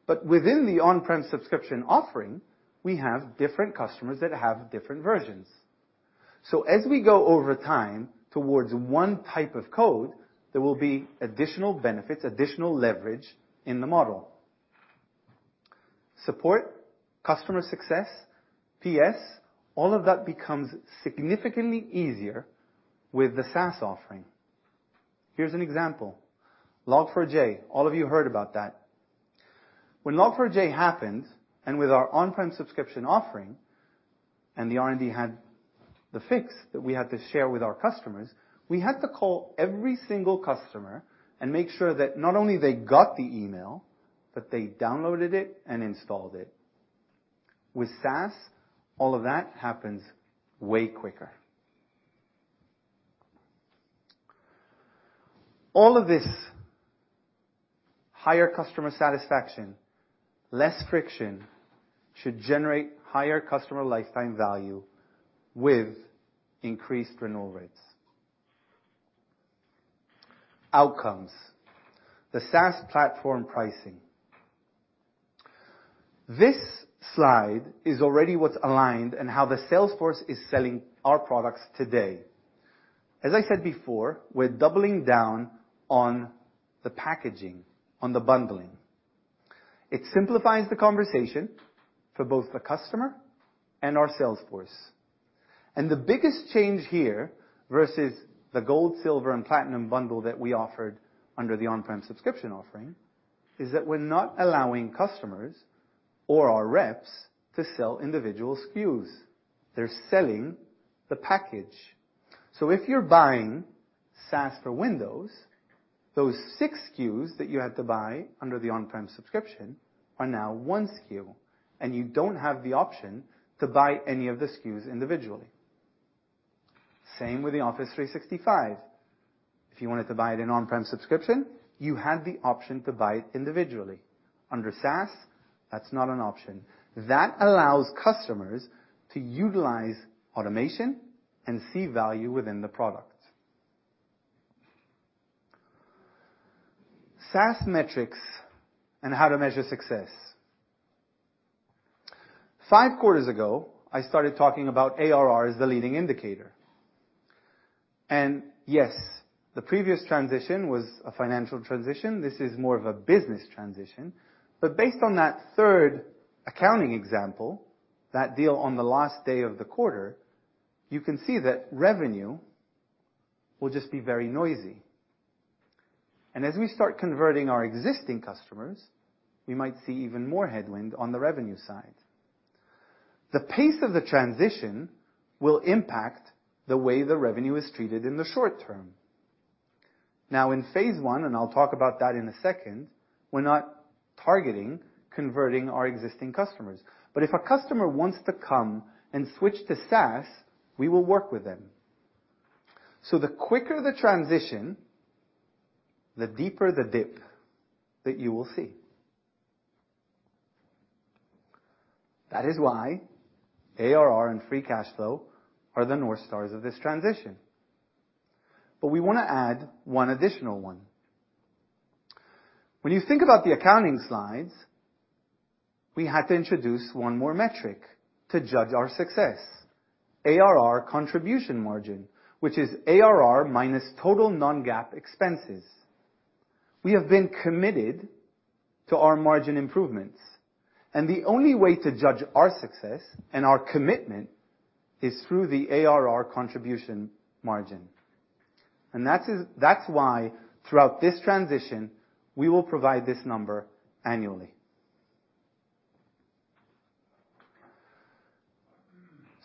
but within the on-prem subscription offering, we have different customers that have different versions. As we go over time towards one type of code, there will be additional benefits, additional leverage in the model. Support, customer success, PS, all of that becomes significantly easier with the SaaS offering. Here's an example. Log4j, all of you heard about that. When Log4j happened, and with our on-prem subscription offering and the R&D had the fix that we had to share with our customers, we had to call every single customer and make sure that not only they got the email, but they downloaded it and installed it. With SaaS, all of that happens way quicker. All of this higher customer satisfaction, less friction should generate higher customer lifetime value with increased renewal rates. Outcomes. The SaaS platform pricing. This slide is already what's aligned and how the sales force is selling our products today. As I said before, we're doubling down on the packaging, on the bundling. It simplifies the conversation for both the customer and our sales force. The biggest change here versus the gold, silver, and platinum bundle that we offered under the on-prem subscription offering is that we're not allowing customers or our reps to sell individual SKUs. They're selling the package. If you're buying SaaS for Windows, those six SKUs that you had to buy under the on-prem subscription are now one SKU, and you don't have the option to buy any of the SKUs individually. Same with the Office 365. If you wanted to buy it in on-prem subscription, you had the option to buy it individually. Under SaaS, that's not an option. That allows customers to utilize automation and see value within the product. SaaS metrics and how to measure success. Five quarters ago, I started talking about ARR as the leading indicator. Yes, the previous transition was a financial transition. This is more of a business transition. Based on that third accounting example, that deal on the last day of the quarter, you can see that revenue will just be very noisy. As we start converting our existing customers, we might see even more headwind on the revenue side. The pace of the transition will impact the way the revenue is treated in the short term. Now in Phase 1, and I'll talk about that in a second, we're not targeting converting our existing customers. If a customer wants to come and switch to SaaS, we will work with them. The quicker the transition, the deeper the dip that you will see. That is why ARR and free cash flow are the north stars of this transition. We wanna add one additional one. When you think about the accounting slides, we had to introduce one more metric to judge our success. ARR contribution margin, which is ARR minus total non-GAAP expenses. We have been committed to our margin improvements, and the only way to judge our success and our commitment is through the ARR contribution margin. That's why throughout this transition, we will provide this number annually.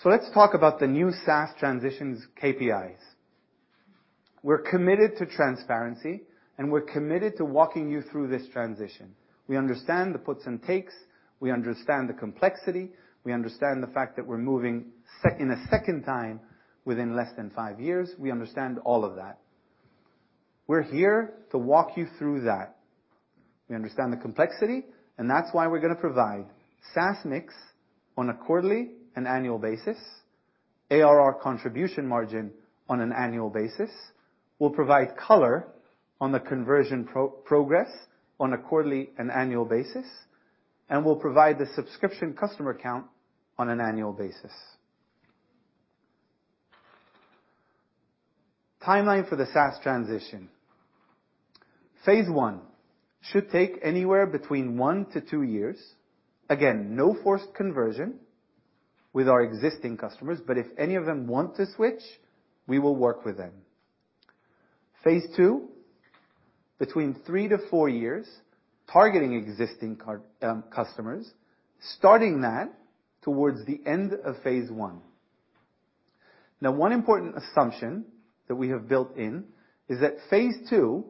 Let's talk about the new SaaS transitions KPIs. We're committed to transparency, and we're committed to walking you through this transition. We understand the puts and takes. We understand the complexity. We understand the fact that we're moving in a second time within less than five years. We understand all of that. We're here to walk you through that. We understand the complexity. That's why we're gonna provide SaaS mix on a quarterly and annual basis, ARR contribution margin on an annual basis. We'll provide color on the conversion progress on a quarterly and annual basis, and we'll provide the subscription customer count on an annual basis. Timeline for the SaaS transition. Phase 1 should take anywhere between one to two years. Again, no forced conversion with our existing customers, but if any of them want to switch, we will work with them. Phase 2, between three to four years, targeting existing customers, starting that towards the end of Phase 1. Now, one important assumption that we have built in is that Phase 2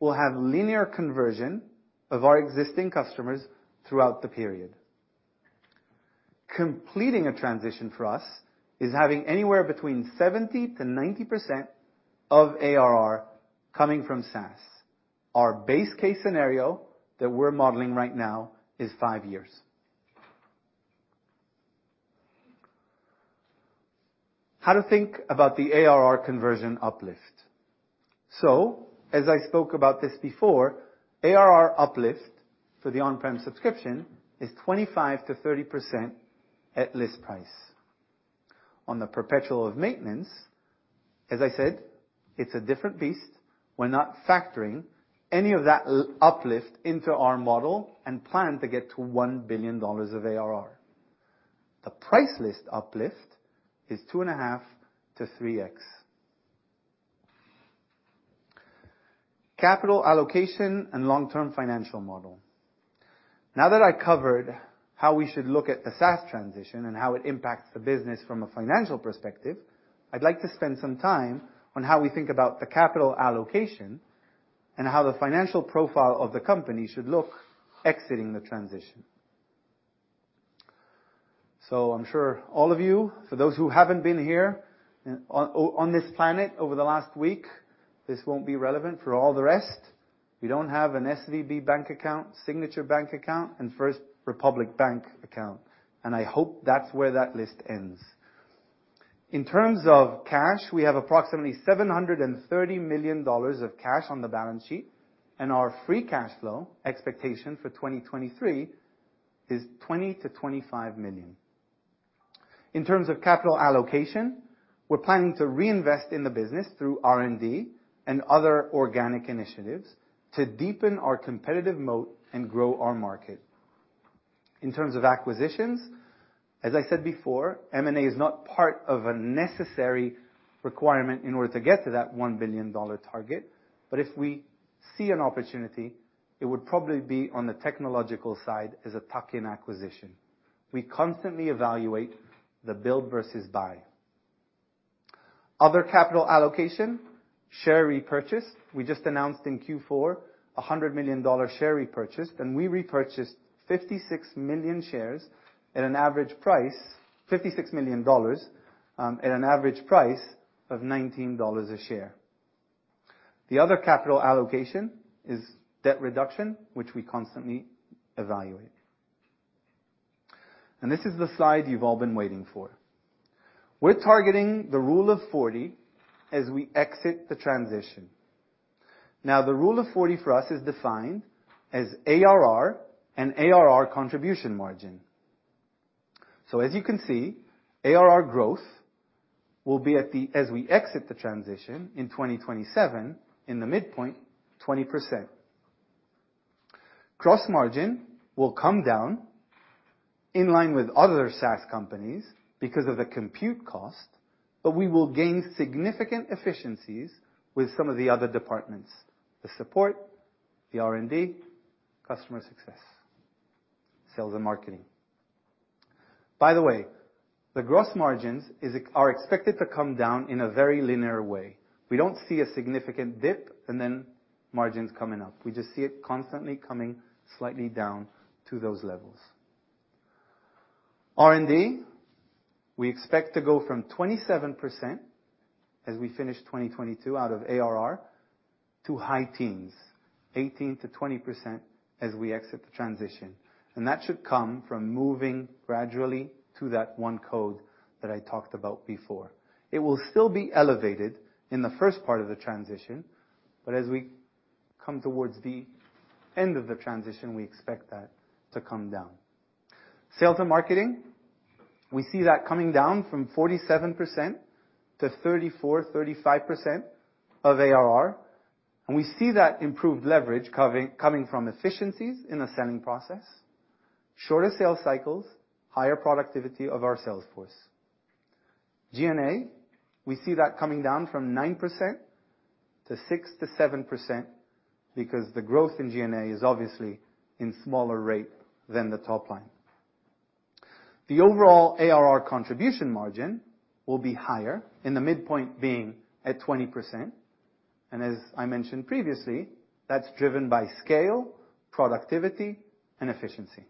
will have linear conversion of our existing customers throughout the period. Completing a transition for us is having anywhere between 70%-90% of ARR coming from SaaS. Our base case scenario that we're modeling right now is five years. How to think about the ARR conversion uplift. As I spoke about this before, ARR uplift for the on-prem subscription is 25%-30% at list price. On the perpetual of maintenance, as I said, it's a different beast. We're not factoring any of that uplift into our model and plan to get to $1 billion of ARR. The price list uplift is 2.5x-3x. Capital allocation and long-term financial model. Now that I covered how we should look at the SaaS transition and how it impacts the business from a financial perspective, I'd like to spend some time on how we think about the capital allocation and how the financial profile of the company should look exiting the transition. I'm sure all of you, for those who haven't been here on this planet over the last week, this won't be relevant. For all the rest, we don't have an SVB bank account, Signature Bank account, and First Republic Bank account. I hope that's where that list ends. In terms of cash, we have approximately $730 million of cash on the balance sheet, and our free cash flow expectation for 2023 is $20 million-$25 million. In terms of capital allocation, we're planning to reinvest in the business through R&D and other organic initiatives to deepen our competitive moat and grow our market. In terms of acquisitions, as I said before, M&A is not part of a necessary requirement in order to get to that $1 billion target. If we see an opportunity, it would probably be on the technological side as a tuck-in acquisition. We constantly evaluate the build versus buy. Other capital allocation, share repurchase. We just announced in Q4 a $100 million share repurchase. We repurchased $56 million at an average price of $19 a share. The other capital allocation is debt reduction, which we constantly evaluate. This is the slide you've all been waiting for. We're targeting the Rule of 40 as we exit the transition. The Rule of 40 for us is defined as ARR and ARR contribution margin. As you can see, ARR growth will be as we exit the transition in 2027, in the midpoint, 20%. Gross margin will come down in line with other SaaS companies because of the compute cost, but we will gain significant efficiencies with some of the other departments, the support, the R&D, customer success, sales and marketing. By the way, the gross margins are expected to come down in a very linear way. We don't see a significant dip and then margins coming up. We just see it constantly coming slightly down to those levels. R&D, we expect to go from 27% as we finish 2022 out of ARR to high teens, 18%-20% as we exit the transition. And that should come from moving gradually to that one code that I talked about before. It will still be elevated in the first part of the transition, but as we come towards the end of the transition, we expect that to come down. Sales and marketing, we see that coming down from 47% to 34%-35% of ARR, and we see that improved leverage coming from efficiencies in the selling process, shorter sales cycles, higher productivity of our sales force. G&A, we see that coming down from 9% to 6%-7% because the growth in G&A is obviously in smaller rate than the top line. The overall ARR contribution margin will be higher, in the midpoint being at 20%. As I mentioned previously, that's driven by scale, productivity, and efficiency.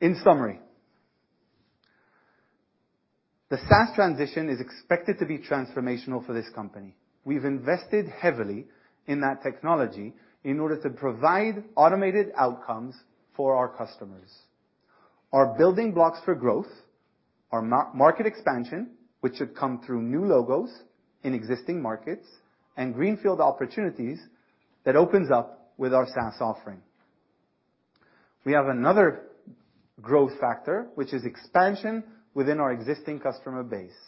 In summary, the SaaS transition is expected to be transformational for this company. We've invested heavily in that technology in order to provide automated outcomes for our customers. Our building blocks for growth are market expansion, which should come through new logos in existing markets and greenfield opportunities that opens up with our SaaS offering. We have another growth factor, which is expansion within our existing customer base,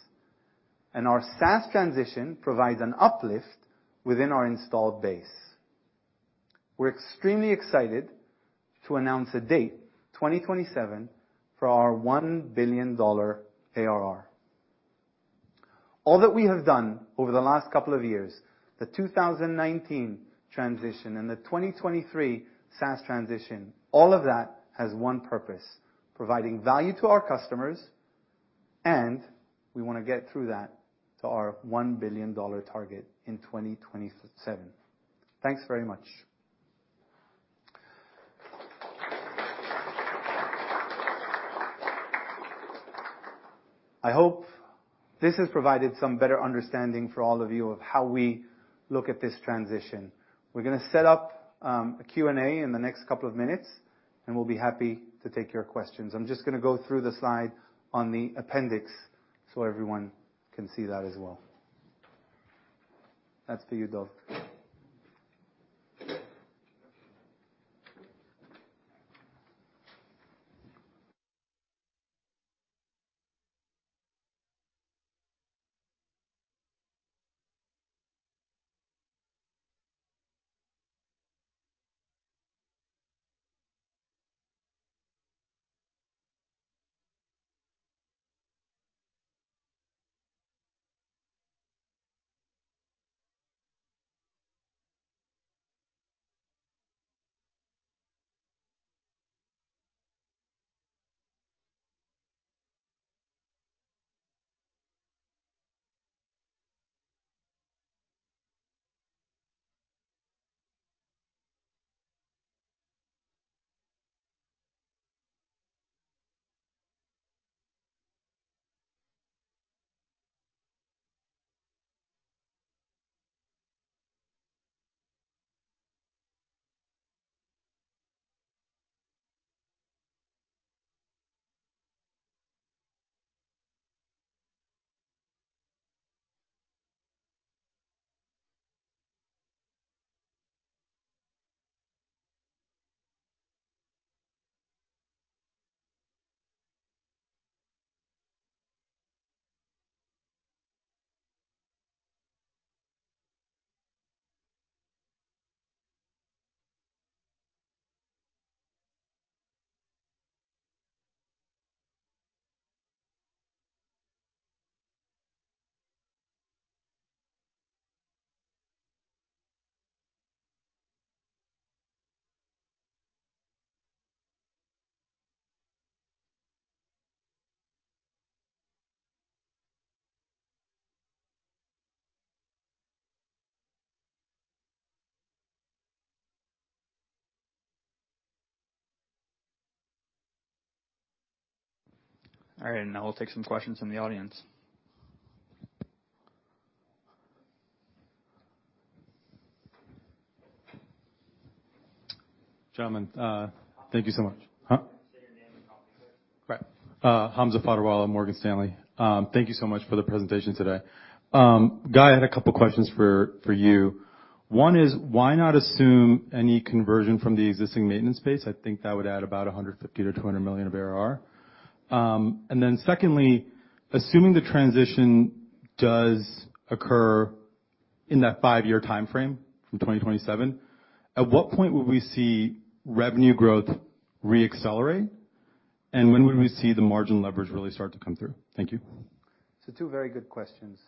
and our SaaS transition provides an uplift within our installed base. We're extremely excited to announce a date, 2027, for our $1 billion ARR. All that we have done over the last couple of years, the 2019 transition and the 2023 SaaS transition, all of that has one purpose, providing value to our customers, and we want to get through that to our $1 billion target in 2027. Thanks very much. I hope this has provided some better understanding for all of you of how we look at this transition. We're going to set up a Q&A in the next couple of minutes, and we'll be happy to take your questions. I'm just going to go through the slide on the appendix so everyone can see that as well. That's for you, Dolf. All right. Now we'll take some questions from the audience. Gentlemen, thank you so much. Huh? State your name and company, please. Right. Hamza Fodderwala, Morgan Stanley. Thank you so much for the presentation today. Guy, I had a couple questions for you. One is, why not assume any conversion from the existing maintenance base? I think that would add about $150 million-$200 million of ARR. Then secondly, assuming the transition does occur in that five-year timeframe, in 2027, at what point will we see revenue growth re-accelerate? When would we see the margin leverage really start to come through? Thank you. Two very good questions.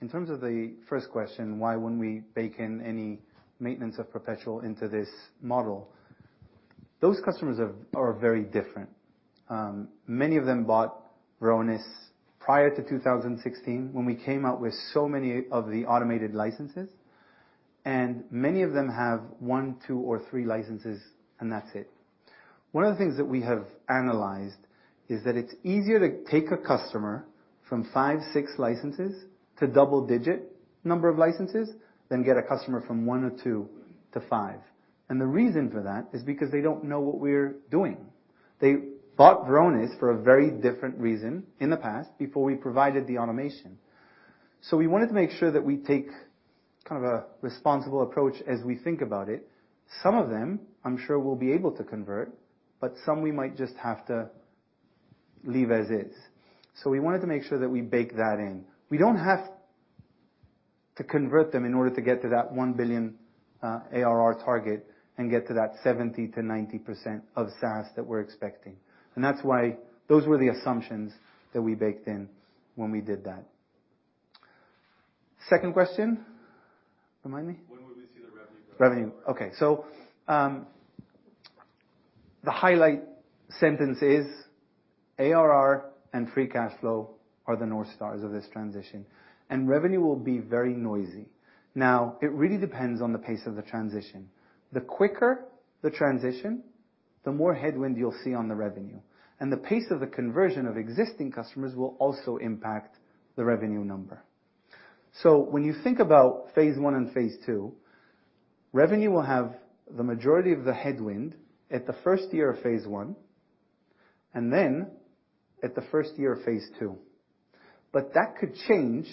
In terms of the first question, why wouldn't we bake in any maintenance of perpetual into this model? Those customers are very different. Many of them bought Varonis prior to 2016 when we came out with so many of the automated licenses. Many of them have one, two, or three licenses, and that's it. One of the things that we have analyzed is that it's easier to take a customer from five, six licenses to double-digit number of licenses, than get a customer from one or two to five. The reason for that is because they don't know what we're doing. They bought Varonis for a very different reason in the past, before we provided the automation. We wanted to make sure that we take kind of a responsible approach as we think about it. Some of them, I'm sure we'll be able to convert, but some we might just have to leave as is. We wanted to make sure that we bake that in. We don't have to convert them in order to get to that $1 billion ARR target and get to that 70%-90% of SaaS that we're expecting. That's why those were the assumptions that we baked in when we did that. Second question? Remind me. When would we see the revenue growth? Revenue. Okay. The highlight sentence is, ARR and free cash flow are the north stars of this transition, and revenue will be very noisy. Now, it really depends on the pace of the transition. The quicker the transition, the more headwind you'll see on the revenue. The pace of the conversion of existing customers will also impact the revenue number. When you think about Phase 1 and Phase 2, revenue will have the majority of the headwind at the first year of Phase 1 and then at the first year of Phase 2. That could change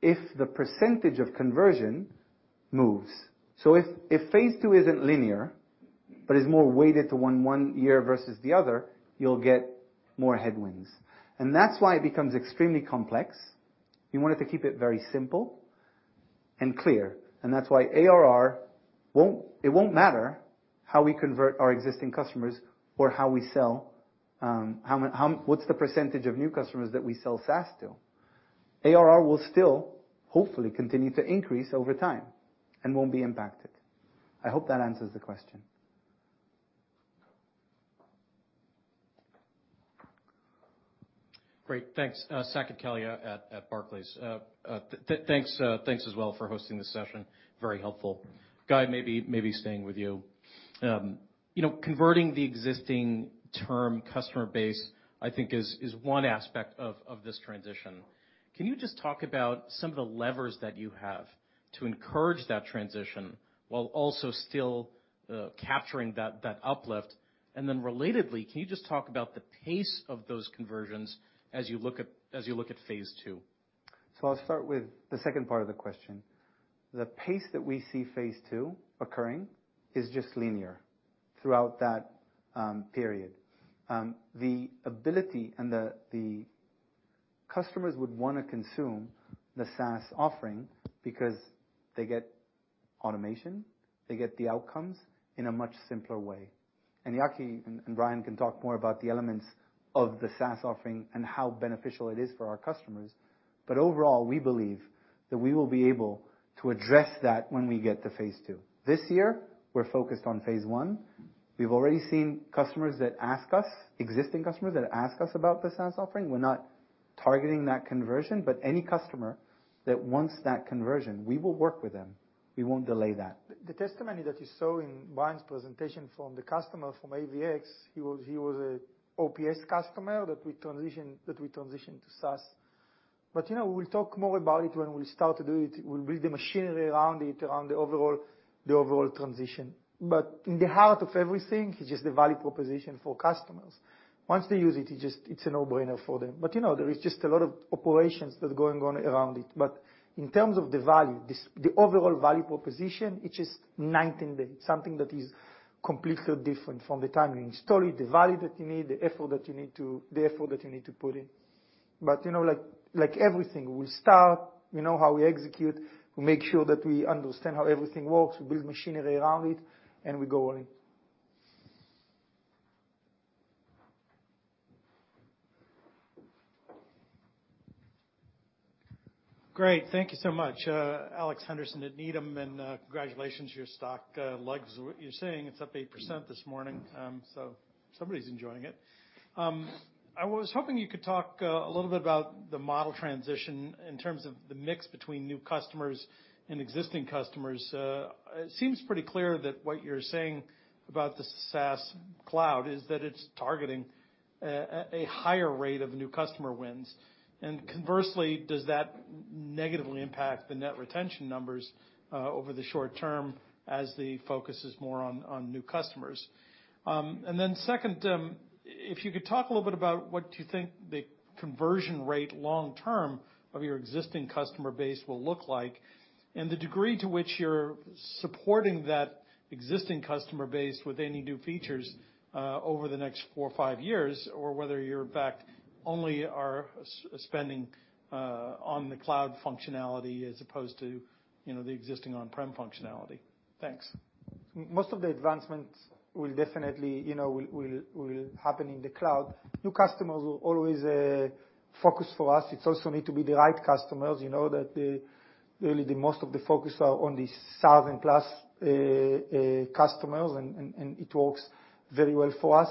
if the percentage of conversion moves. If Phase 2 isn't linear, but is more weighted to one year versus the other, you'll get more headwinds. That's why it becomes extremely complex. We wanted to keep it very simple and clear. That's why ARR won't, it won't matter how we convert our existing customers or how we sell. What's the percentage of new customers that we sell SaaS to? ARR will still, hopefully continue to increase over time and won't be impacted. I hope that answers the question. Great. Thanks. Saket Kalia at Barclays. Thanks as well for hosting this session. Very helpful. Guy, maybe staying with you. You know, converting the existing term customer base, I think is one aspect of this transition. Can you just talk about some of the levers that you have to encourage that transition while also still capturing that uplift? Relatedly, can you just talk about the pace of those conversions as you look at Phase 2? I'll start with the second part of the question. The pace that we see Phase 2 occurring is just linear throughout that period. The ability and the customers would wanna consume the SaaS offering because they get automation, they get the outcomes in a much simpler way. Yaki and Brian can talk more about the elements of the SaaS offering and how beneficial it is for our customers. Overall, we believe that we will be able to address that when we get to Phase 2. This year, we're focused on Phase 1. We've already seen existing customers that ask us about the SaaS offering. We're not targeting that conversion, any customer that wants that conversion, we will work with them. We won't delay that. The testimony that you saw in Brian's presentation from the customer from AVX, he was a OPS customer that we transitioned to SaaS. You know, we'll talk more about it when we start to do it. We'll build the machinery around it, around the overall transition. In the heart of everything is just the value proposition for customers. Once they use it just, it's a no-brainer for them. You know, there is just a lot of operations that are going on around it. In terms of the value, this, the overall value proposition, it's just night and day. Something that is completely different from the time you install it, the value that you need, the effort that you need to put in. You know, like everything, we'll start, we know how we execute, we make sure that we understand how everything works, we build machinery around it, and we go all in. Great. Thank you so much. Alex Henderson at Needham, and congratulations on your stock, legs. You're saying it's up 8% this morning, so somebody's enjoying it. I was hoping you could talk a little bit about the model transition in terms of the mix between new customers and existing customers. It seems pretty clear that what you're saying about the SaaS cloud is that it's targeting a higher rate of new customer wins. Conversely, does that negatively impact the net retention numbers over the short term as the focus is more on new customers? Second, if you could talk a little bit about what you think the conversion rate long term of your existing customer base will look like, and the degree to which you're supporting that existing customer base with any new features over the next four or five years, or whether you're, in fact, only are spending on the cloud functionality as opposed to, you know, the existing on-prem functionality. Thanks. Most of the advancements will definitely, you know, will happen in the cloud. New customers will always focus for us. It's also need to be the right customers, you know, that really the most of the focus are on the southern plus customers and it works very well for us.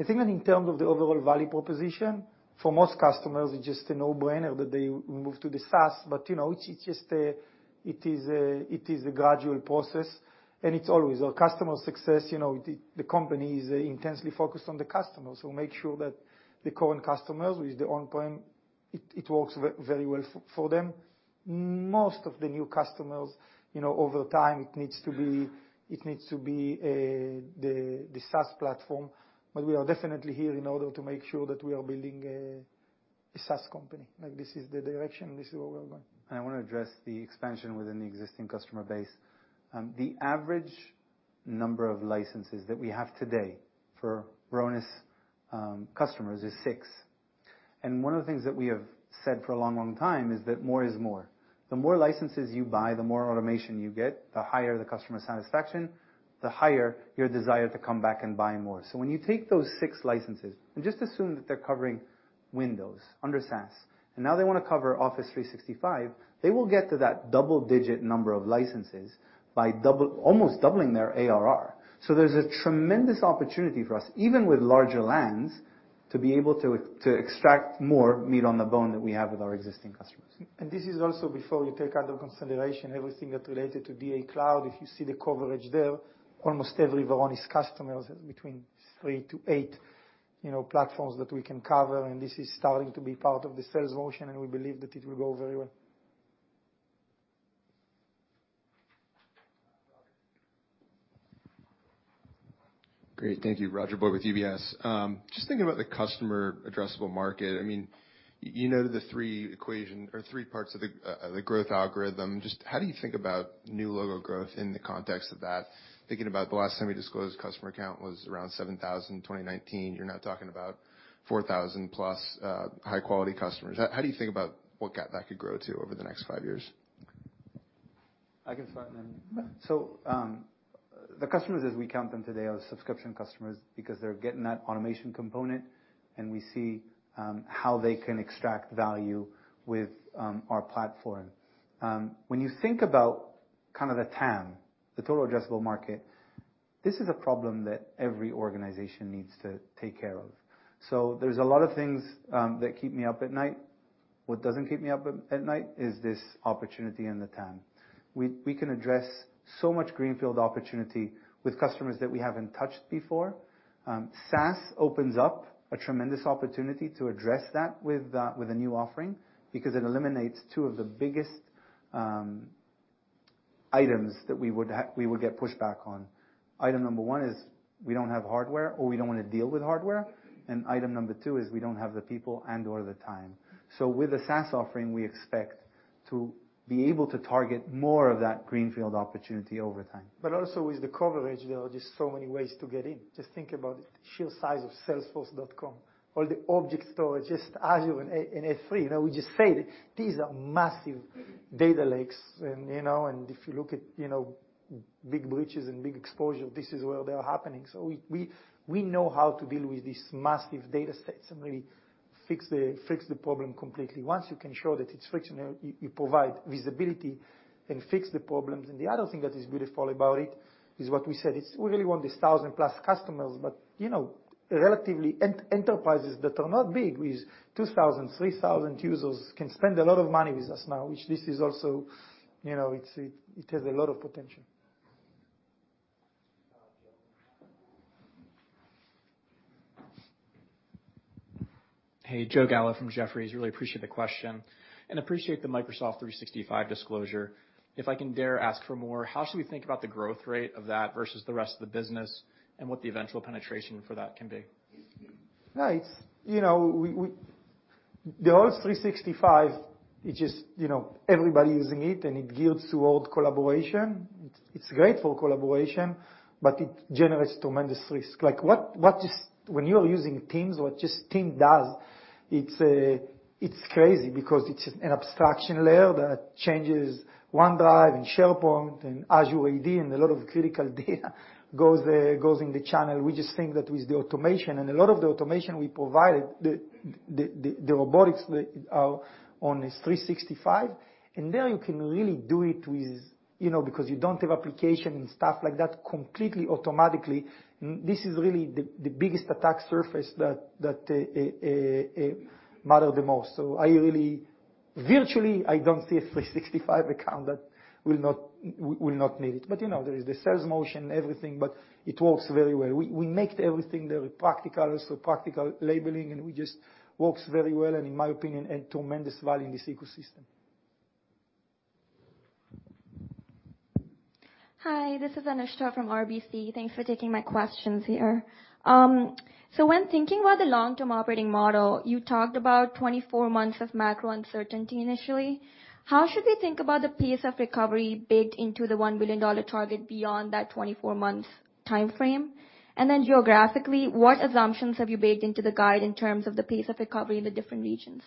I think that in terms of the overall value proposition, for most customers it's just a no-brainer that they move to the SaaS. You know, it is a gradual process, and it's always our customer success. You know, the company is intensely focused on the customers who make sure that the current customers with the on-prem, it works very well for them. Most of the new customers, you know, over time, it needs to be the SaaS platform. We are definitely here in order to make sure that we are building a SaaS company. Like this is the direction, this is where we're going. I want to address the expansion within the existing customer base. The average number of licenses that we have today for Varonis customers is six. One of the things that we have said for a long, long time is that more is more. The more licenses you buy, the more automation you get, the higher the customer satisfaction, the higher your desire to come back and buy more. When you take those six licenses, and just assume that they're covering Windows under SaaS, and now they wanna cover Office 365, they will get to that double digit number of licenses by almost doubling their ARR. There's a tremendous opportunity for us, even with larger lands, to be able to extract more meat on the bone that we have with our existing customers. This is also before you take out of consideration everything that related to DA Cloud. If you see the coverage there, almost every Varonis customers has between three to eight, you know, platforms that we can cover, and this is starting to be part of the sales motion, and we believe that it will go very well. Great. Thank you. Roger Boyd with UBS. Just thinking about the customer addressable market. I mean, you know the three equation or three parts of the growth algorithm. Just how do you think about new logo growth in the context of that? Thinking about the last time you disclosed customer count was around 7,000 in 2019, you're now talking about 4,000+ high quality customers. How do you think about what gap that could grow to over the next five years? I can start and then. Yeah. The customers as we count them today are subscription customers because they're getting that automation component and we see how they can extract value with our platform. When you think about kind of the TAM, the total addressable market, this is a problem that every organization needs to take care of. There's a lot of things that keep me up at night. What doesn't keep me up at night is this opportunity and the TAM. We can address so much greenfield opportunity with customers that we haven't touched before. SaaS opens up a tremendous opportunity to address that with a new offering because it eliminates two of the biggest items that we would get pushback on. Item number one is we don't have hardware or we don't wanna deal with hardware. Item number two is we don't have the people and/or the time. With a SaaS offering, we expect to be able to target more of that greenfield opportunity over time. Also with the coverage, there are just so many ways to get in. Just think about the sheer size of Salesforce.com, all the object storage, just Azure and S3. You know, we just said these are massive data lakes and, you know. If you look at, you know, big breaches and big exposure, this is where they are happening. We know how to deal with these massive data sets and really fix the problem completely. Once you can show that it's fixing, you provide visibility and fix the problems. The other thing that is beautiful about it is what we said, it's we really want these 1,000+ customers, but you know, relatively enterprises that are not big, with 2,000, 3,000 users can spend a lot of money with us now, which this is also, you know, it's, it has a lot of potential. Hey, Joe Gallo from Jefferies. Really appreciate the question and appreciate the Microsoft 365 disclosure. If I can dare ask for more, how should we think about the growth rate of that versus the rest of the business and what the eventual penetration for that can be? Right. You know, we. The Office 365 is just, you know, everybody using it and it gears toward collaboration. It's great for collaboration, but it generates tremendous risk. Like what is, when you're using Teams, what just Teams does, it's a, it's crazy because it's an abstraction layer that changes OneDrive and SharePoint and Azure AD, and a lot of critical data goes in the channel. We just think that with the automation and a lot of the automation we provided, the robotics are on this 365. There you can really do it with, you know, because you don't have application and stuff like that completely automatically. This is really the biggest attack surface that matter the most. Virtually, I don't see a Microsoft 365 account that will not need it. You know, there is the sales motion, everything, but it works very well. We make everything very practical. Practical labeling, and it just works very well, and in my opinion, a tremendous value in this ecosystem. Hi, this is [Anusha] from RBC. Thanks for taking my questions here. So when thinking about the long-term operating model, you talked about 24 months of macro uncertainty initially. How should we think about the pace of recovery baked into the $1 billion target beyond that 24 months timeframe? Then geographically, what assumptions have you baked into the guide in terms of the pace of recovery in the different regions?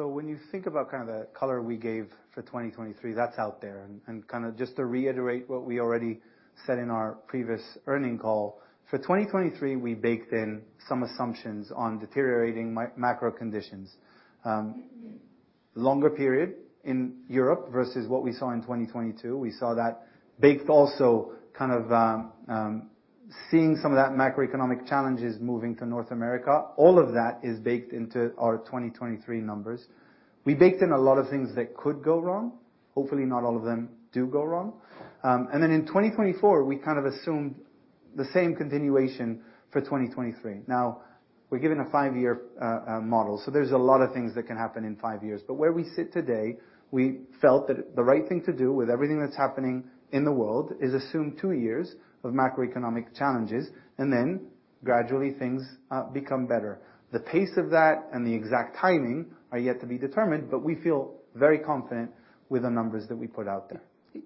When you think about kind of the color we gave for 2023, that's out there. Kind of just to reiterate what we already said in our previous earning call. For 2023, we baked in some assumptions on deteriorating macro conditions. Longer period in Europe versus what we saw in 2022. We saw that baked also kind of seeing some of that macroeconomic challenges moving to North America. All of that is baked into our 2023 numbers. We baked in a lot of things that could go wrong. Hopefully, not all of them do go wrong. In 2024, we kind of assumed the same continuation for 2023. We're giving a five-year model, so there's a lot of things that can happen in five years. Where we sit today, we felt that the right thing to do with everything that's happening in the world is assume two years of macroeconomic challenges, and then gradually things become better. The pace of that and the exact timing are yet to be determined. We feel very confident with the numbers that we put out there.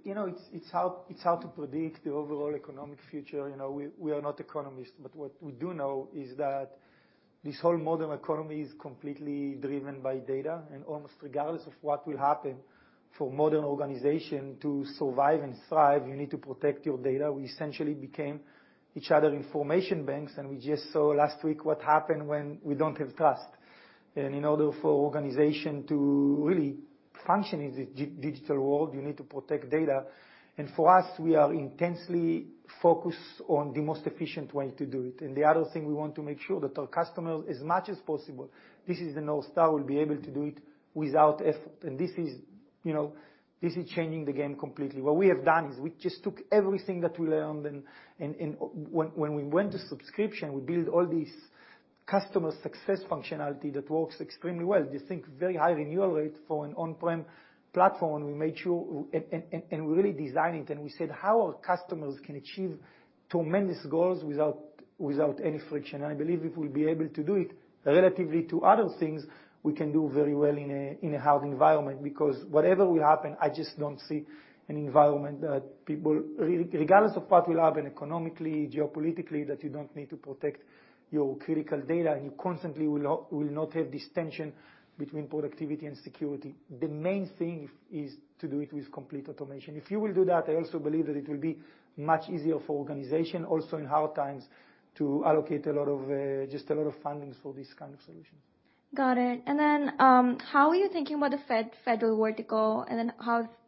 You know, it's hard to predict the overall economic future. You know, we are not economists, but what we do know is that this whole modern economy is completely driven by data. Almost regardless of what will happen, for modern organization to survive and thrive, you need to protect your data. We essentially became each other information banks, we just saw last week what happened when we don't have trust. In order for organization to really function in this digital world, you need to protect data. For us, we are intensely focused on the most efficient way to do it. The other thing, we want to make sure that our customers, as much as possible, this is the north star, will be able to do it without effort. This is, you know, this is changing the game completely. What we have done is we just took everything that we learned and when we went to subscription, we build all this customer success functionality that works extremely well. Do you think very high renewal rate for an on-prem platform, and we made sure and we really designed it, and we said, "How our customers can achieve tremendous goals without any friction?" I believe if we'll be able to do it relatively to other things, we can do very well in a hard environment. Whatever will happen, I just don't see an environment that people really. Regardless of what will happen economically, geopolitically, that you don't need to protect your critical data, and you constantly will not have this tension between productivity and security. The main thing is to do it with complete automation. If you will do that, I also believe that it will be much easier for organization also in hard times to allocate a lot of fundings for these kind of solutions. Got it. How are you thinking about the fed, federal vertical, and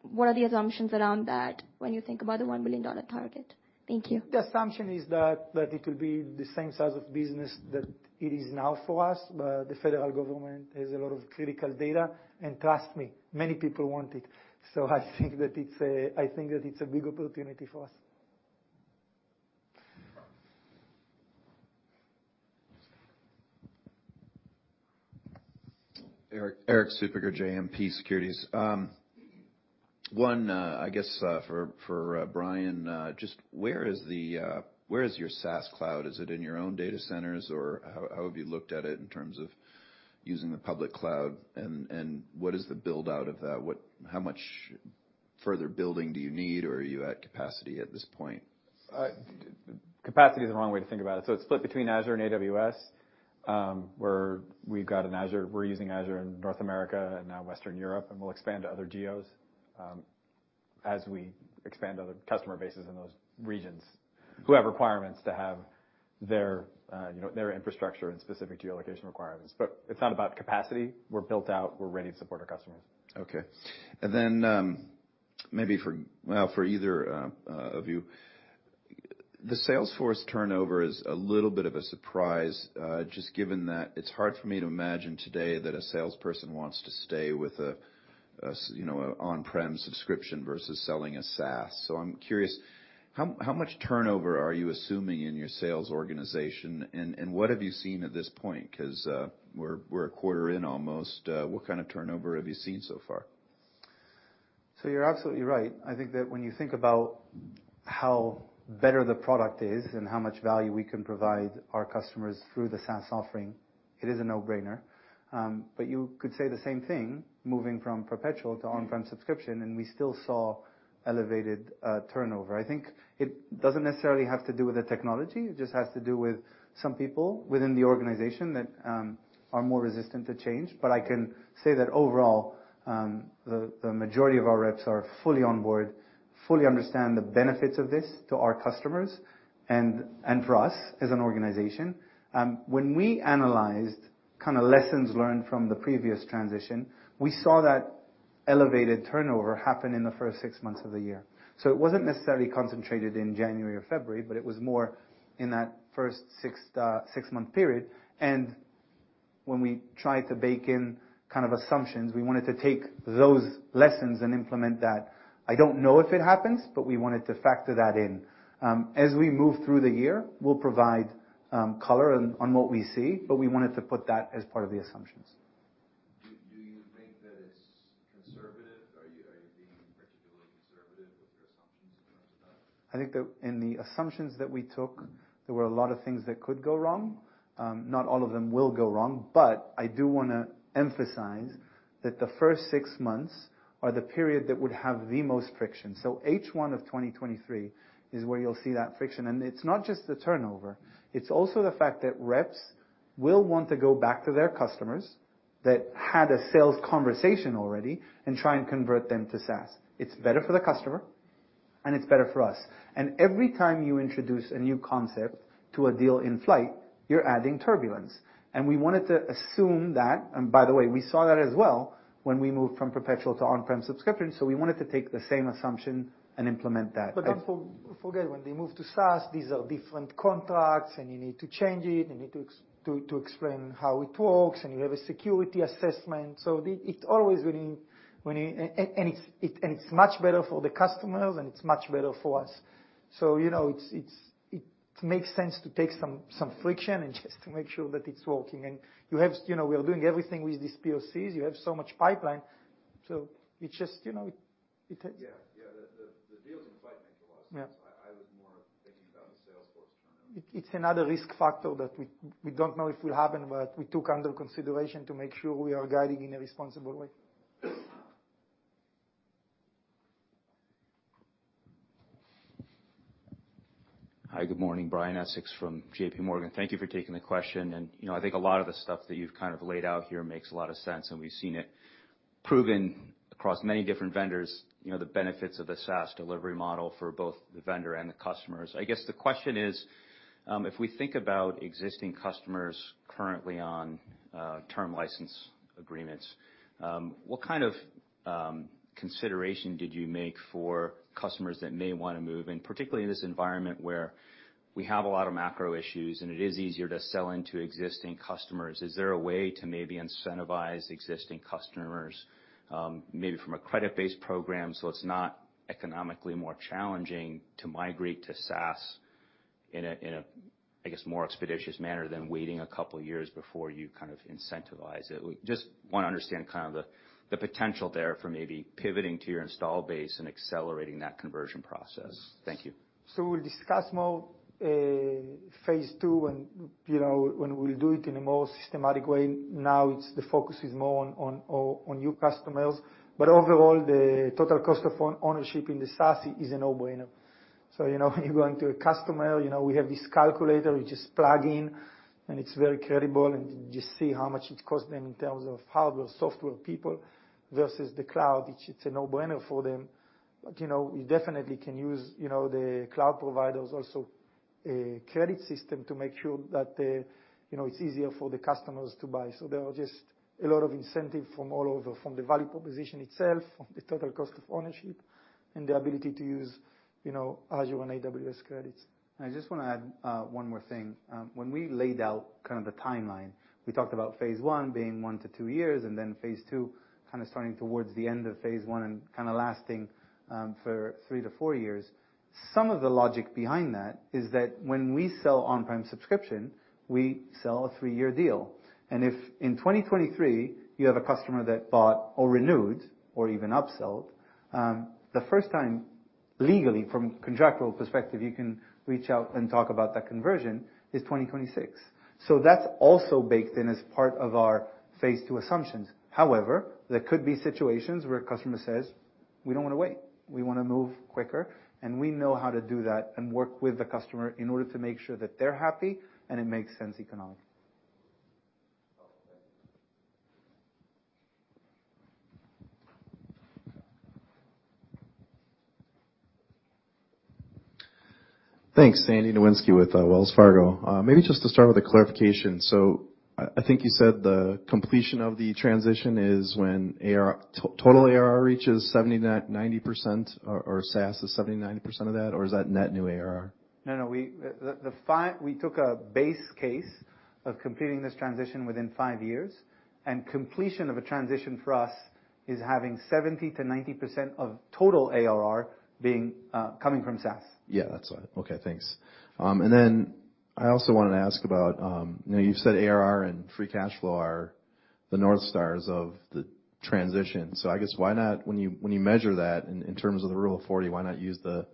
what are the assumptions around that when you think about the $1 billion target? Thank you. The assumption is that it will be the same size of business that it is now for us. The federal government has a lot of critical data, and trust me, many people want it. I think that it's a big opportunity for us. Erik Suppiger, JMP Securities. One, I guess, for Brian, just where is your SaaS cloud? Is it in your own data centers or how have you looked at it in terms of using the public cloud? What is the build-out of that? How much further building do you need, or are you at capacity at this point? Capacity is the wrong way to think about it. It's split between Azure and AWS. We've got an Azure. We're using Azure in North America and now Western Europe, and we'll expand to other geos as we expand other customer bases in those regions who have requirements to have their, you know, their infrastructure and specific geo-location requirements. It's not about capacity. We're built out, we're ready to support our customers. Okay. Well, for either of you. The salesforce turnover is a little bit of a surprise, just given that it's hard for me to imagine today that a salesperson wants to stay with a, you know, a on-prem subscription versus selling a SaaS. I'm curious, how much turnover are you assuming in your sales organization, and what have you seen at this point? 'Cause, we're a quarter in almost, what kind of turnover have you seen so far? You're absolutely right. I think that when you think about how better the product is and how much value we can provide our customers through the SaaS offering, it is a no-brainer. You could say the same thing moving from perpetual to on-prem subscription, and we still saw elevated turnover. I think it doesn't necessarily have to do with the technology. It just has to do with some people within the organization that are more resistant to change. I can say that overall, the majority of our reps are fully on board, fully understand the benefits of this to our customers and for us as an organization. When we analyzed kind of lessons learned from the previous transition, we saw that elevated turnover happened in the first six months of the year. It wasn't necessarily concentrated in January or February, but it was more in that first six-month period. When we tried to bake in kind of assumptions, we wanted to take those lessons and implement that. I don't know if it happens, but we wanted to factor that in. As we move through the year, we'll provide color on what we see, but we wanted to put that as part of the assumptions. Do you think that it's conservative? Are you being particularly conservative with your assumptions in regards to that? I think in the assumptions that we took, there were a lot of things that could go wrong. Not all of them will go wrong. I do wanna emphasize that the first six months are the period that would have the most friction. H1 of 2023 is where you'll see that friction. It's not just the turnover, it's also the fact that reps will want to go back to their customers that had a sales conversation already and try and convert them to SaaS. It's better for the customer and it's better for us. Every time you introduce a new concept to a deal in flight, you're adding turbulence, and we wanted to assume that. By the way, we saw that as well when we moved from perpetual to on-prem subscription. We wanted to take the same assumption and implement that. Don't forget, when they move to SaaS, these are different contracts, and you need to change it, you need to explain how it works, and you have a security assessment. It's much better for the customers and it's much better for us. You know, it makes sense to take some friction and just to make sure that it's working. You have, you know, we are doing everything with these POCs. You have so much pipeline, so it just, you know, it takes. Yeah. Yeah. The deals in flight make a lot of sense. Yeah. I was more thinking about the salesforce turnover. It's another risk factor that we don't know if it'll happen, but we took under consideration to make sure we are guiding in a responsible way. Hi, good morning. Brian Essex from JPMorgan. Thank you for taking the question. You know, I think a lot of the stuff that you've kind of laid out here makes a lot of sense, and we've seen it proven across many different vendors, you know, the benefits of the SaaS delivery model for both the vendor and the customers. I guess the question is, if we think about existing customers currently on term license agreements, what kind of consideration did you make for customers that may wanna move? Particularly in this environment where we have a lot of macro issues, and it is easier to sell into existing customers, is there a way to maybe incentivize existing customers, maybe from a credit-based program so it's not economically more challenging to migrate to SaaS in a, I guess, more expeditious manner than waiting a couple years before you kind of incentivize it? We just wanna understand kind of the potential there for maybe pivoting to your install base and accelerating that conversion process. Thank you. We'll discuss more, Phase 2 when, you know, when we'll do it in a more systematic way. Now the focus is more on new customers. But overall, the total cost of ownership in the SaaS is a no-brainer. You know, when you're going to a customer, you know, we have this calculator we just plug in, and it's very credible, and you just see how much it costs them in terms of hardware, software, people versus the cloud. It's, it's a no-brainer for them. you know, we definitely can use, you know, the cloud providers also, credit system to make sure that, you know, it's easier for the customers to buy. There are just a lot of incentive from all over, from the value proposition itself, from the total cost of ownership, and the ability to use, you know, Azure and AWS credits. I just wanna add one more thing. When we laid out kind of the timeline, we talked about Phase 1 being one to two years, and then Phase 2 kinda starting towards the end of Phase 1 and kinda lasting for three to four years. Some of the logic behind that is that when we sell on-prem subscription, we sell a three-year deal. If in 2023 you have a customer that bought or renewed or even upsold the first time, legally, from contractual perspective, you can reach out and talk about that conversion is 2026. That's also baked in as part of our Phase 2 assumptions. However, there could be situations where a customer says, "We don't wanna wait. We wanna move quicker." We know how to do that and work with the customer in order to make sure that they're happy and it makes sense economically. Okay. Thank you. Thanks. Andrew Nowinski with Wells Fargo. Maybe just to start with a clarification. I think you said the completion of the transition is when total ARR reaches 90% or SaaS is 70%, 90% of that, or is that net new ARR? No, no. We took a base case of completing this transition within five years, and completion of a transition for us is having 70%-90% of total ARR being coming from SaaS. Yeah, that's what I, okay, thanks. Then I also wanted to ask about, you know, you've said ARR and free cash flow are the north stars of the transition. I guess why not, when you measure that in terms of the Rule of 40, why not use the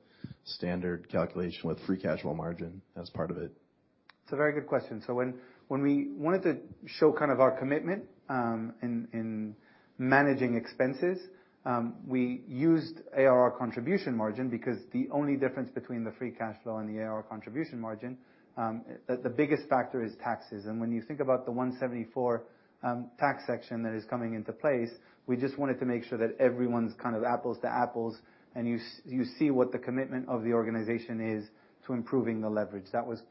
standard calculation with free cash flow margin as part of it? It's a very good question. When we wanted to show kind of our commitment in managing expenses, we used ARR contribution margin because the only difference between the free cash flow and the ARR contribution margin, the biggest factor is taxes. When you think about the 174 tax section that is coming into place, we just wanted to make sure that everyone's kind of apples to apples, and you see what the commitment of the organization is to improving the leverage. That was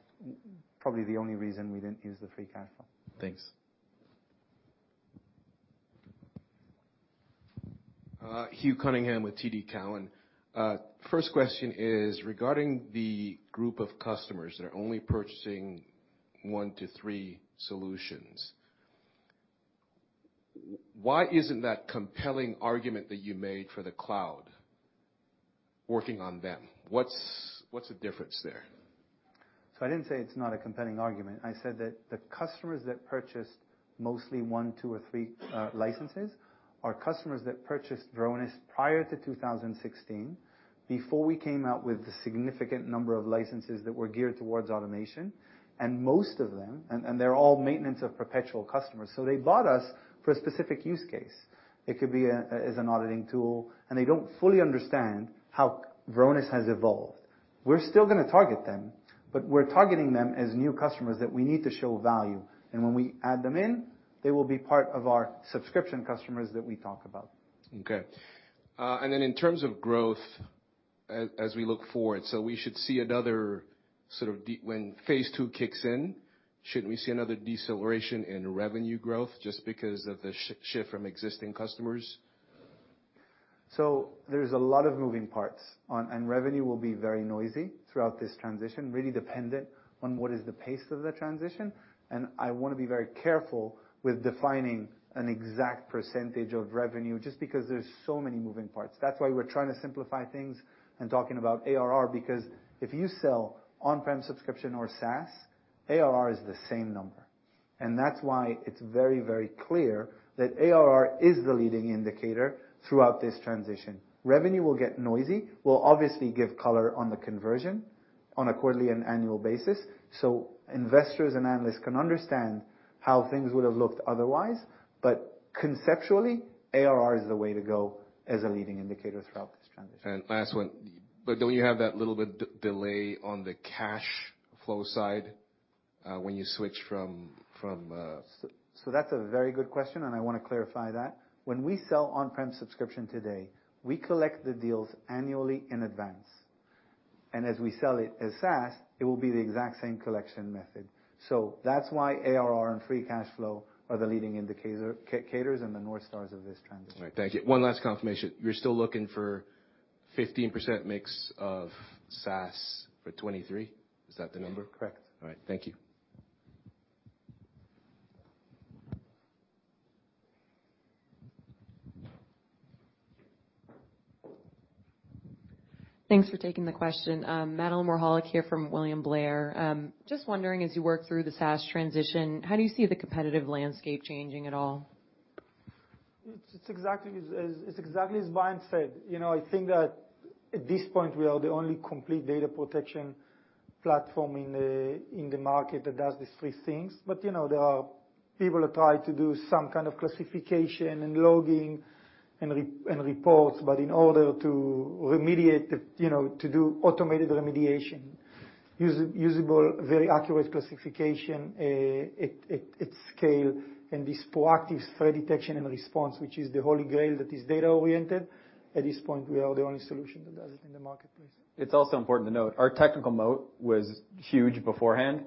probably the only reason we didn't use the free cash flow. Thanks. Hugh Cunningham with TD Cowen. First question is regarding the group of customers that are only purchasing one to three solutions. Why isn't that compelling argument that you made for the cloud working on them? What's the difference there? I didn't say it's not a compelling argument. I said that the customers that purchased mostly one, two or three licenses are customers that purchased Varonis prior to 2016, before we came out with the significant number of licenses that were geared towards automation. Most of them, and they're all maintenance of perpetual customers, so they bought us for a specific use case. It could be as an auditing tool, and they don't fully understand how Varonis has evolved. We're still gonna target them, but we're targeting them as new customers that we need to show value. When we add them in, they will be part of our subscription customers that we talk about. Okay. In terms of growth as we look forward, we should see another sort of when Phase 2 kicks in, should we see another deceleration in revenue growth just because of the shift from existing customers? There's a lot of moving parts. Revenue will be very noisy throughout this transition, really dependent on what is the pace of the transition. I wanna be very careful with defining an exact percentage of revenue just because there's so many moving parts. That's why we're trying to simplify things and talking about ARR because if you sell on-prem subscription or SaaS, ARR is the same number. That's why it's very, very clear that ARR is the leading indicator throughout this transition. Revenue will get noisy. We'll obviously give color on the conversion on a quarterly and annual basis, so investors and analysts can understand how things would have looked otherwise. Conceptually, ARR is the way to go as a leading indicator throughout this transition. Last one. Don't you have that little bit delay on the cash flow side, when you switch from? That's a very good question, and I wanna clarify that. When we sell on-prem subscription today, we collect the deals annually in advance. As we sell it as SaaS, it will be the exact same collection method. That's why ARR and free cash flow are the leading indicators and the north stars of this transition. All right. Thank you. One last confirmation. You're still looking for 15% mix of SaaS for 2023? Is that the number? Correct. All right. Thank you. Thanks for taking the question. [Madeline Morholic] here from William Blair. Just wondering as you work through the SaaS transition, how do you see the competitive landscape changing at all? It's exactly as Brian said. You know, I think that at this point we are the only complete data protection platform in the market that does these three things. You know, there are people that try to do some kind of classification and logging and reports. In order to remediate, you know, to do automated remediation, usable, very accurate classification, at scale, and this proactive threat detection and response, which is the Holy Grail that is data-oriented, at this point, we are the only solution that does it in the marketplace. It's also important to note, our technical moat was huge beforehand.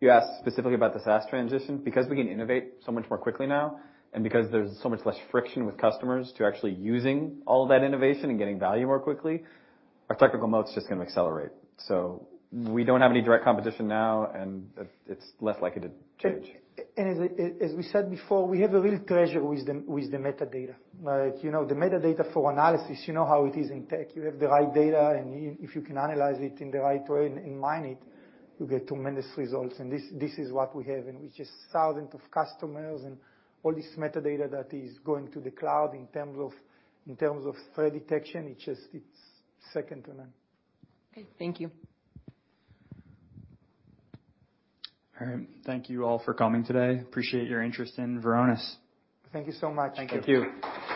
You asked specifically about the SaaS transition. Because we can innovate so much more quickly now, and because there's so much less friction with customers to actually using all that innovation and getting value more quickly, our technical moat's just gonna accelerate. We don't have any direct competition now, and it's less likely to change. As we said before, we have a real treasure with the metadata. Like, you know, the metadata for analysis, you know how it is in tech. You have the right data, and if you can analyze it in the right way and mine it, you get tremendous results. This is what we have, and we have just thousands of customers and all this metadata that is going to the cloud in terms of threat detection, it's just, it's second to none. Okay. Thank you. All right. Thank you all for coming today. Appreciate your interest in Varonis. Thank you so much. Thank you. Thank you.